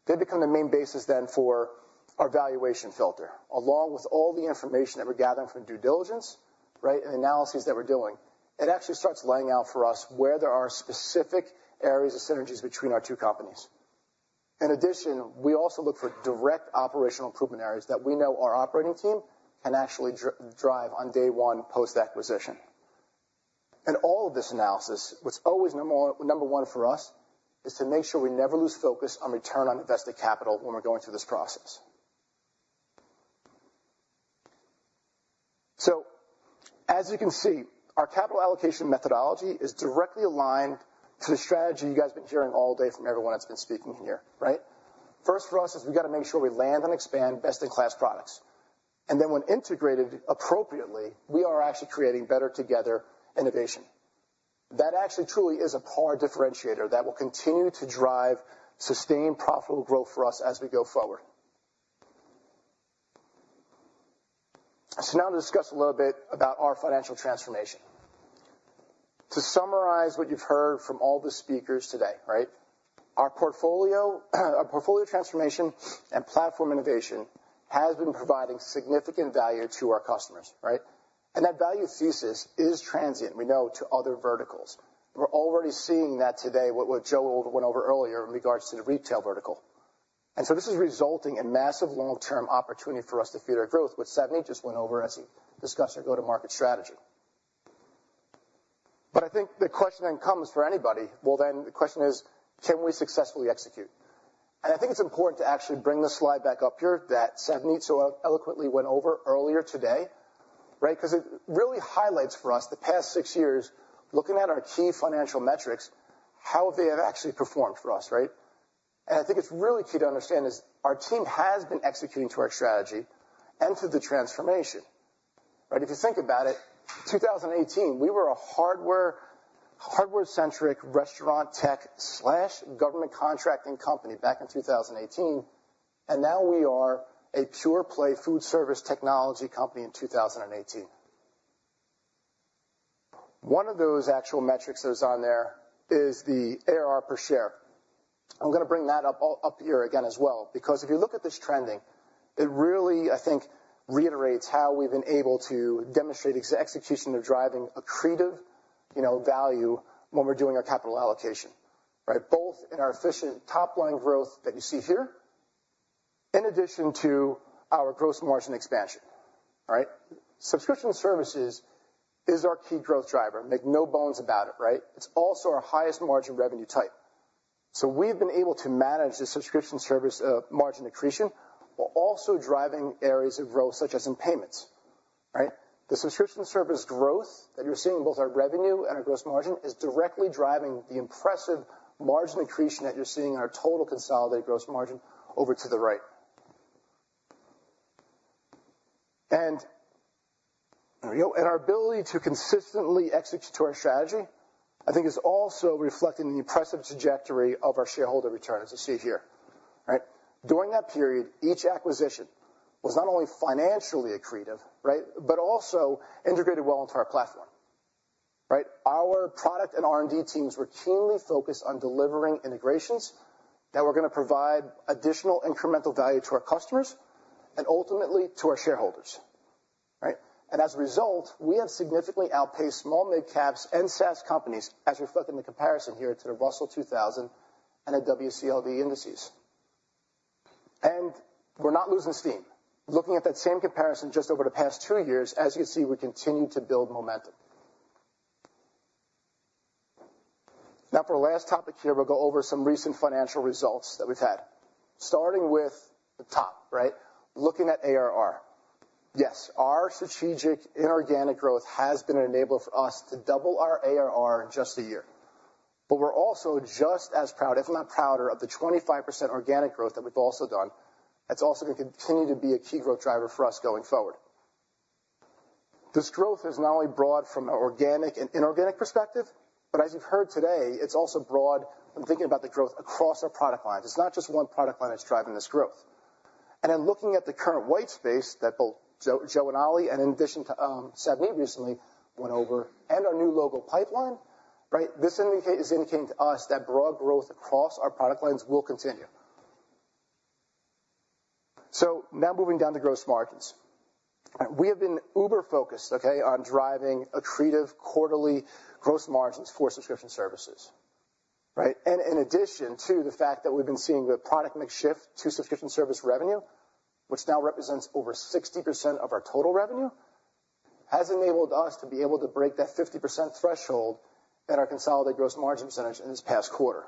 they become the main basis then for our valuation filter. Along with all the information that we're gathering from due diligence and analyses that we're doing, it actually starts laying out for us where there are specific areas of synergies between our two companies. In addition, we also look for direct operational improvement areas that we know our operating team can actually drive on day one post-acquisition. And all of this analysis, what's always number one for us is to make sure we never lose focus on return on invested capital when we're going through this process. So as you can see, our capital allocation methodology is directly aligned to the strategy you guys have been hearing all day from everyone that's been speaking here. First for us is we've got to make sure we land and expand best-in-class products. And then when integrated appropriately, we are actually creating Better Together innovation. That actually truly is a PAR differentiator that will continue to drive sustained profitable growth for us as we go forward. So now to discuss a little bit about our financial transformation. To summarize what you've heard from all the speakers today, our portfolio transformation and platform innovation has been providing significant value to our customers. And that value thesis is transient, we know, to other verticals. We're already seeing that today, what Joe went over earlier in regards to the retail vertical. And so this is resulting in massive long-term opportunity for us to feed our growth, what Savneet just went over as he discussed our go-to-market strategy. But I think the question then comes for anybody, well, then the question is, can we successfully execute? And I think it's important to actually bring the slide back up here that Savneet so eloquently went over earlier today because it really highlights for us the past six years, looking at our key financial metrics, how they have actually performed for us. And I think it's really key to understand is our team has been executing to our strategy and to the transformation. If you think about it, 2018, we were a hardware-centric restaurant tech/government contracting company back in 2018, and now we are a pure-play food service technology company in 2018. One of those actual metrics that is on there is the ARR per share. I'm going to bring that up here again as well because if you look at this trending, it really, I think, reiterates how we've been able to demonstrate execution of driving accretive value when we're doing our capital allocation, both in our efficient top-line growth that you see here, in addition to our gross margin expansion. Subscription services is our key growth driver, make no bones about it. It's also our highest margin revenue type. So we've been able to manage the subscription service margin accretion while also driving areas of growth such as in payments. The subscription service growth that you're seeing in both our revenue and our gross margin is directly driving the impressive margin accretion that you're seeing in our total consolidated gross margin over to the right. And our ability to consistently execute to our strategy, I think, is also reflecting the impressive trajectory of our shareholder return as you see here. During that period, each acquisition was not only financially accretive, but also integrated well into our platform. Our product and R&D teams were keenly focused on delivering integrations that were going to provide additional incremental value to our customers and ultimately to our shareholders. As a result, we have significantly outpaced small mid-caps and SaaS companies as reflected in the comparison here to the Russell 2000 and the WCLD indices. We're not losing steam. Looking at that same comparison just over the past two years, as you can see, we continue to build momentum. Now, for our last topic here, we'll go over some recent financial results that we've had. Starting with the top, looking at ARR. Yes, our strategic inorganic growth has been enabled for us to double our ARR in just a year. We're also just as proud, if not prouder, of the 25% organic growth that we've also done. That's also going to continue to be a key growth driver for us going forward. This growth is not only broad from an organic and inorganic perspective, but as you've heard today, it's also broad when thinking about the growth across our product lines. It's not just one product line that's driving this growth. And then looking at the current white space that both Joe and Oli, and in addition to Savneet recently went over, and our new logo pipeline, this is indicating to us that broad growth across our product lines will continue. So now moving down to gross margins. We have been uber-focused on driving accretive quarterly gross margins for subscription services. And in addition to the fact that we've been seeing the product mix shift to subscription service revenue, which now represents over 60% of our total revenue, has enabled us to be able to break that 50% threshold at our consolidated gross margin percentage in this past quarter.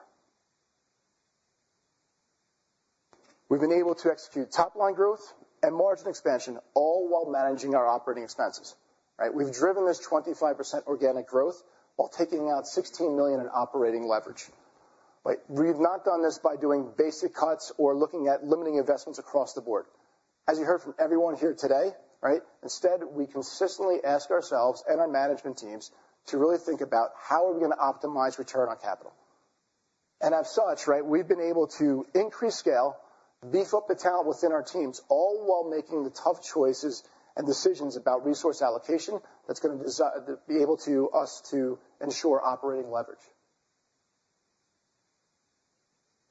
We've been able to execute top-line growth and margin expansion, all while managing our operating expenses. We've driven this 25% organic growth while taking out $16 million in operating leverage. We've not done this by doing basic cuts or looking at limiting investments across the board. As you heard from everyone here today, instead, we consistently ask ourselves and our management teams to really think about how are we going to optimize return on capital. And as such, we've been able to increase scale, beef up the talent within our teams, all while making the tough choices and decisions about resource allocation that's going to be able to us to ensure operating leverage.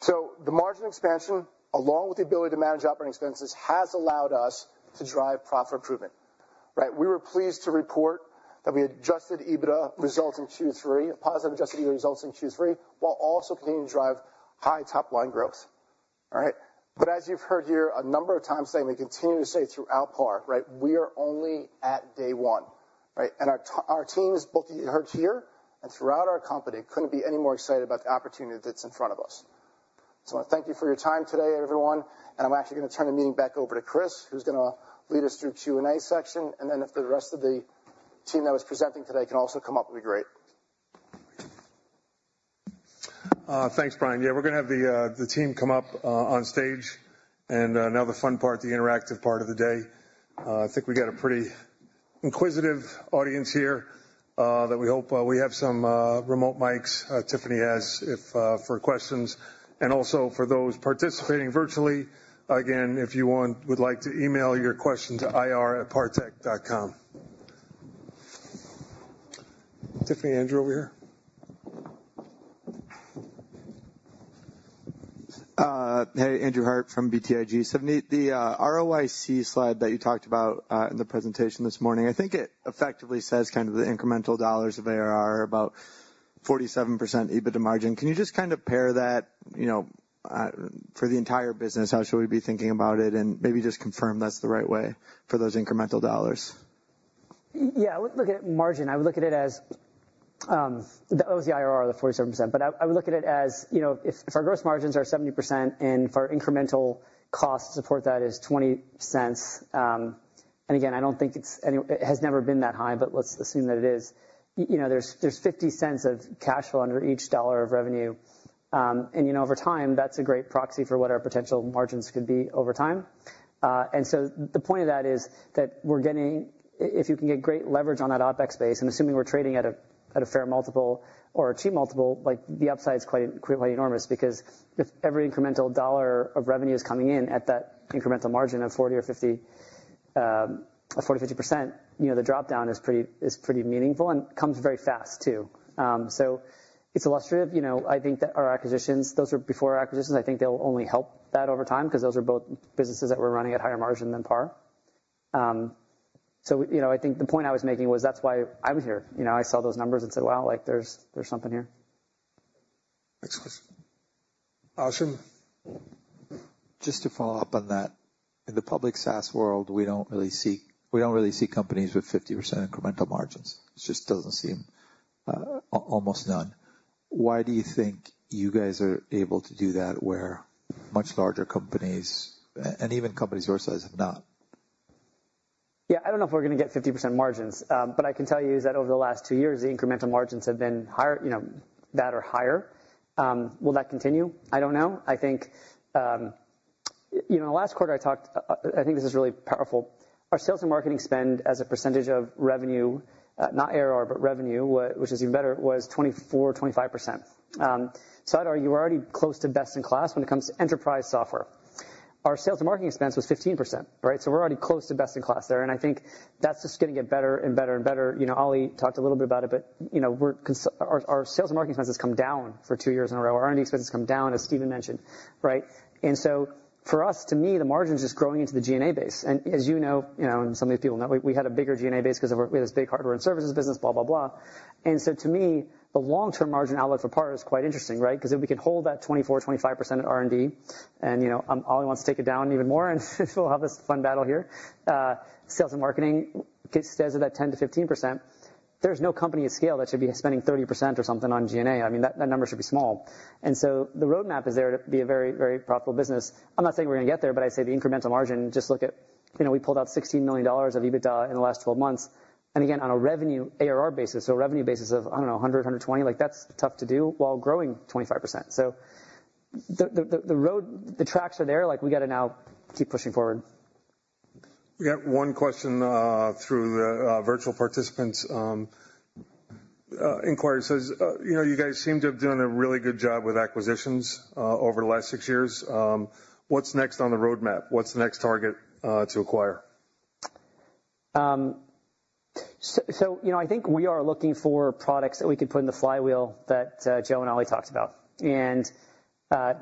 So the margin expansion, along with the ability to manage operating expenses, has allowed us to drive profit improvement. We were pleased to report that we Adjusted EBITDA results in Q3, positive Adjusted EBITDA results in Q3, while also continuing to drive high top-line growth. But as you've heard here a number of times saying, we continue to say throughout PAR, we are only at day one. And our teams, both you heard here and throughout our company, couldn't be any more excited about the opportunity that's in front of us. So I want to thank you for your time today, everyone. And I'm actually going to turn the meeting back over to Chris, who's going to lead us through Q&A section. And then if the rest of the team that was presenting today can also come up, it'd be great. Thanks, Bryan. Yeah, we're going to have the team come up on stage, and now the fun part, the interactive part of the day. I think we got a pretty inquisitive audience here that we hope we have some remote mics. Tiffany has mics for questions. Also for those participating virtually, again, if you would like to email your questions to ir@partech.com. Tiffani, Andrew over here. Hey, Andrew Harte from BTIG. Savneet, the ROIC slide that you talked about in the presentation this morning, I think it effectively says kind of the incremental dollars of ARR, about 47% EBITDA margin. Can you just kind of apply that for the entire business? How should we be thinking about it? And maybe just confirm that's the right way for those incremental dollars. Yeah, look at margin. I would look at it as that was the IRR, the 47%. But I would look at it as if our gross margins are 70% and if our incremental cost to support that is $0.20. And again, I don't think it has never been that high, but let's assume that it is. There's $0.50 of cash flow under each dollar of revenue. And over time, that's a great proxy for what our potential margins could be over time. And so the point of that is that we're getting, if you can get great leverage on that OpEx base, and assuming we're trading at a fair multiple or a cheap multiple, the upside is quite enormous because if every incremental dollar of revenue is coming in at that incremental margin of 40%-50%, the dropdown is pretty meaningful and comes very fast, too. So it's illustrative. I think that our acquisitions, those were before our acquisitions. I think they'll only help that over time because those are both businesses that were running at higher margin than PAR. So I think the point I was making was that's why I was here. I saw those numbers and said, wow, there's something here. Thanks. Awesome. Just to follow up on that. In the public SaaS world, we don't really see companies with 50% incremental margins. It just doesn't seem almost none. Why do you think you guys are able to do that where much larger companies and even companies your size have not? Yeah, I don't know if we're going to get 50% margins, but I can tell you that over the last two years, the incremental margins have been that or higher. Will that continue? I don't know. I think in the last quarter, I talked, I think this is really powerful. Our sales and marketing spend as a percentage of revenue, not ARR, but revenue, which is even better, was 24%-25%. So I'd argue we're already close to best-in-class when it comes to enterprise software. Our sales and marketing expense was 15%. So we're already close to best-in-class there. And I think that's just going to get better and better and better. Oli talked a little bit about it, but our sales and marketing expenses come down for two years in a row. Our R&D expenses come down, as Steven mentioned. For us, to me, the margin is just growing into the G&A base. As you know, and some of these people know, we had a bigger G&A base because we had this big hardware and services business, blah, blah, blah. To me, the long-term margin outlook for PAR is quite interesting because if we can hold that 24%-25% at R&D, and Oli wants to take it down even more, and we'll have this fun battle here. Sales and marketing stays at that 10%-15%. There's no company at scale that should be spending 30% or something on G&A. I mean, that number should be small. The roadmap is there to be a very, very profitable business. I'm not saying we're going to get there, but I say the incremental margin, just look at we pulled out $16 million of EBITDA in the last 12 months. And again, on a revenue ARR basis, so a revenue basis of, I don't know, $100-$120, that's tough to do while growing 25%. So the traction is there. We got to now keep pushing forward. We got one question through the virtual participants. Inquiry says, you guys seem to have done a really good job with acquisitions over the last six years. What's next on the roadmap? What's the next target to acquire? So I think we are looking for products that we can put in the flywheel that Joe and Oli talked about. And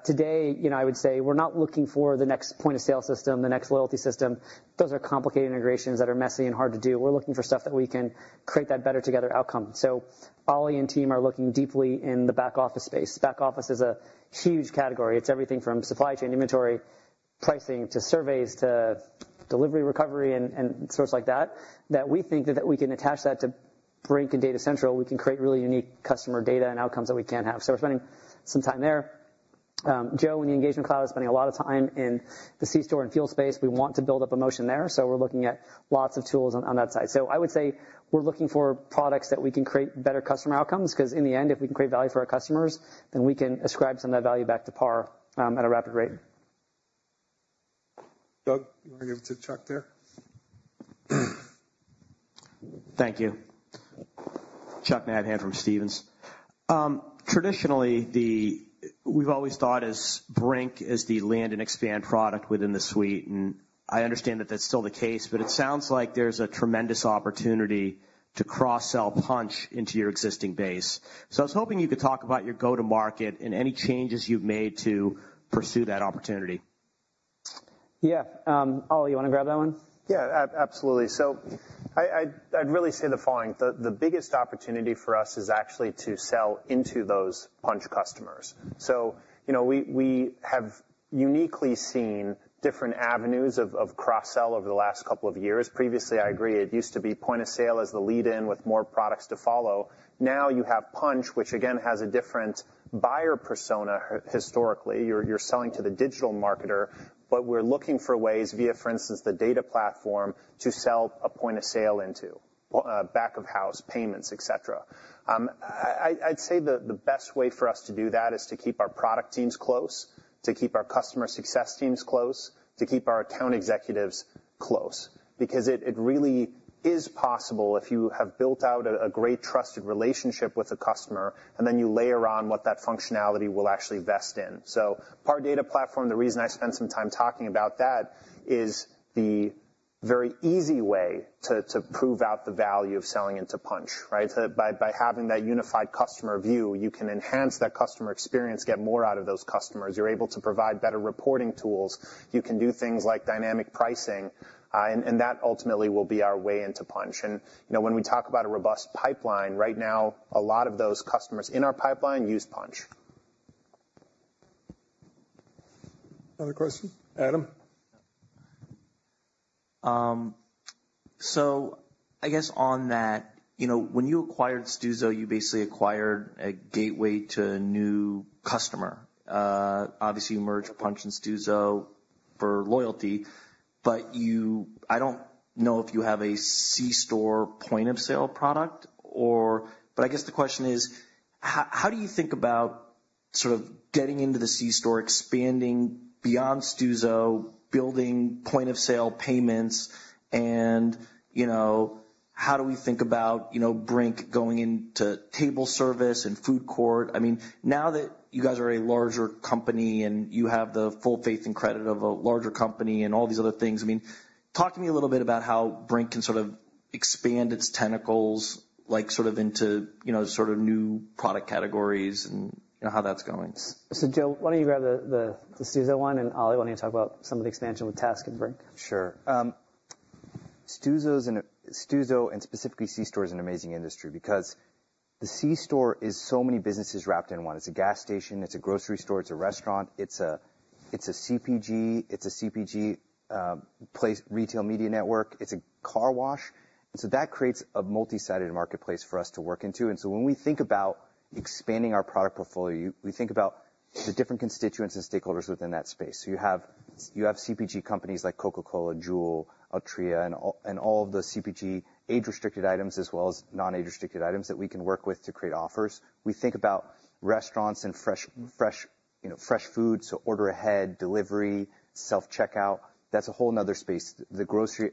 today, I would say we're not looking for the next point-of-sale system, the next loyalty system. Those are complicated integrations that are messy and hard to do. We're looking for stuff that we can create that better together outcome. So Oli and team are looking deeply in the back office space. Back office is a huge category. It's everything from supply chain inventory, pricing, to surveys, to delivery recovery, and sourcing like that, that we think that we can attach that to Brink and Data Central. We can create really unique customer data and outcomes that we can't have. So we're spending some time there. Joe, in the Engagement Cloud, is spending a lot of time in the c-store and fuel space. We want to build up a motion there, so we're looking at lots of tools on that side, so I would say we're looking for products that we can create better customer outcomes because in the end, if we can create value for our customers, then we can ascribe some of that value back to PAR at a rapid rate. Doug, you want to give it to Chuck there? Thank you. Chuck Nabhan from Stephens. Traditionally, we've always thought of Brink as the land and expand product within the suite. And I understand that that's still the case, but it sounds like there's a tremendous opportunity to cross-sell Punchh into your existing base. So I was hoping you could talk about your go-to-market and any changes you've made to pursue that opportunity. Yeah. Oli, you want to grab that one? Yeah, absolutely. So I'd really say the following. The biggest opportunity for us is actually to sell into those Punchh customers. So we have uniquely seen different avenues of cross-sell over the last couple of years. Previously, I agree, it used to be point of sale as the lead-in with more products to follow. Now you have Punchh, which again has a different buyer persona historically. You're selling to the digital marketer, but we're looking for ways via, for instance, the data platform to sell a point-of-sale into back of house payments, et cetera. I'd say the best way for us to do that is to keep our product teams close, to keep our customer success teams close, to keep our account executives close because it really is possible if you have built out a great trusted relationship with a customer, and then you layer on what that functionality will actually vest in, so PAR Data Platform, the reason I spend some time talking about that is the very easy way to prove out the value of selling into Punchh. By having that unified customer view, you can enhance that customer experience, get more out of those customers. You're able to provide better reporting tools. You can do things like dynamic pricing, and that ultimately will be our way into Punchh, and when we talk about a robust pipeline, right now, a lot of those customers in our pipeline use Punchh. Another question. Adam? So I guess on that, when you acquired Stuzo, you basically acquired a gateway to a new customer. Obviously, you merged Punchh and Stuzo for loyalty. But I don't know if you have a c-store point of sale product. But I guess the question is, how do you think about sort of getting into the c-store, expanding beyond Stuzo, building point of sale payments? And how do we think about Brink going into table service and food court? I mean, now that you guys are a larger company and you have the full faith and credit of a larger company and all these other things, I mean, talk to me a little bit about how Brink can sort of expand its tentacles sort of into sort of new product categories and how that's going. So Joe, why don't you grab the Stuzo one? And Oli, why don't you talk about some of the expansion with TASK and Brink? Sure. Stuzo and specifically c-store is an amazing industry because the c-store is so many businesses wrapped in one. It's a gas station. It's a grocery store. It's a restaurant. It's a CPG. It's a CPG retail media network. It's a car wash. And so that creates a multi-sided marketplace for us to work into. And so when we think about expanding our product portfolio, we think about the different constituents and stakeholders within that space. So you have CPG companies like Coca-Cola, Juul, Altria, and all of the CPG age-restricted items as well as non-age-restricted items that we can work with to create offers. We think about restaurants and fresh food, so order ahead, delivery, self-checkout. That's a whole another space. The grocery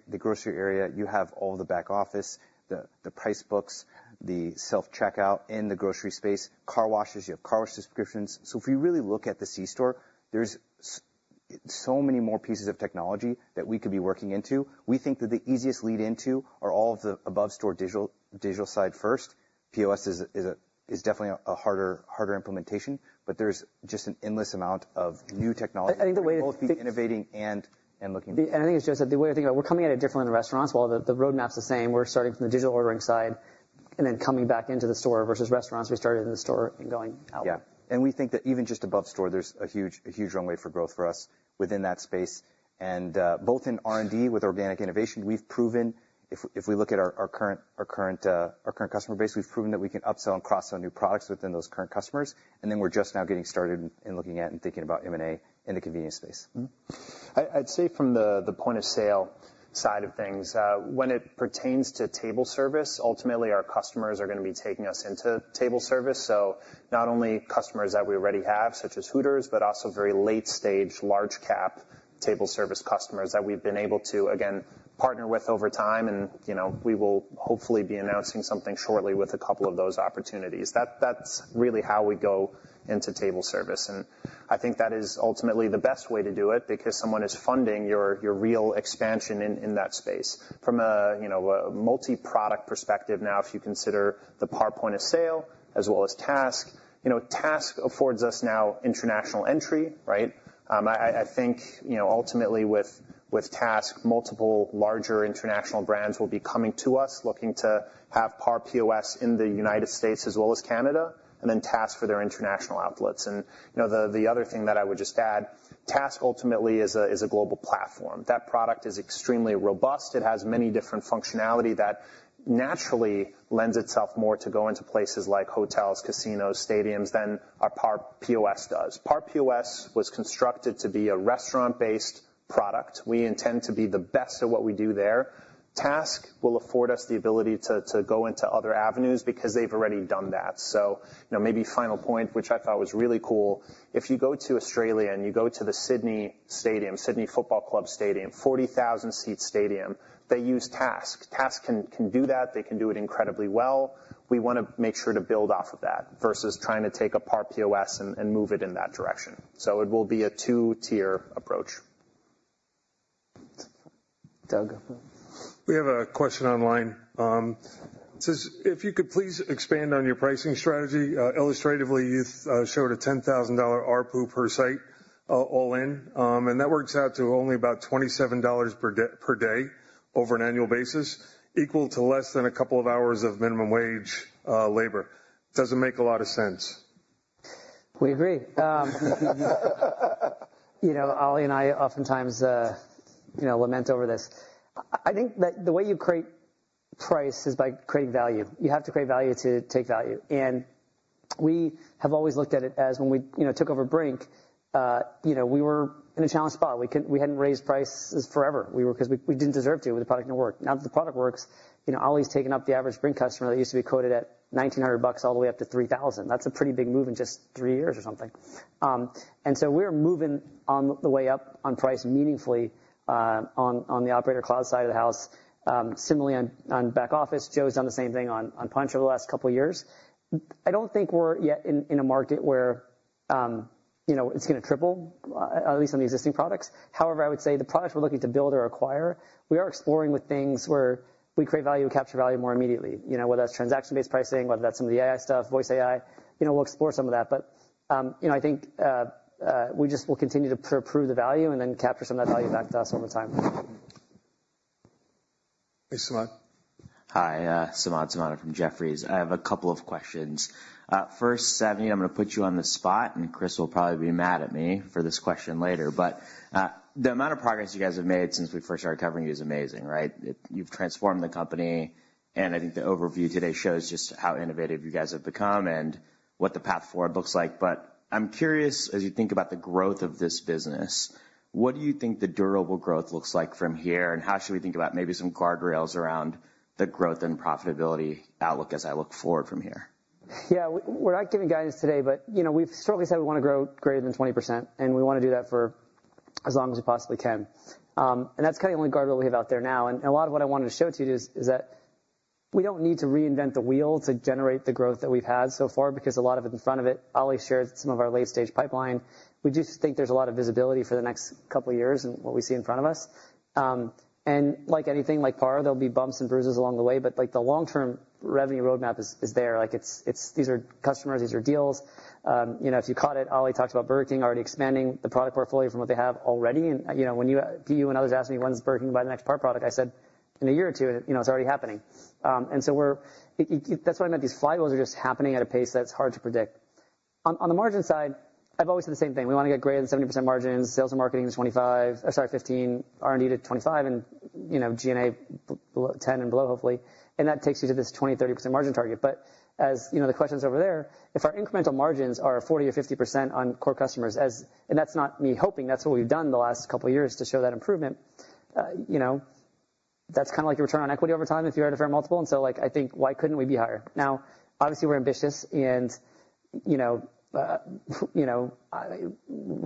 area, you have all the back office, the price books, the self-checkout in the grocery space. Car washes, you have car wash subscriptions. If you really look at the c-store, there's so many more pieces of technology that we could be working into. We think that the easiest lead into are all of the above store digital side first. POS is definitely a harder implementation, but there's just an endless amount of new technology. I think the way to think. Both the innovating and looking. I think it's just that the way to think about it, we're coming at it differently in the restaurants. While the roadmap's the same, we're starting from the digital ordering side and then coming back into the store versus restaurants. We started in the store and going outward. Yeah. And we think that even just above store, there's a huge runway for growth for us within that space. And both in R&D with organic innovation, we've proven, if we look at our current customer base, we've proven that we can upsell and cross-sell new products within those current customers. And then we're just now getting started and looking at and thinking about M&A in the convenience space. I'd say from the point of sale side of things, when it pertains to table service, ultimately, our customers are going to be taking us into table service. So not only customers that we already have, such as Hooters, but also very late-stage, large-cap table service customers that we've been able to, again, partner with over time. And we will hopefully be announcing something shortly with a couple of those opportunities. That's really how we go into table service. And I think that is ultimately the best way to do it because someone is funding your real expansion in that space. From a multi-product perspective now, if you consider the PAR Point of Sale as well as task, task affords us now international entry. I think ultimately with TASK, multiple larger international brands will be coming to us looking to have PAR POS in the United States as well as Canada and then TASK for their international outlets. And the other thing that I would just add, TASK ultimately is a global platform. That product is extremely robust. It has many different functionality that naturally lends itself more to going to places like hotels, casinos, stadiums than our PAR POS does. PAR POS was constructed to be a restaurant-based product. We intend to be the best at what we do there. TASK will afford us the ability to go into other avenues because they've already done that. So maybe final point, which I thought was really cool. If you go to Australia and you go to the Sydney Football Stadium, 40,000-seat stadium, they use TASK. TASK can do that. They can do it incredibly well. We want to make sure to build off of that versus trying to take a PAR POS and move it in that direction. So it will be a two-tier approach. We have a question online. It says, "If you could please expand on your pricing strategy. Illustratively, you showed a $10,000 ARPU per site all in. And that works out to only about $27 per day over an annual basis, equal to less than a couple of hours of minimum wage labor. Doesn't make a lot of sense." We agree. Oli and I oftentimes lament over this. I think that the way you create price is by creating value. You have to create value to take value. And we have always looked at it as when we took over Brink, we were in a challenge spot. We hadn't raised prices forever because we didn't deserve to with the product not work. Now that the product works, Oli's taken up the average Brink customer that used to be quoted at $1,900 all the way up to $3,000. That's a pretty big move in just three years or something. And so we're moving on the way up on price meaningfully on the Operator Cloud side of the house. Similarly, on back office, Joe's done the same thing on Punchh over the last couple of years. I don't think we're yet in a market where it's going to triple, at least on the existing products. However, I would say the products we're looking to build or acquire, we are exploring with things where we create value, capture value more immediately, whether that's transaction-based pricing, whether that's some of the AI stuff, voice AI. We'll explore some of that. But I think we just will continue to prove the value and then capture some of that value back to us over time. Hey, Samad. Hi, Samad Samana from Jefferies. I have a couple of questions. First, Savneet, I'm going to put you on the spot, and Chris will probably be mad at me for this question later. But the amount of progress you guys have made since we first started covering you is amazing. You've transformed the company. And I think the overview today shows just how innovative you guys have become and what the path forward looks like. But I'm curious, as you think about the growth of this business, what do you think the durable growth looks like from here? And how should we think about maybe some guardrails around the growth and profitability outlook as I look forward from here? Yeah, we're not giving guidance today, but we've strictly said we want to grow greater than 20%. And we want to do that for as long as we possibly can. And that's kind of the only guardrail we have out there now. And a lot of what I wanted to show to you is that we don't need to reinvent the wheel to generate the growth that we've had so far because a lot of it in front of it, Oli shared some of our late-stage pipeline. We just think there's a lot of visibility for the next couple of years and what we see in front of us. And like anything like PAR, there'll be bumps and bruises along the way. But the long-term revenue roadmap is there. These are customers. These are deals. If you caught it, Oli talked about Burger King already expanding the product portfolio from what they have already. And when you and others asked me, when's Burger King going to buy the next PAR product, I said, in a year or two. It's already happening. And so that's why I meant these flywheels are just happening at a pace that's hard to predict. On the margin side, I've always said the same thing. We want to get greater than 70% margins. Sales and marketing is 25%, sorry, 15%, R&D to 25%, and G&A 10% and below, hopefully. And that takes you to this 20%-30% margin target. But as the question's over there, if our incremental margins are 40%-50% on core customers, and that's not me hoping, that's what we've done the last couple of years to show that improvement, that's kind of like your return on equity over time if you add a fair multiple. And so I think, why couldn't we be higher? Now, obviously, we're ambitious. And we're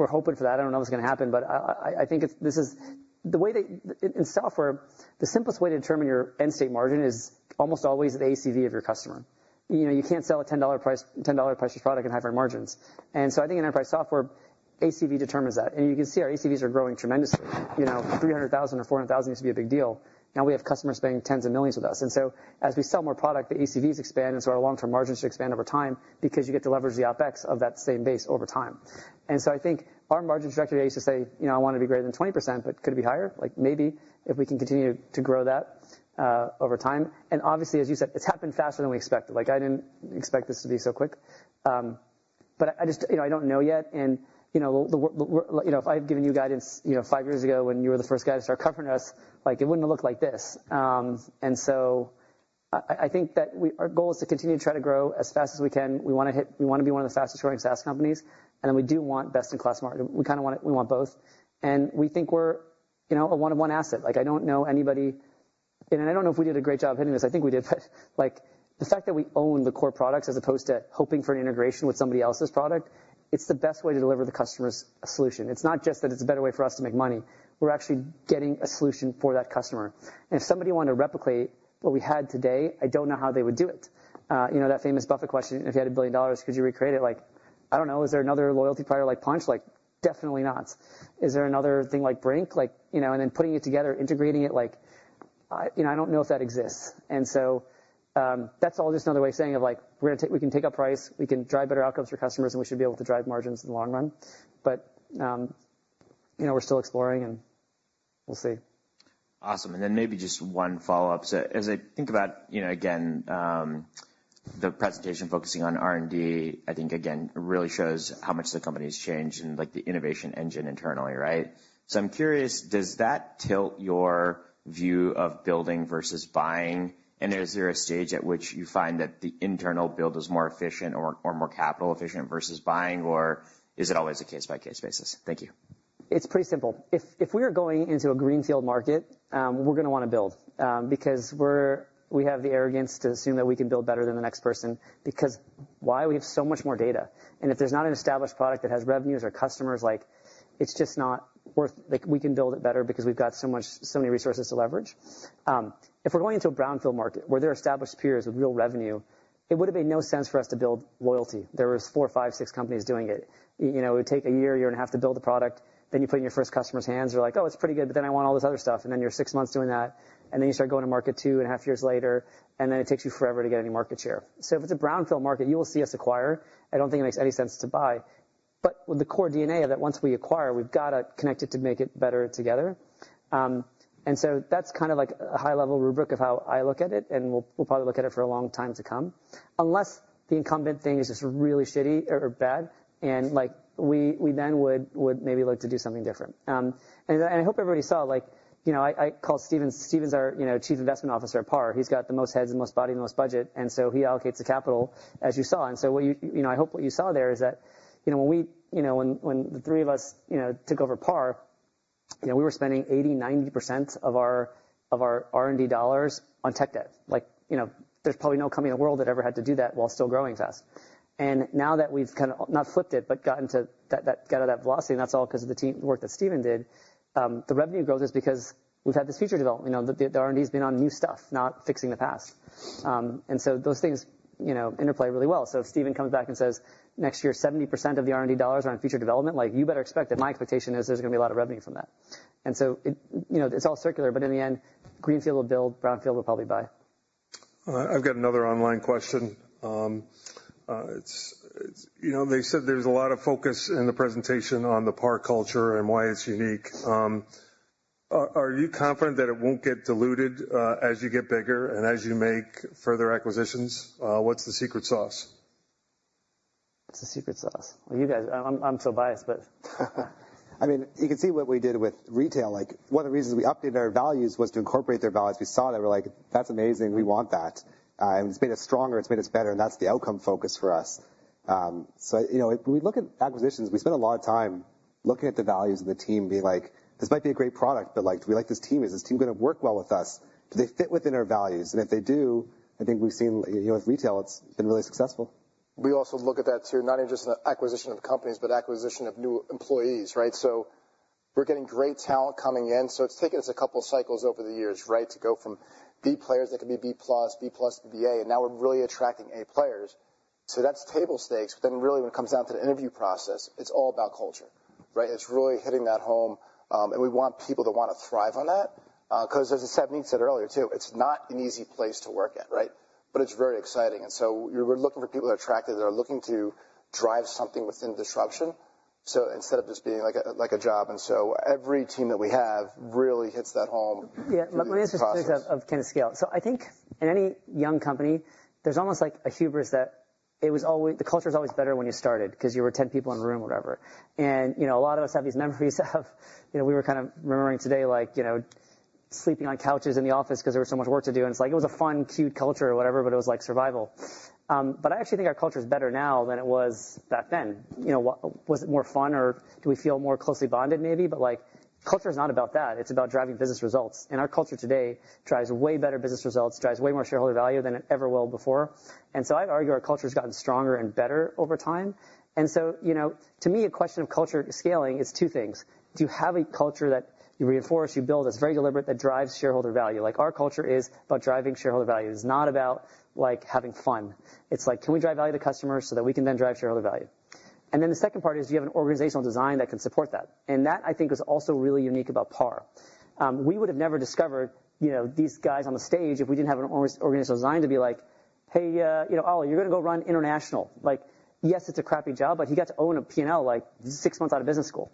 hoping for that. I don't know if it's going to happen. But I think the way in software, the simplest way to determine your end state margin is almost always the ACV of your customer. You can't sell a $10 priceless product at high margins. And so I think in enterprise software, ACV determines that. And you can see our ACVs are growing tremendously. 300,000 or 400,000 used to be a big deal. Now we have customers spending tens of millions with us. As we sell more product, the ACVs expand. Our long-term margins should expand over time because you get to leverage the OpEx of that same base over time. I think our margin structure today used to say, I want to be greater than 20%, but could it be higher? Maybe if we can continue to grow that over time. Obviously, as you said, it's happened faster than we expected. I didn't expect this to be so quick. I don't know yet. If I had given you guidance five years ago when you were the first guy to start covering us, it wouldn't have looked like this. Our goal is to continue to try to grow as fast as we can. We want to be one of the fastest-growing SaaS companies. We do want best-in-class marketing. We kind of want both. We think we're a one-to-one asset. I don't know anybody. I don't know if we did a great job of hitting this. I think we did. The fact that we own the core products as opposed to hoping for an integration with somebody else's product, it's the best way to deliver the customer's solution. It's not just that it's a better way for us to make money. We're actually getting a solution for that customer. If somebody wanted to replicate what we had today, I don't know how they would do it. That famous Buffett question, if you had $1 billion, could you recreate it? I don't know. Is there another loyalty provider like Punchh? Definitely not. Is there another thing like Brink? And then putting it together, integrating it, I don't know if that exists. And so that's all just another way of saying of we can take up price. We can drive better outcomes for customers, and we should be able to drive margins in the long run. But we're still exploring, and we'll see. Awesome. And then maybe just one follow-up. So as I think about, again, the presentation focusing on R&D, I think, again, really shows how much the company has changed and the innovation engine internally, right? So I'm curious, does that tilt your view of building versus buying? And is there a stage at which you find that the internal build is more efficient or more capital efficient versus buying, or is it always a case-by-case basis? Thank you. It's pretty simple. If we are going into a greenfield market, we're going to want to build because we have the arrogance to assume that we can build better than the next person because why? We have so much more data. And if there's not an established product that has revenues or customers, it's just not worth it. We can build it better because we've got so many resources to leverage. If we're going into a brownfield market where there are established peers with real revenue, it would have made no sense for us to build loyalty. There were four, five, six companies doing it. It would take a year, year and a half to build the product. Then you put it in your first customer's hands. You're like, "Oh, it's pretty good," but then I want all this other stuff. And then you're six months doing that. And then you start going to market two and a half years later. And then it takes you forever to get any market share. So if it's a brownfield market, you will see us acquire. I don't think it makes any sense to buy. But with the core DNA of that, once we acquire, we've got to connect it to make it better together. And so that's kind of like a high-level rubric of how I look at it. And we'll probably look at it for a long time to come, unless the incumbent thing is just really shitty or bad. And we then would maybe look to do something different. And I hope everybody saw. I call Steven. Steven is our Chief Investment Officer at PAR. He's got the most heads and most body and the most budget. And so he allocates the capital, as you saw. I hope what you saw there is that when the three of us took over PAR, we were spending 80%-90% of our R&D dollars on tech debt. There's probably no company in the world that ever had to do that while still growing fast. Now that we've kind of not flipped it, but gotten to that velocity, and that's all because of the teamwork that Steven did, the revenue growth is because we've had this feature development. The R&D has been on new stuff, not fixing the past. Those things interplay really well. If Steven comes back and says, "Next year, 70% of the R&D dollars are on feature development," you better expect that my expectation is there's going to be a lot of revenue from that. It's all circular. But in the end, greenfield will build. Brownfield will probably buy. I've got another online question. They said there's a lot of focus in the presentation on the PAR culture and why it's unique. Are you confident that it won't get diluted as you get bigger and as you make further acquisitions? What's the secret sauce? It's the secret sauce. Well, you guys, I'm so biased, but. I mean, you can see what we did with retail. One of the reasons we updated our values was to incorporate their values. We saw that. We're like, "That's amazing. We want that." And it's made us stronger. It's made us better. And that's the outcome focus for us. So when we look at acquisitions, we spend a lot of time looking at the values of the team being like, "This might be a great product, but do we like this team? Is this team going to work well with us? Do they fit within our values?" And if they do, I think we've seen with retail, it's been really successful. We also look at that too, not just in acquisition of companies, but acquisition of new employees, right? So we're getting great talent coming in. So it's taken us a couple of cycles over the years to go from B players that could be B+, B plus, BA, and now we're really attracting A players. So that's table stakes. But then really, when it comes down to the interview process, it's all about culture, right? It's really hitting that home. And we want people to want to thrive on that because, as Savneet said earlier too, it's not an easy place to work at, right? But it's very exciting. And so we're looking for people that are attractive, that are looking to drive something within disruption instead of just being like a job. And so every team that we have really hits that home. Yeah, let me ask you a question of kind of scale. So I think in any young company, there's almost like a hubris that the culture is always better when you started because you were 10 people in a room or whatever, and a lot of us have these memories of we were kind of remembering today like sleeping on couches in the office because there was so much work to do, and it's like it was a fun, cute culture or whatever, but it was like survival. But I actually think our culture is better now than it was back then. Was it more fun or do we feel more closely bonded, maybe? But culture is not about that. It's about driving business results, and our culture today drives way better business results, drives way more shareholder value than it ever will before. And so I'd argue our culture has gotten stronger and better over time. And so to me, a question of culture scaling is two things. Do you have a culture that you reinforce, you build, that's very deliberate, that drives shareholder value? Our culture is about driving shareholder value. It's not about having fun. It's like, can we drive value to customers so that we can then drive shareholder value? And then the second part is, do you have an organizational design that can support that? And that, I think, is also really unique about PAR. We would have never discovered these guys on the stage if we didn't have an organizational design to be like, "Hey, Oli, you're going to go run international." Yes, it's a crappy job, but he got to own a P&L like six months out of business school.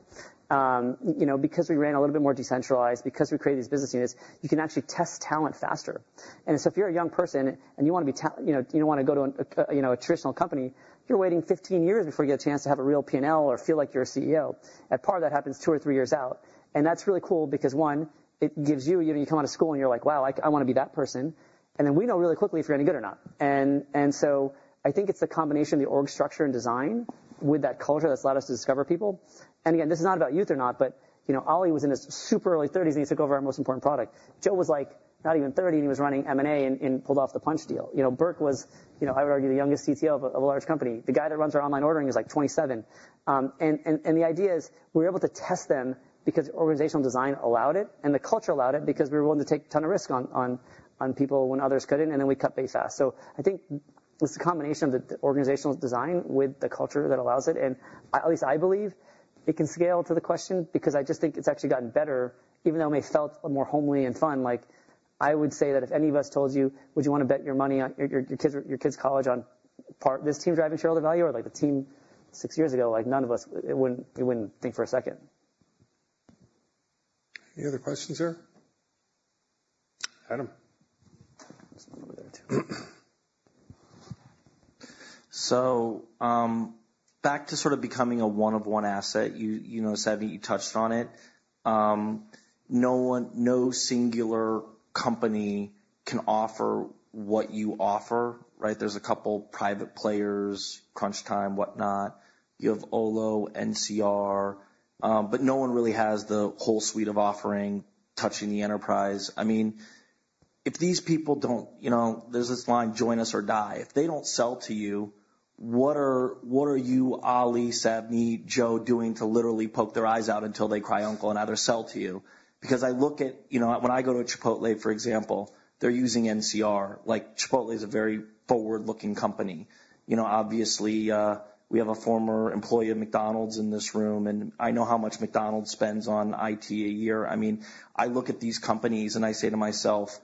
Because we ran a little bit more decentralized, because we created these business units, you can actually test talent faster. And so if you're a young person and you want to be you don't want to go to a traditional company, you're waiting 15 years before you get a chance to have a real P&L or feel like you're a CEO. At PAR, that happens two or three years out. And that's really cool because, one, it gives you, you come out of school and you're like, "Wow, I want to be that person." And then we know really quickly if you're any good or not. And so I think it's the combination of the org structure and design with that culture that's allowed us to discover people. And again, this is not about youth or not, but Oli was in his super early 30s and he took over our most important product. Joe was like not even 30 and he was running M&A and pulled off the Punchh deal. Burke was, I would argue, the youngest CTO of a large company. The guy that runs our online ordering is like 27. And the idea is we were able to test them because organizational design allowed it and the culture allowed it because we were willing to take a ton of risk on people when others couldn't. And then we cut base fast. So I think it's a combination of the organizational design with the culture that allows it. And at least I believe it can scale to the question because I just think it's actually gotten better, even though it may have felt more homely and fun. I would say that if any of us told you, "Would you want to bet your kids' college on PAR, this team driving shareholder value or the team six years ago?" None of us, we wouldn't think for a second. Any other questions, sir? Adam? So back to sort of becoming a one-of-one asset. Savneet, you touched on it. No singular company can offer what you offer, right? There's a couple of private players, Crunchtime, whatnot. You have Olo, NCR. But no one really has the whole suite of offering touching the enterprise. I mean, if these people don't there's this line, "Join us or die." If they don't sell to you, what are you, Oli, Savneet, Joe doing to literally poke their eyes out until they cry uncle and either sell to you? Because I look at when I go to Chipotle, for example, they're using NCR. Chipotle is a very forward-looking company. Obviously, we have a former employee of McDonald's in this room. And I know how much McDonald's spends on IT a year. I mean, I look at these companies and I say to myself,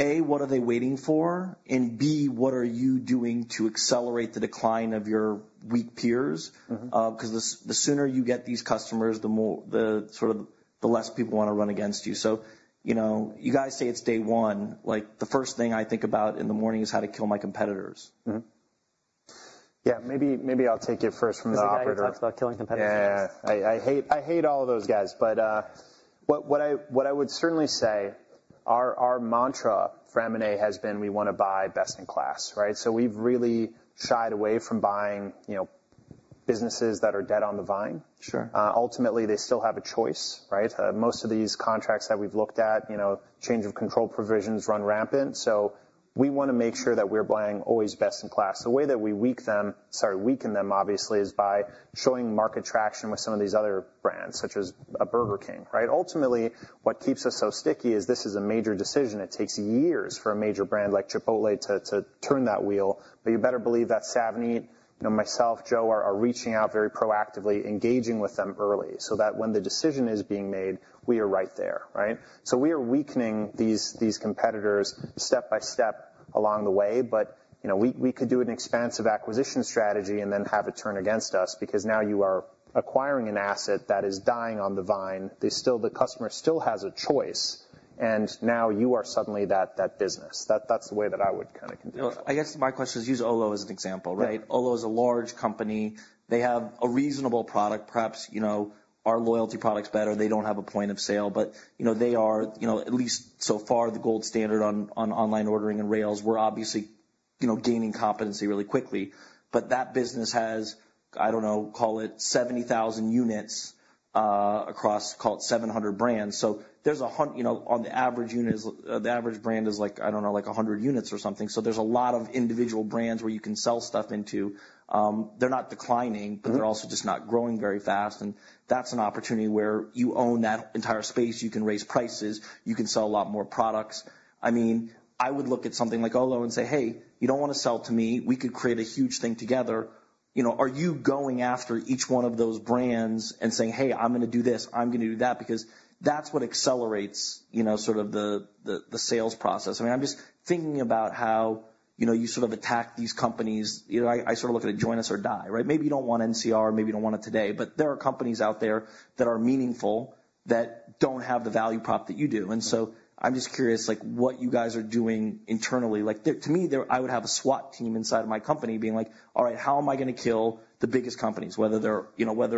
"A, what are they waiting for? And B, what are you doing to accelerate the decline of your weak peers?" Because the sooner you get these customers, the sort of less people want to run against you. So you guys say it's day one. The first thing I think about in the morning is how to kill my competitors. Yeah, maybe I'll take it first from the operator. Sorry, I talked about killing competitors. Yeah, I hate all of those guys. But what I would certainly say, our mantra for M&A has been, "We want to buy best in class," right? So we've really shied away from buying businesses that are dead on the vine. Ultimately, they still have a choice, right? Most of these contracts that we've looked at, change of control provisions run rampant. So we want to make sure that we're buying always best in class. The way that we weaken them, sorry, weaken them, obviously, is by showing market traction with some of these other brands, such as Burger King, right? Ultimately, what keeps us so sticky is this is a major decision. It takes years for a major brand like Chipotle to turn that wheel. But you better believe that Savneet, myself, Joe are reaching out very proactively, engaging with them early so that when the decision is being made, we are right there, right? So we are weakening these competitors step by step along the way. But we could do an expansive acquisition strategy and then have it turn against us because now you are acquiring an asset that is dying on the vine. The customer still has a choice. And now you are suddenly that business. That's the way that I would kind of conclude. I guess my question is, use Olo as an example, right? Olo is a large company. They have a reasonable product. Perhaps our loyalty product's better. They don't have a point of sale. But they are, at least so far, the gold standard on online ordering and rails. We're obviously gaining competency really quickly. But that business has, I don't know, call it 70,000 units across, call it 700 brands. So there's 100 on the average unit, the average brand is like, I don't know, like 100 units or something. So there's a lot of individual brands where you can sell stuff into. They're not declining, but they're also just not growing very fast. And that's an opportunity where you own that entire space. You can raise prices. You can sell a lot more products. I mean, I would look at something like Olo and say, "Hey, you don't want to sell to me. We could create a huge thing together." Are you going after each one of those brands and saying, "Hey, I'm going to do this. I'm going to do that"? Because that's what accelerates sort of the sales process. I mean, I'm just thinking about how you sort of attack these companies. I sort of look at it, "Join us or die," right? Maybe you don't want NCR. Maybe you don't want it today. But there are companies out there that are meaningful that don't have the value prop that you do. And so I'm just curious what you guys are doing internally. To me, I would have a SWAT team inside of my company being like, "All right, how am I going to kill the biggest companies?" Whether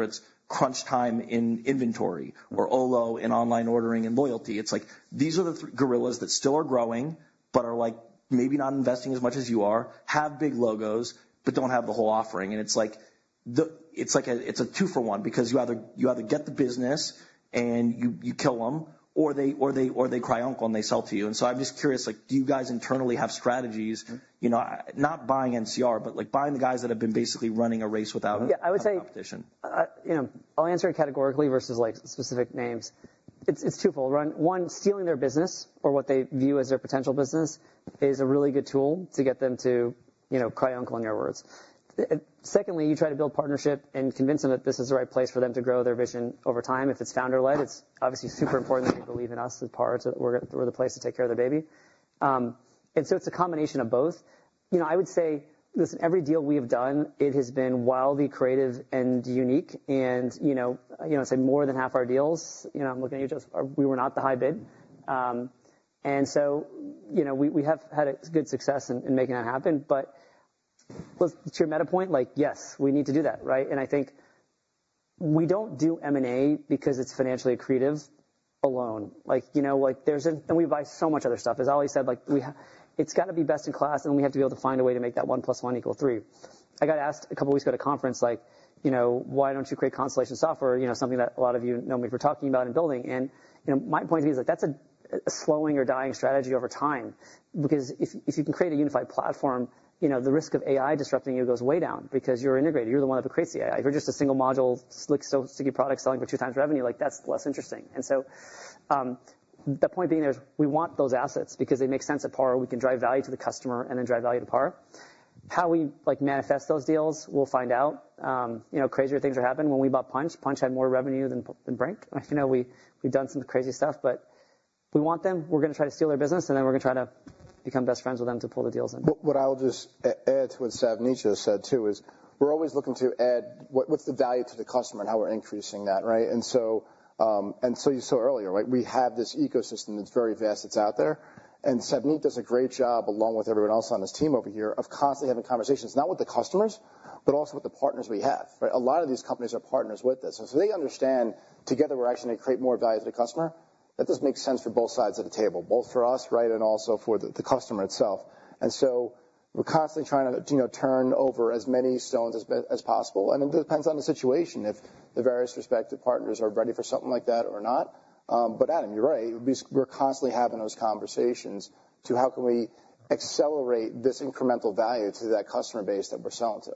it's Crunchtime in inventory or Olo in online ordering and loyalty. It's like, "These are the gorillas that still are growing but are maybe not investing as much as you are, have big logos, but don't have the whole offering." And it's like it's a two-for-one because you either get the business and you kill them, or they cry uncle and they sell to you. And so I'm just curious, do you guys internally have strategies, not buying NCR, but buying the guys that have been basically running a race without a competition? Yeah, I would say I'll answer it categorically versus specific names. It's twofold. One, stealing their business or what they view as their potential business is a really good tool to get them to cry uncle in your words. Secondly, you try to build partnership and convince them that this is the right place for them to grow their vision over time. If it's founder-led, it's obviously super important that they believe in us as PAR, that we're the place to take care of the baby. And so it's a combination of both. I would say, listen, every deal we have done, it has been wildly creative and unique. And I'd say more than half our deals, I'm looking at you, just we were not the high bid. And so we have had good success in making that happen. But to your meta point, yes, we need to do that, right? And I think we don't do M&A because it's financially accretive alone. And we buy so much other stuff. As Oli said, it's got to be best in class, and we have to be able to find a way to make that 1 + 1 = 3. I got asked a couple of weeks ago at a conference, like, "Why don't you create Constellation Software?" Something that a lot of you know me for talking about and building. And my point to you is that's a slowing or dying strategy over time because if you can create a unified platform, the risk of AI disrupting you goes way down because you're an integrator. You're the one that creates the AI. If you're just a single module, slick, sticky product selling for two times revenue, that's less interesting. And so the point being, there is we want those assets because they make sense at PAR. We can drive value to the customer and then drive value to PAR. How we manifest those deals, we'll find out. Crazier things are happening when we bought Punchh. Punchh had more revenue than Brink. We've done some crazy stuff, but we want them. We're going to try to steal their business, and then we're going to try to become best friends with them to pull the deals in. What I'll just add to what Savneet just said too is we're always looking to add what's the value to the customer and how we're increasing that, right? And so you saw earlier, right? We have this ecosystem that's very vast that's out there. And Savneet does a great job, along with everyone else on his team over here, of constantly having conversations, not with the customers, but also with the partners we have, right? A lot of these companies are partners with us. And so they understand together we're actually going to create more value to the customer. That does make sense for both sides of the table, both for us, right, and also for the customer itself. And so we're constantly trying to turn over as many stones as possible. And it depends on the situation if the various respective partners are ready for something like that or not. But Adam, you're right. We're constantly having those conversations to how can we accelerate this incremental value to that customer base that we're selling to.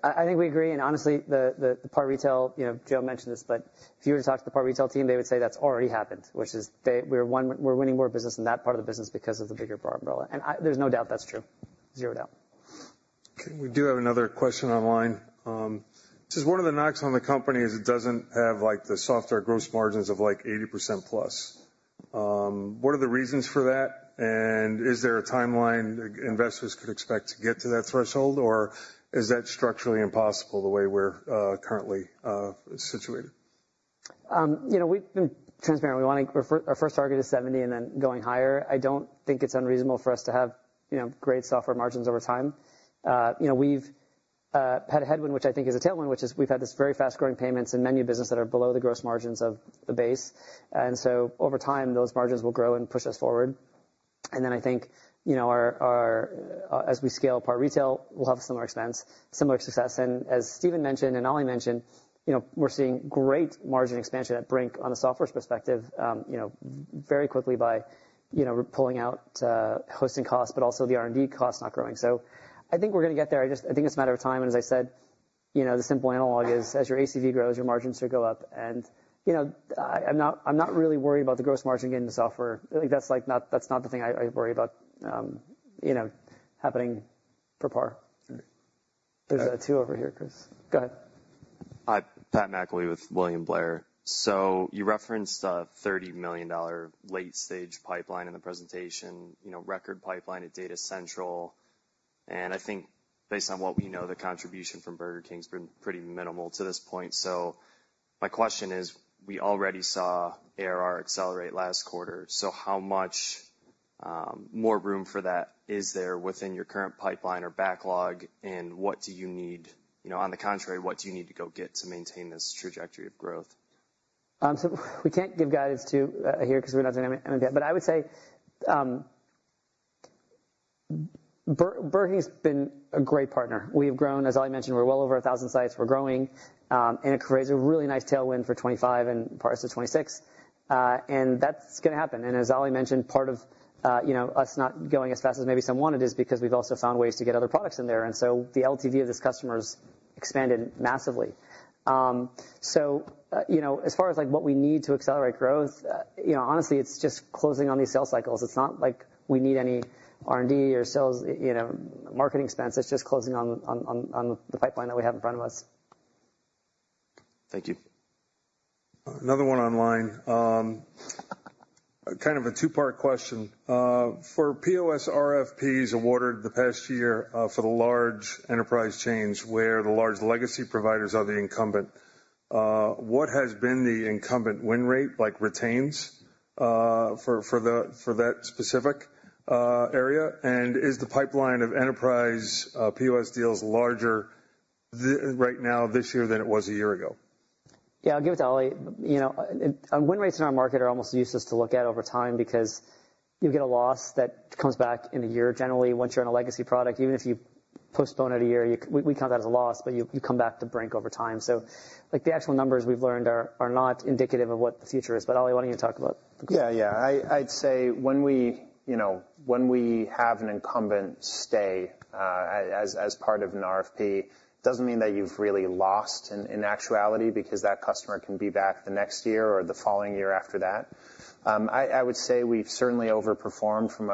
I think we agree. And honestly, the PAR Retail, Joe mentioned this, but if you were to talk to the PAR Retail team, they would say that's already happened, which is we're winning more business in that part of the business because of the bigger PAR umbrella. And there's no doubt that's true. Zero doubt. Okay. We do have another question online. This is one of the knocks on the company is it doesn't have the software gross margins of like 80% plus. What are the reasons for that? And is there a timeline investors could expect to get to that threshold, or is that structurally impossible the way we're currently situated? We've been transparent. We want to reaffirm our first target is 70 and then going higher. I don't think it's unreasonable for us to have great software margins over time. We've had a headwind, which I think is a tailwind, which is we've had this very fast-growing Payments and MENU business that are below the gross margins of the base. And so over time, those margins will grow and push us forward. And then I think as we scale PAR Retail, we'll have a similar experience, similar success. And as Steven mentioned and Oli mentioned, we're seeing great margin expansion at Brink on the software's perspective very quickly by pulling out hosting costs, but also the R&D costs not growing. So I think we're going to get there. I think it's a matter of time. As I said, the simple analog is as your ACV grows, your margins should go up. I'm not really worried about the gross margin getting to software. That's not the thing I worry about happening for PAR. There's a two over here, Chris. Go ahead. Hi, Pat Mcllwee with William Blair. So you referenced the $30 million late-stage pipeline in the presentation, record pipeline at Data Central. And I think based on what we know, the contribution from Burger King's been pretty minimal to this point. So my question is, we already saw ARR accelerate last quarter. So how much more room for that is there within your current pipeline or backlog? And what do you need? On the contrary, what do you need to go get to maintain this trajectory of growth? We can't give guidance today, but I would say Burger King's been a great partner. We have grown, as Oli mentioned, we're well over 1,000 sites. We're growing. It creates a really nice tailwind for 2025 and parts to 2026. That's going to happen. As Oli mentioned, part of us not going as fast as maybe some wanted is because we've also found ways to get other products in there. The LTV of this customer has expanded massively. As far as what we need to accelerate growth, honestly, it's just closing on these sales cycles. It's not like we need any R&D or sales marketing expense. It's just closing on the pipeline that we have in front of us. Thank you. Another one online. Kind of a two-part question. For POS RFPs awarded the past year for the large enterprise chains where the large legacy providers are the incumbent, what has been the incumbent win rate, like retains, for that specific area? And is the pipeline of enterprise POS deals larger right now this year than it was a year ago? Yeah, I'll give it to Oli. Win rates in our market are almost useless to look at over time because you get a loss that comes back in a year, generally, once you're on a legacy product. Even if you postpone it a year, we count that as a loss, but you come back to Brink over time. So the actual numbers we've learned are not indicative of what the future is. But Oli, why don't you talk about the question? Yeah, yeah. I'd say when we have an incumbent stay as part of an RFP, it doesn't mean that you've really lost in actuality because that customer can be back the next year or the following year after that. I would say we've certainly overperformed from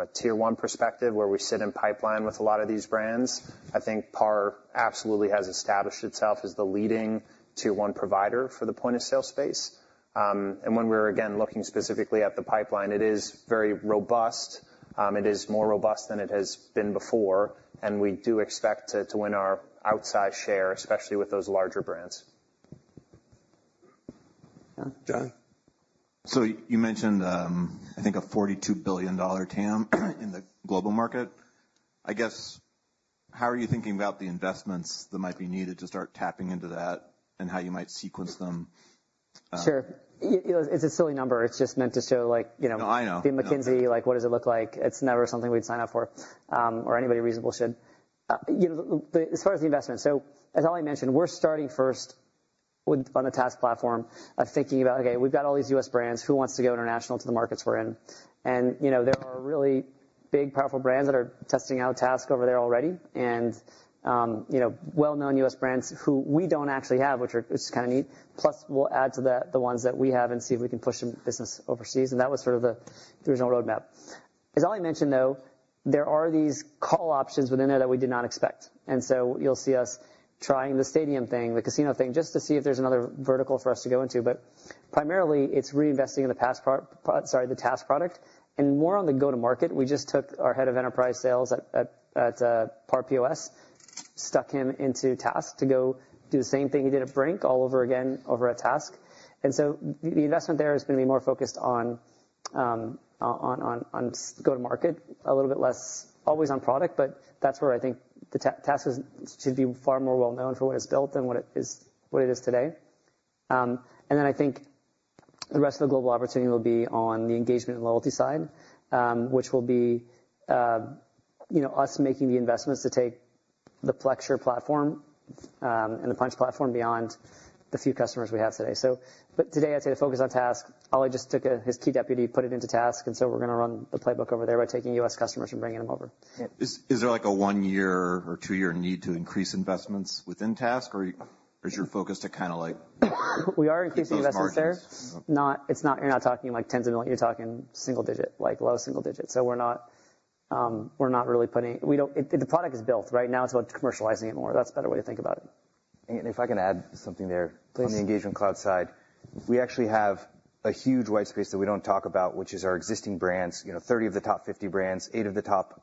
a tier one perspective where we sit in pipeline with a lot of these brands. I think PAR absolutely has established itself as the leading tier one provider for the point of sale space, and when we're again looking specifically at the pipeline, it is very robust. It is more robust than it has been before, and we do expect to win our outsized share, especially with those larger brands. John? So you mentioned, I think, a $42 billion TAM in the global market. I guess, how are you thinking about the investments that might be needed to start tapping into that and how you might sequence them? Sure. It's a silly number. It's just meant to show. No, I know. The McKinsey, what does it look like? It's never something we'd sign up for or anybody reasonable should. As far as the investment, so as Oli mentioned, we're starting first on the TASK platform of thinking about, okay, we've got all these U.S. brands. Who wants to go international to the markets we're in? And there are really big, powerful brands that are testing out TASK over there already and well-known U.S. brands who we don't actually have, which is kind of neat. Plus, we'll add to the ones that we have and see if we can push some business overseas, and that was sort of the original roadmap. As Oli mentioned, though, there are these call options within there that we did not expect, and so you'll see us trying the stadium thing, the casino thing, just to see if there's another vertical for us to go into. But primarily, it's reinvesting in the TASK product and more on the go-to-market. We just took our head of enterprise sales at PAR POS, stuck him into TASK to go do the same thing he did at Brink all over again over at TASK. And so the investment there is going to be more focused on go-to-market, a little bit less always on product, but that's where I think TASK should be far more well-known for what it's built than what it is today. And then I think the rest of the global opportunity will be on the engagement and loyalty side, which will be us making the investments to take the Plexure platform and the Punchh platform beyond the few customers we have today. But today, I'd say the focus on TASK. Oli just took his key deputy, put it into TASK, and so we're going to run the playbook over there by taking U.S. customers and bringing them over. Is there like a one-year or two-year need to increase investments within TASK, or is your focus to kind of like? We are increasing investments there. You're not talking like tens of millions. You're talking single digit, like low single digit. So we're not really putting the product is built. Right now, it's about commercializing it more. That's a better way to think about it. If I can add something there. Please. On the Engagement Cloud side, we actually have a huge white space that we don't talk about, which is our existing brands, 30 of the top 50 brands, eight of the top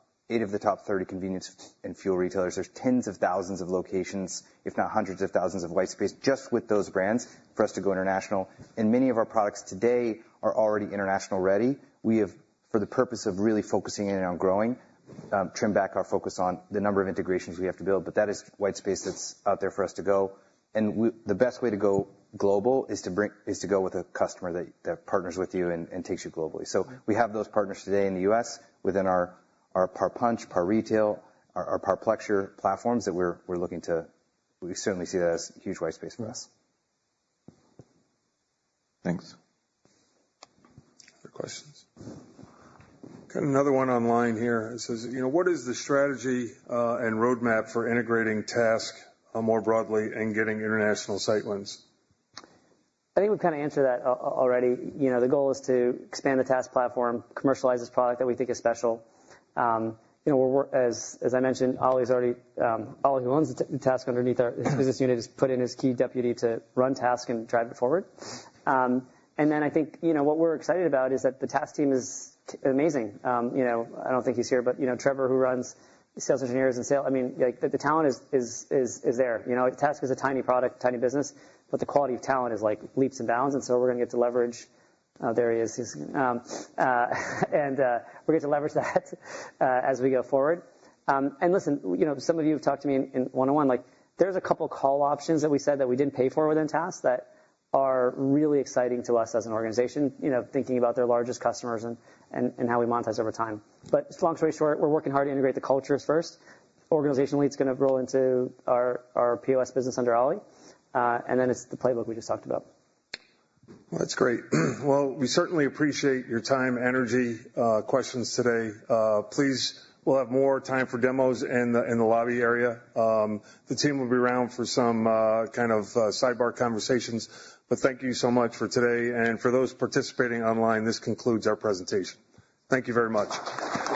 30 convenience and fuel retailers. There's tens of thousands of locations, if not hundreds of thousands of white space just with those brands for us to go international. Many of our products today are already international ready. We have, for the purpose of really focusing in on growing, trimmed back our focus on the number of integrations we have to build, but that is white space that's out there for us to go. The best way to go global is to go with a customer that partners with you and takes you globally. We have those partners today in the U.S. within our PAR Punchh, PAR Retail, our PAR Plexure platforms that we're looking to. We certainly see that as huge white space for us. Thanks. Other questions? Got another one online here. It says, "What is the strategy and roadmap for integrating TASK more broadly and getting international sight lines? I think we've kind of answered that already. The goal is to expand the TASK platform, commercialize this product that we think is special. As I mentioned, Ali, who runs the TASK underneath our business unit, has put in his key deputy to run TASK and drive it forward. And then I think what we're excited about is that the TASK team is amazing. I don't think he's here, but Trevor, who runs sales engineers and sales, I mean, the talent is there. TASK is a tiny product, tiny business, but the quality of talent is like leaps and bounds. And so we're going to get to leverage. There he is. And we're going to leverage that as we go forward. And listen, some of you have talked to me in one-on-one. There's a couple of call options that we said that we didn't pay for within TASK that are really exciting to us as an organization, thinking about their largest customers and how we monetize over time, but long story short, we're working hard to integrate the cultures first. Organizationally, it's going to roll into our POS business under Oli, and then it's the playbook we just talked about. That's great. We certainly appreciate your time, energy, questions today. Please, we'll have more time for demos in the lobby area. The team will be around for some kind of sidebar conversations, but thank you so much for today. For those participating online, this concludes our presentation. Thank you very much.